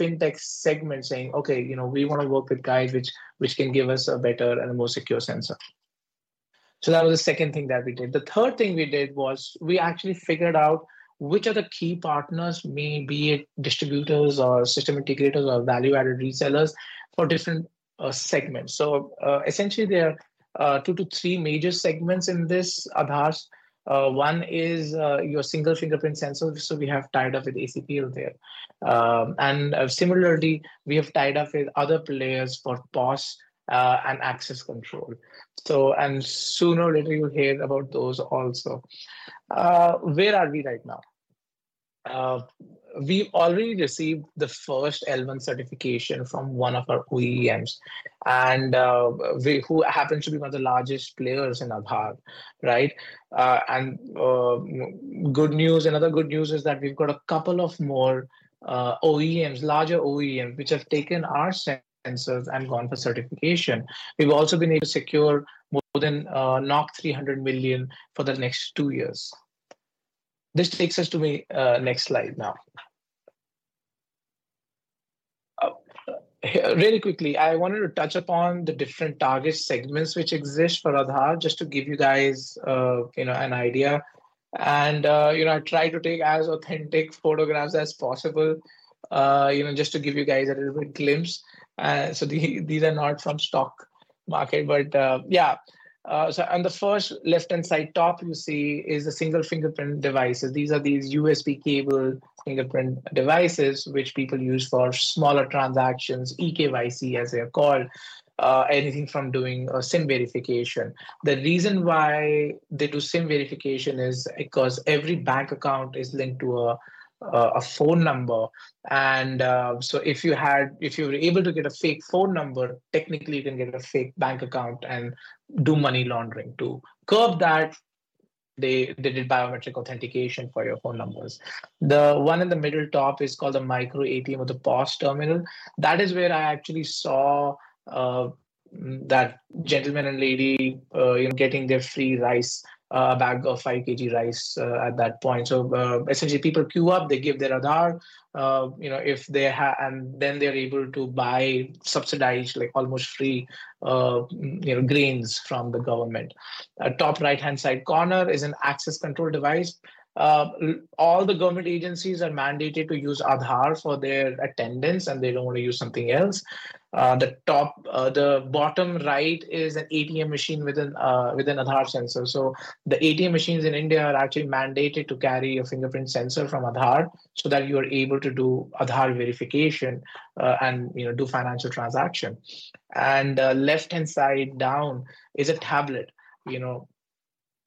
fintech segment saying, "Okay, we want to work with guys which can give us a better and a more secure sensor." So that was the second thing that we did. The third thing we did was we actually figured out which are the key partners, be it distributors or system integrators or value-added resellers, for different segments. So essentially, there are two to three major segments in this Aadhaar. One is your single fingerprint sensor. So we have tied up with ACPL there. And similarly, we have tied up with other players for POS and access control. And sooner or later, you'll hear about those also. Where are we right now? We've already received the first L1 certification from one of our OEMs, who happens to be one of the largest players in Aadhaar, right? And good news. Another good news is that we've got a couple of larger OEMs which have taken our sensors and gone for certification. We've also been able to secure more than 300 million for the next two years. This takes us to my next slide now. Really quickly, I wanted to touch upon the different target segments which exist for Aadhaar just to give you guys an idea. I try to take as authentic photographs as possible just to give you guys a little bit glimpse. So these are not from the stock market. But yeah. The first left-hand side top you see is the single fingerprint devices. These are these USB cable fingerprint devices which people use for smaller transactions, eKYC as they are called, anything from doing SIM verification. The reason why they do SIM verification is because every bank account is linked to a phone number. So if you were able to get a fake phone number, technically, you can get a fake bank account and do money laundering too. Curb that, they did biometric authentication for your phone numbers. The one in the middle top is called the micro ATM or the POS terminal. That is where I actually saw that gentleman and lady getting their free rice, a bag of 5 kg rice at that point. So essentially, people queue up. They give their Aadhaar if they have and then they're able to buy subsidized, almost free grains from the government. The top right-hand side corner is an access control device. All the government agencies are mandated to use Aadhaar for their attendance, and they don't want to use something else. The bottom right is an ATM machine with an Aadhaar sensor. So the ATM machines in India are actually mandated to carry a fingerprint sensor from Aadhaar so that you are able to do Aadhaar verification and do financial transactions. And left-hand side down is a tablet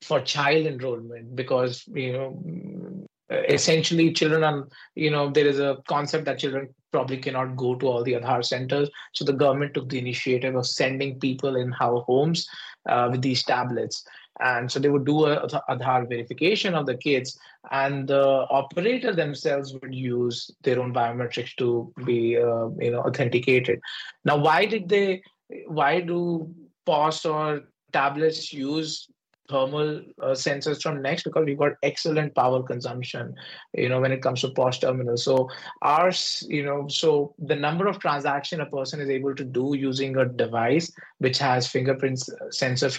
for child enrollment because essentially, children there is a concept that children probably cannot go to all the Aadhaar centers. So the government took the initiative of sending people in-house homes with these tablets. And so they would do Aadhaar verification of the kids. And the operator themselves would use their own biometrics to be authenticated. Now, why do POS or tablets use thermal sensors from NEXT? Because we've got excellent power consumption when it comes to POS terminals. So the number of transactions a person is able to do using a device which has fingerprint sensors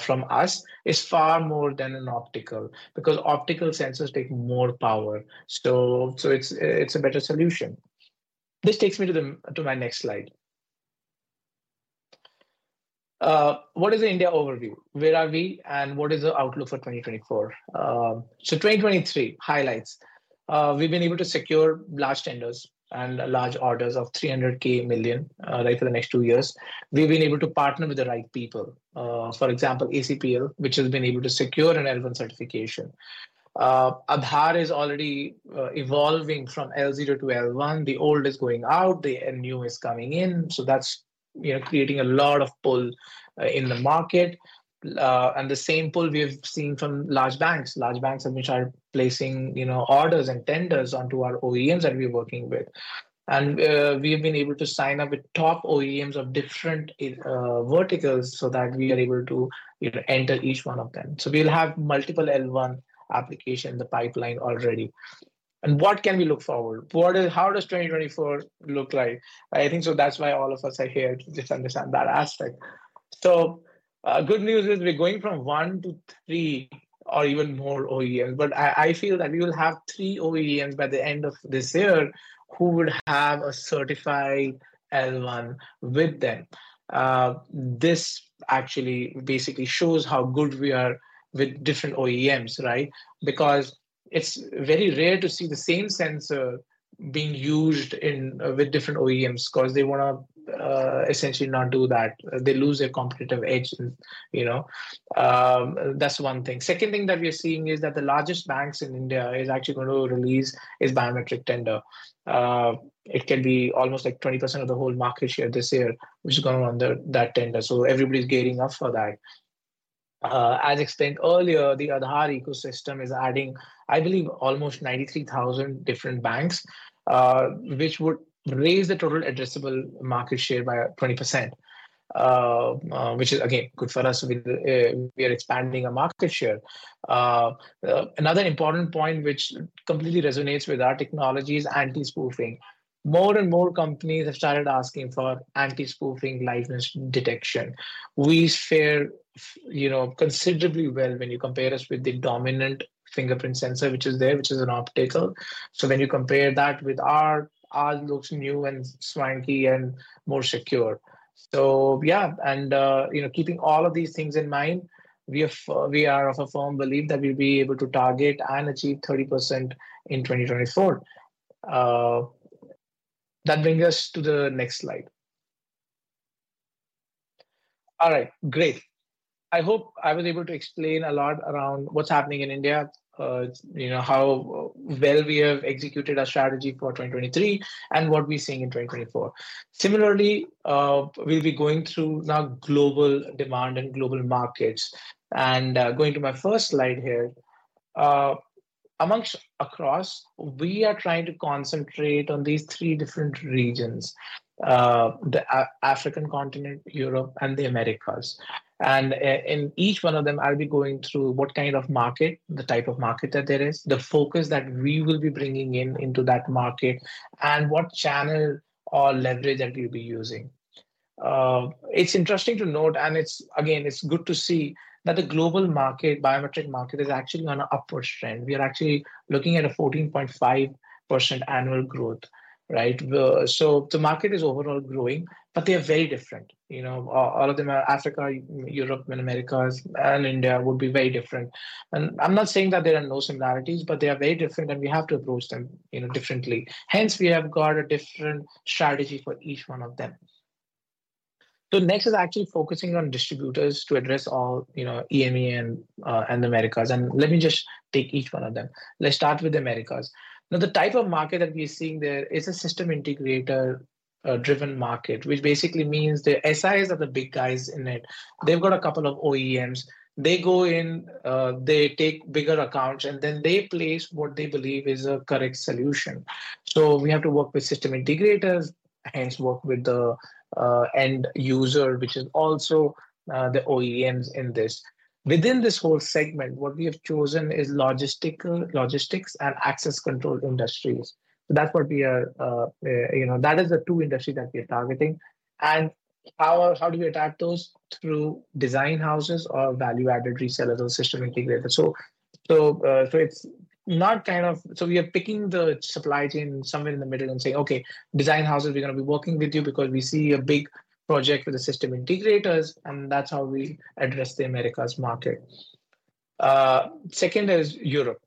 from us is far more than an optical because optical sensors take more power. So it's a better solution. This takes me to my next slide. What is the India overview? Where are we, and what is the outlook for 2024? So 2023 highlights. We've been able to secure large tenders and large orders of 300 million for the next two years. We've been able to partner with the right people. For example, ACPL, which has been able to secure an L1 certification. Aadhaar is already evolving from L0 to L1. The old is going out. The new is coming in. So that's creating a lot of pull in the market. And the same pull we have seen from large banks. Large banks have been placing orders and tenders onto our OEMs that we're working with. And we have been able to sign up with top OEMs of different verticals so that we are able to enter each one of them. So we'll have multiple L1 applications in the pipeline already. And what can we look forward? How does 2024 look like? I think so, that's why all of us are here to just understand that aspect. So good news is we're going from one to three or even more OEMs. But I feel that we will have three OEMs by the end of this year who would have a certified L1 with them. This actually basically shows how good we are with different OEMs, right? Because it's very rare to see the same sensor being used with different OEMs because they want to essentially not do that. They lose their competitive edge. That's one thing. Second thing that we're seeing is that the largest banks in India is actually going to release its biometric tender. It can be almost like 20% of the whole market share this year which is going on that tender. So everybody's gearing up for that. As explained earlier, the Aadhaar ecosystem is adding, I believe, almost 93,000 different banks, which would raise the total addressable market share by 20%, which is, again, good for us. We are expanding our market share. Another important point which completely resonates with our technology is anti-spoofing. More and more companies have started asking for anti-spoofing liveness detection. We fare considerably well when you compare us with the dominant fingerprint sensor which is there, which is an optical. So when you compare that with ours, ours looks new and swanky and more secure. So yeah. And keeping all of these things in mind, we are of a firm belief that we'll be able to target and achieve 30% in 2024. That brings us to the next slide. All right. Great. I hope I was able to explain a lot around what's happening in India, how well we have executed our strategy for 2023, and what we're seeing in 2024. Similarly, we'll be going through now global demand and global markets. And going to my first slide here, across, we are trying to concentrate on these three different regions: the African continent, Europe, and the Americas. And in each one of them, I'll be going through what kind of market, the type of market that there is, the focus that we will be bringing into that market, and what channel or leverage that we'll be using. It's interesting to note, and again, it's good to see that the global market, biometric market, is actually on an upward trend. We are actually looking at a 14.5% annual growth, right? So the market is overall growing, but they are very different. All of them are Africa, Europe, and Americas. India would be very different. I'm not saying that there are no similarities, but they are very different, and we have to approach them differently. Hence, we have got a different strategy for each one of them. NEXT is actually focusing on distributors to address all EMEA and Americas. Let me just take each one of them. Let's start with the Americas. The type of market that we're seeing there is a system integrator-driven market, which basically means the SIs are the big guys in it. They've got a couple of OEMs. They go in. They take bigger accounts. Then they place what they believe is a correct solution. We have to work with system integrators, hence work with the end user, which is also the OEMs in this. Within this whole segment, what we have chosen is logistics and access control industries. That's what we are, that is, the two industries that we are targeting. How do we attack those? Through design houses or value-added resellers or system integrators. It's not kind of, we are picking the supply chain somewhere in the middle and saying, "Okay, design houses, we're going to be working with you because we see a big project with the system integrators." That's how we address the Americas market. Second is Europe.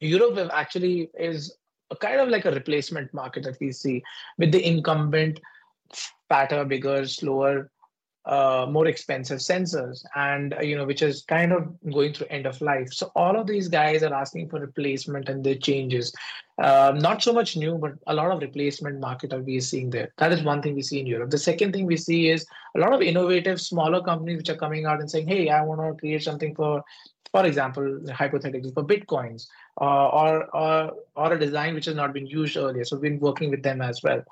Europe actually is kind of like a replacement market that we see with the incumbent fatter, bigger, slower, more expensive sensors, which is kind of going through end-of-life. All of these guys are asking for replacement, and there are changes. Not so much new, but a lot of replacement market that we are seeing there. That is one thing we see in Europe. The second thing we see is a lot of innovative, smaller companies which are coming out and saying, "Hey, I want to create something for, for example, hypothetically, for Bitcoin or a design which has not been used earlier." So we've been working with them as well.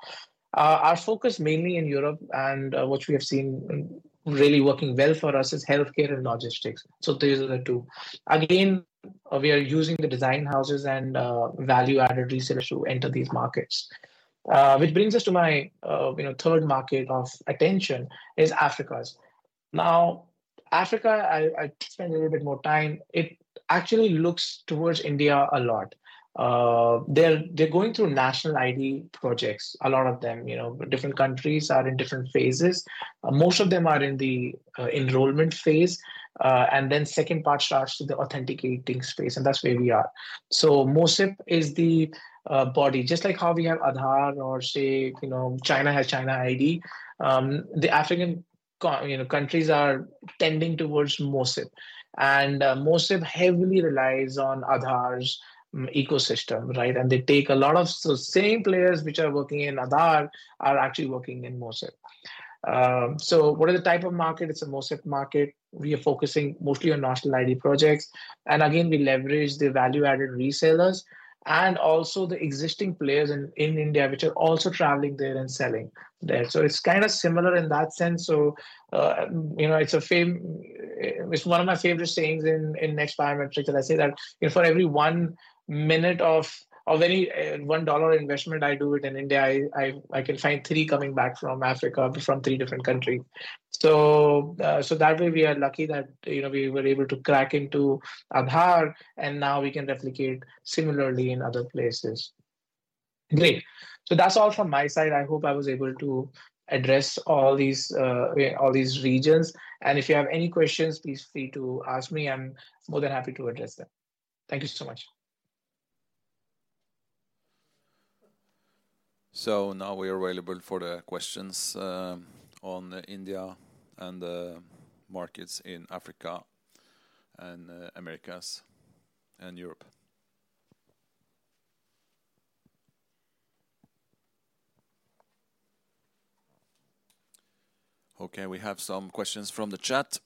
Our focus mainly in Europe, and what we have seen really working well for us is healthcare and logistics. So these are the two. Again, we are using the design houses and value-added resellers to enter these markets. Which brings us to my third market of attention is Africa's. Now, Africa, I'll spend a little bit more time. It actually looks towards India a lot. They're going through National ID projects, a lot of them. Different countries are in different phases. Most of them are in the enrollment phase. Then the second part starts with the authenticating space. That's where we are. MOSIP is the body, just like how we have Aadhaar or, say, China has China ID. The African countries are tending towards MOSIP. MOSIP heavily relies on Aadhaar's ecosystem, right? They take a lot of, so the same players which are working in Aadhaar are actually working in MOSIP. What are the type of market? It's a MOSIP market. We are focusing mostly on national ID projects. Again, we leverage the value-added resellers and also the existing players in India which are also traveling there and selling there. It's kind of similar in that sense. So it's one of my favorite sayings in NEXT Biometrics that I say that for every one minute of any $1 investment I do in India, I can find three coming back from Africa, from three different countries. So that way, we are lucky that we were able to crack into Aadhaar. And now we can replicate similarly in other places. Great. So that's all from my side. I hope I was able to address all these regions. And if you have any questions, please feel free to ask me. I'm more than happy to address them. Thank you so much. Now we are available for the questions on India and the markets in Africa and Americas and Europe. Okay. We have some questions from the chat.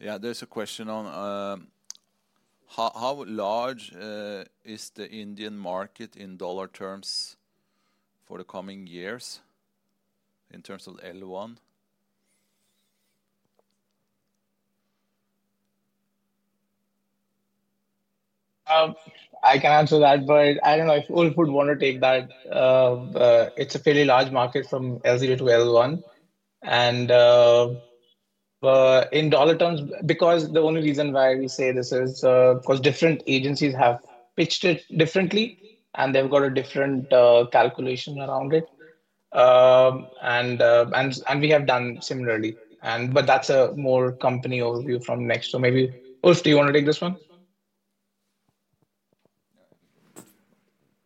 Yeah. There's a question on how large is the Indian market in dollar terms for the coming years in terms of L1. I can answer that, but I don't know if Ulf would want to take that. It's a fairly large market from L0 to L1. In dollar terms, because the only reason why we say this is because different agencies have pitched it differently, and they've got a different calculation around it. We have done similarly. That's a more company overview from NEXT. Maybe, Ulf, do you want to take this one?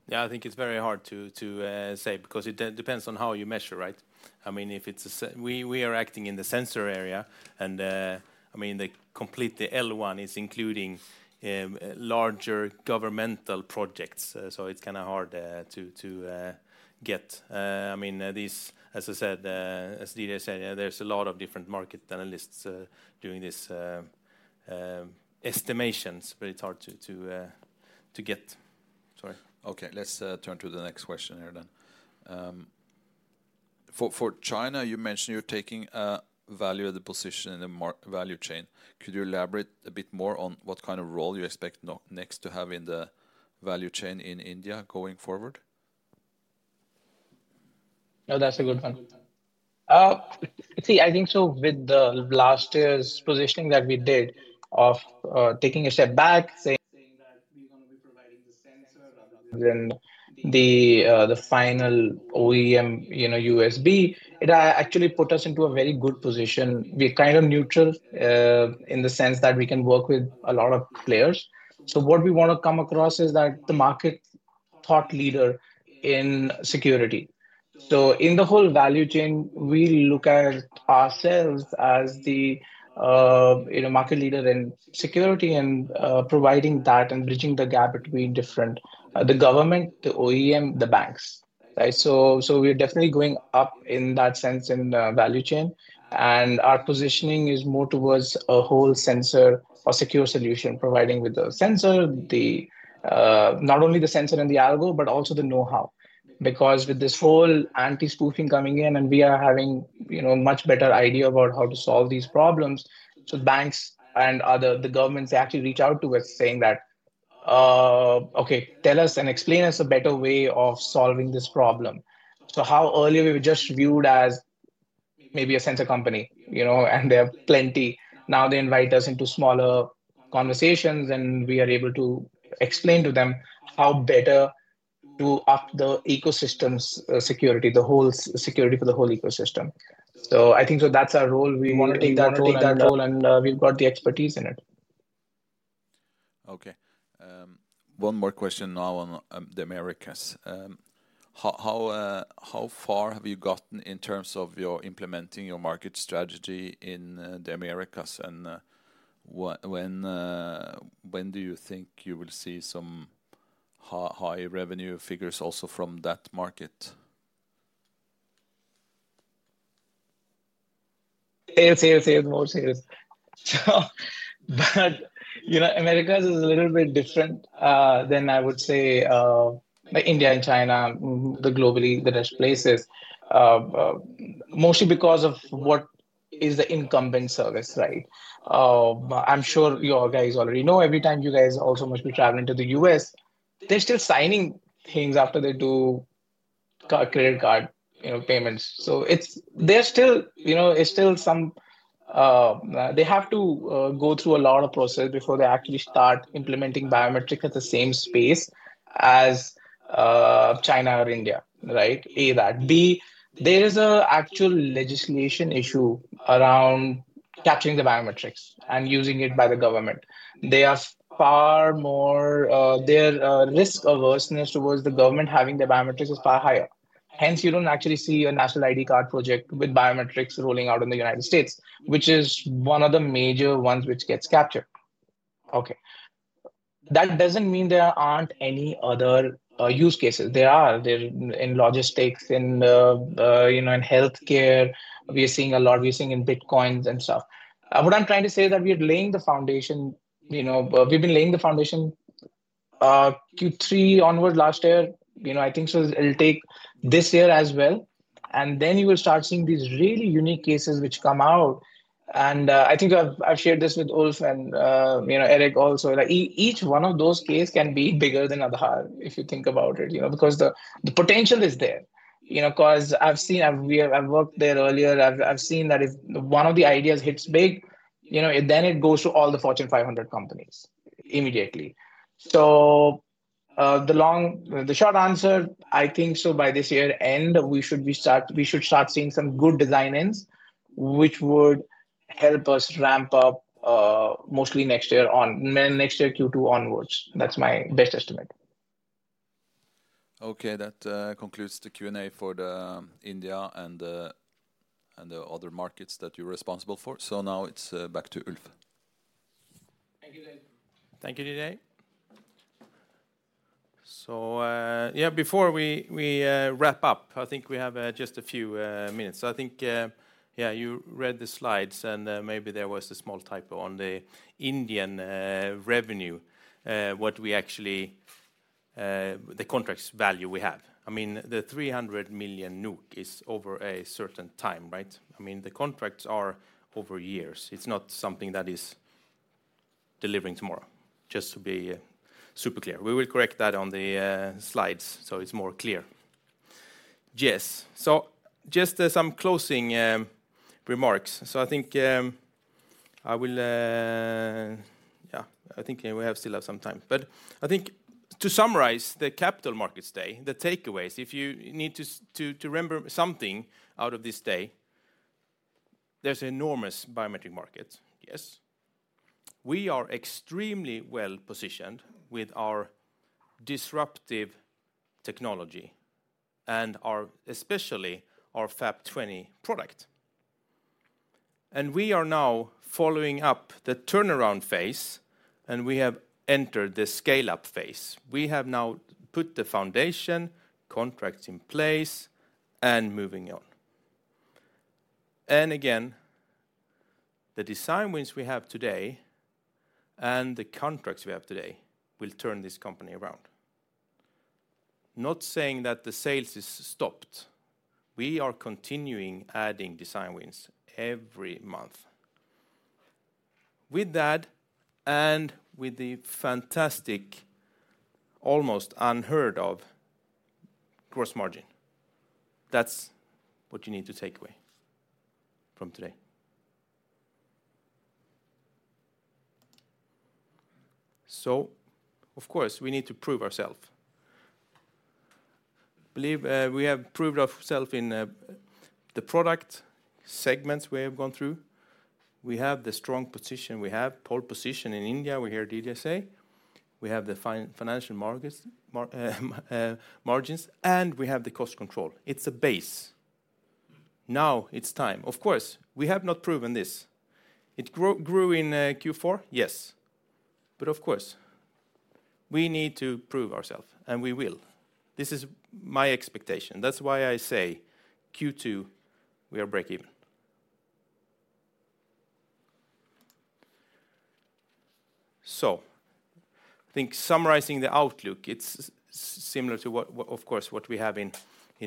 Yeah. I think it's very hard to say because it depends on how you measure, right? I mean, if it's a we are acting in the sensor area. And I mean, completely L1 is including larger governmental projects. So it's kind of hard to get. I mean, as I said, as DJ said, there's a lot of different market analysts doing these estimations, but it's hard to get. Sorry. Okay. Let's turn to the next question here then. For China, you mentioned you're taking value at the position in the value chain. Could you elaborate a bit more on what kind of role you expect NEXT to have in the value chain in India going forward? No. That's a good one. See, I think so with last year's positioning that we did of taking a step back. Saying that we're going to be providing the sensor rather than the final OEM USB, it actually put us into a very good position. We're kind of neutral in the sense that we can work with a lot of players. What we want to come across is that the market thought leader in security. In the whole value chain, we look at ourselves as the market leader in security and providing that and bridging the gap between the government, the OEM, the banks, right? We're definitely going up in that sense in the value chain. Our positioning is more towards a whole sensor or secure solution providing with the sensor, not only the sensor and the algo, but also the know-how. Because with this whole anti-spoofing coming in, and we are having a much better idea about how to solve these problems, so banks and the governments actually reach out to us saying that, "Okay. Tell us and explain us a better way of solving this problem." So how earlier we were just viewed as maybe a sensor company, and there are plenty. Now they invite us into smaller conversations, and we are able to explain to them how better to up the ecosystem's security, the whole security for the whole ecosystem. So I think so that's our role. We want to take that role, take that role, and we've got the expertise in it. Okay. One more question now on the Americas. How far have you gotten in terms of implementing your market strategy in the Americas? And when do you think you will see some high revenue figures also from that market? Serious, serious, serious, more serious. But Americas is a little bit different than I would say India and China, the globally rich places, mostly because of what is the incumbent service, right? I'm sure you guys already know. Every time you guys also must be traveling to the U.S., they're still signing things after they do credit card payments. So it's still some they have to go through a lot of process before they actually start implementing biometrics at the same space as China or India, right? A, that. B, there is an actual legislation issue around capturing the biometrics and using it by the government. They are far more their risk averseness towards the government having the biometrics is far higher. Hence, you don't actually see a National ID card project with biometrics rolling out in the United States, which is one of the major ones which gets captured. Okay. That doesn't mean there aren't any other use cases. There are. They're in logistics, in healthcare. We are seeing a lot. We are seeing in Bitcoins and stuff. What I'm trying to say is that we are laying the foundation. We've been laying the foundation Q3 onward last year. I think so it'll take this year as well. And then you will start seeing these really unique cases which come out. And I think I've shared this with Ulf and Eirik also. Each one of those cases can be bigger than Aadhaar if you think about it because the potential is there. Because I've seen. I've worked there earlier. I've seen that if one of the ideas hits big, then it goes to all the Fortune 500 companies immediately. The short answer, I think so, by this year's end, we should start seeing some good design wins which would help us ramp up mostly next year on next year Q2 onwards. That's my best estimate. Okay. That concludes the Q&A for India and the other markets that you're responsible for. So now it's back to Ulf. Thank you, guys. Thank you, DJ. So yeah, before we wrap up, I think we have just a few minutes. So I think, yeah, you read the slides, and maybe there was a small typo on the Indian revenue, what we actually the contracts value we have. I mean, the 300 million is over a certain time, right? I mean, the contracts are over years. It's not something that is delivering tomorrow, just to be super clear. We will correct that on the slides so it's more clear. Yes. So just some closing remarks. So I think I will yeah. I think we still have some time. But I think to summarize the Capital Markets Day, the takeaways, if you need to remember something out of this day, there's an enormous biometric market. Yes. We are extremely well-positioned with our disruptive technology and especially our FAP20 product. We are now following up the turnaround phase, and we have entered the scale-up phase. We have now put the foundation, contracts in place, and moving on. And again, the design wins we have today and the contracts we have today will turn this company around. Not saying that the sales have stopped. We are continuing adding design wins every month. With that and with the fantastic, almost unheard-of gross margin, that's what you need to take away from today. So of course, we need to prove ourselves. Believe we have proved ourselves in the product segments we have gone through. We have the strong position we have, pole position in India, we hear DJ say. We have the financial margins, and we have the cost control. It's a base. Now it's time. Of course, we have not proven this. It grew in Q4? Yes. But of course, we need to prove ourselves, and we will. This is my expectation. That's why I say Q2, we are break-even. So I think summarizing the outlook, it's similar to, of course, what we have in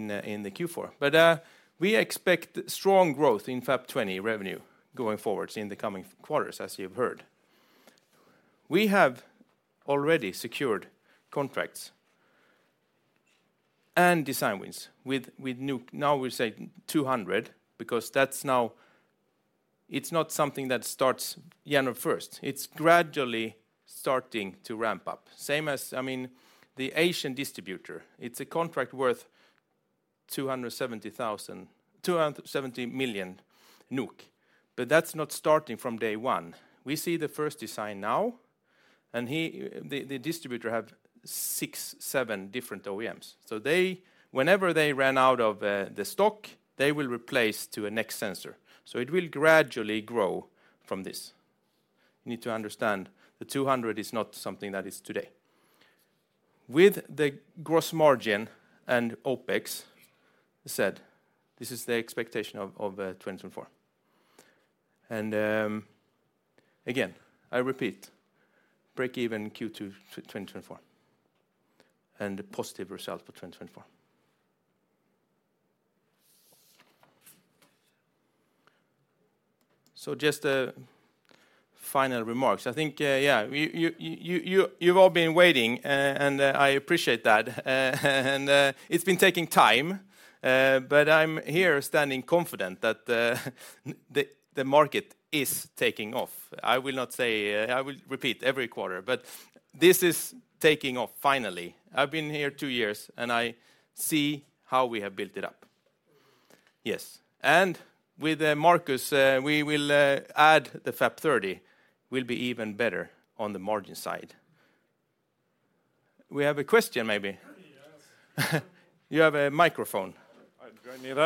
the Q4. But we expect strong growth in FAP20 revenue going forwards in the coming quarters, as you've heard. We have already secured contracts and design wins worth 200 million. Now it's not something that starts January 1st. It's gradually starting to ramp up. Same as, I mean, the Asian distributor. It's a contract worth 270 million NOK. But that's not starting from day one. We see the first design now. And the distributor have six, seven different OEMs. So whenever they run out of the stock, they will replace to a next sensor. So it will gradually grow from this. You need to understand the 200 is not something that is today. With the gross margin and OpEx said, this is the expectation of 2024. Again, I repeat, break-even Q2 2024 and positive result for 2024. Just final remarks. I think, yeah, you've all been waiting, and I appreciate that. It's been taking time. But I'm here standing confident that the market is taking off. I will not say I will repeat every quarter, but this is taking off finally. I've been here two years, and I see how we have built it up. Yes. With Marcus, we will add the FAP30. We'll be even better on the margin side. We have a question, maybe. You have a microphone. Do I need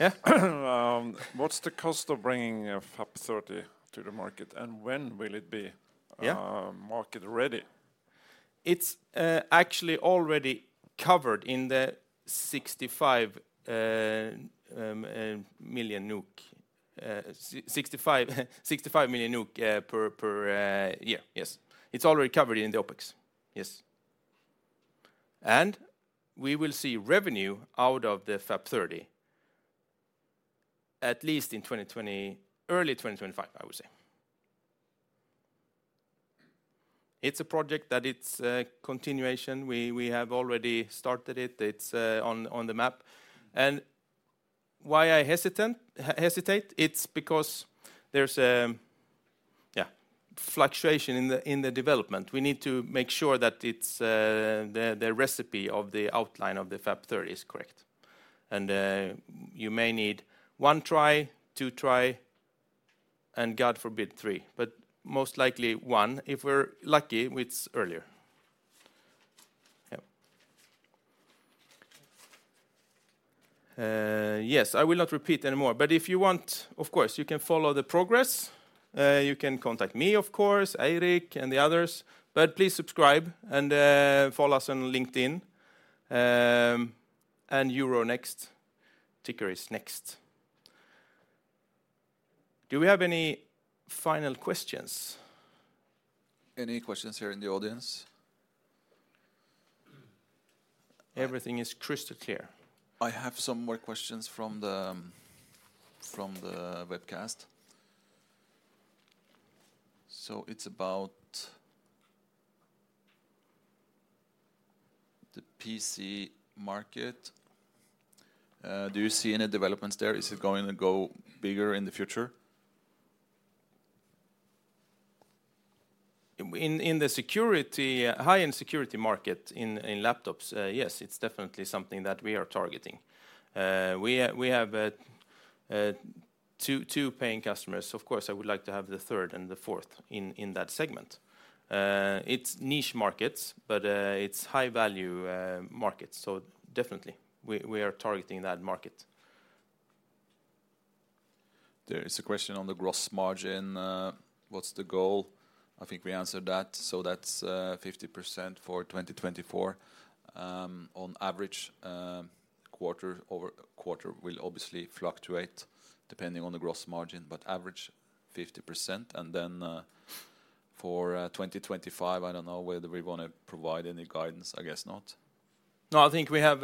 that? Yeah. What's the cost of bringing FAP30 to the market, and when will it be market-ready? It's actually already covered in the 65 million NOK per year. Yes. It's already covered in the OpEx. Yes. And we will see revenue out of the FAP30 at least in early 2025, I would say. It's a project that it's a continuation. We have already started it. It's on the map. And why I hesitate? It's because there's a fluctuation in the development. We need to make sure that the recipe of the outline of the FAP30 is correct. And you may need one try, two try, and God forbid, three. But most likely one. If we're lucky, it's earlier. Yeah. Yes. I will not repeat anymore. But if you want, of course, you can follow the progress. You can contact me, of course, Eirik and the others. But please subscribe and follow us on LinkedIn. And Euronext ticker is NEXT. Do we have any final questions? Any questions here in the audience? Everything is crystal clear. I have some more questions from the webcast. It's about the PC market. Do you see any developments there? Is it going to go bigger in the future? In the high-end security market in laptops, yes, it's definitely something that we are targeting. We have two paying customers. Of course, I would like to have the third and the fourth in that segment. It's niche markets, but it's high-value markets. So definitely, we are targeting that market. There is a question on the gross margin. What's the goal? I think we answered that. So that's 50% for 2024. On average, quarter-over-quarter will obviously fluctuate depending on the gross margin, but average 50%. And then for 2025, I don't know whether we want to provide any guidance. I guess not. No, I think we have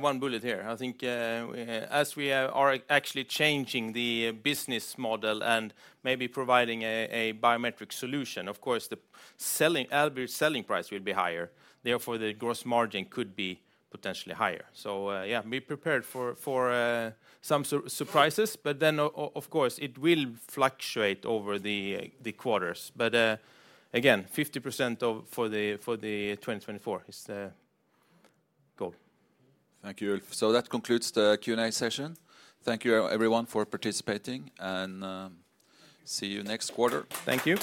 one bullet here. I think as we are actually changing the business model and maybe providing a biometric solution, of course, the average selling price will be higher. Therefore, the gross margin could be potentially higher. So yeah, be prepared for some surprises. But then, of course, it will fluctuate over the quarters. But again, 50% for the 2024 is the goal. Thank you, Ulf. So that concludes the Q&A session. Thank you, everyone, for participating, and see you next quarter. Thank you.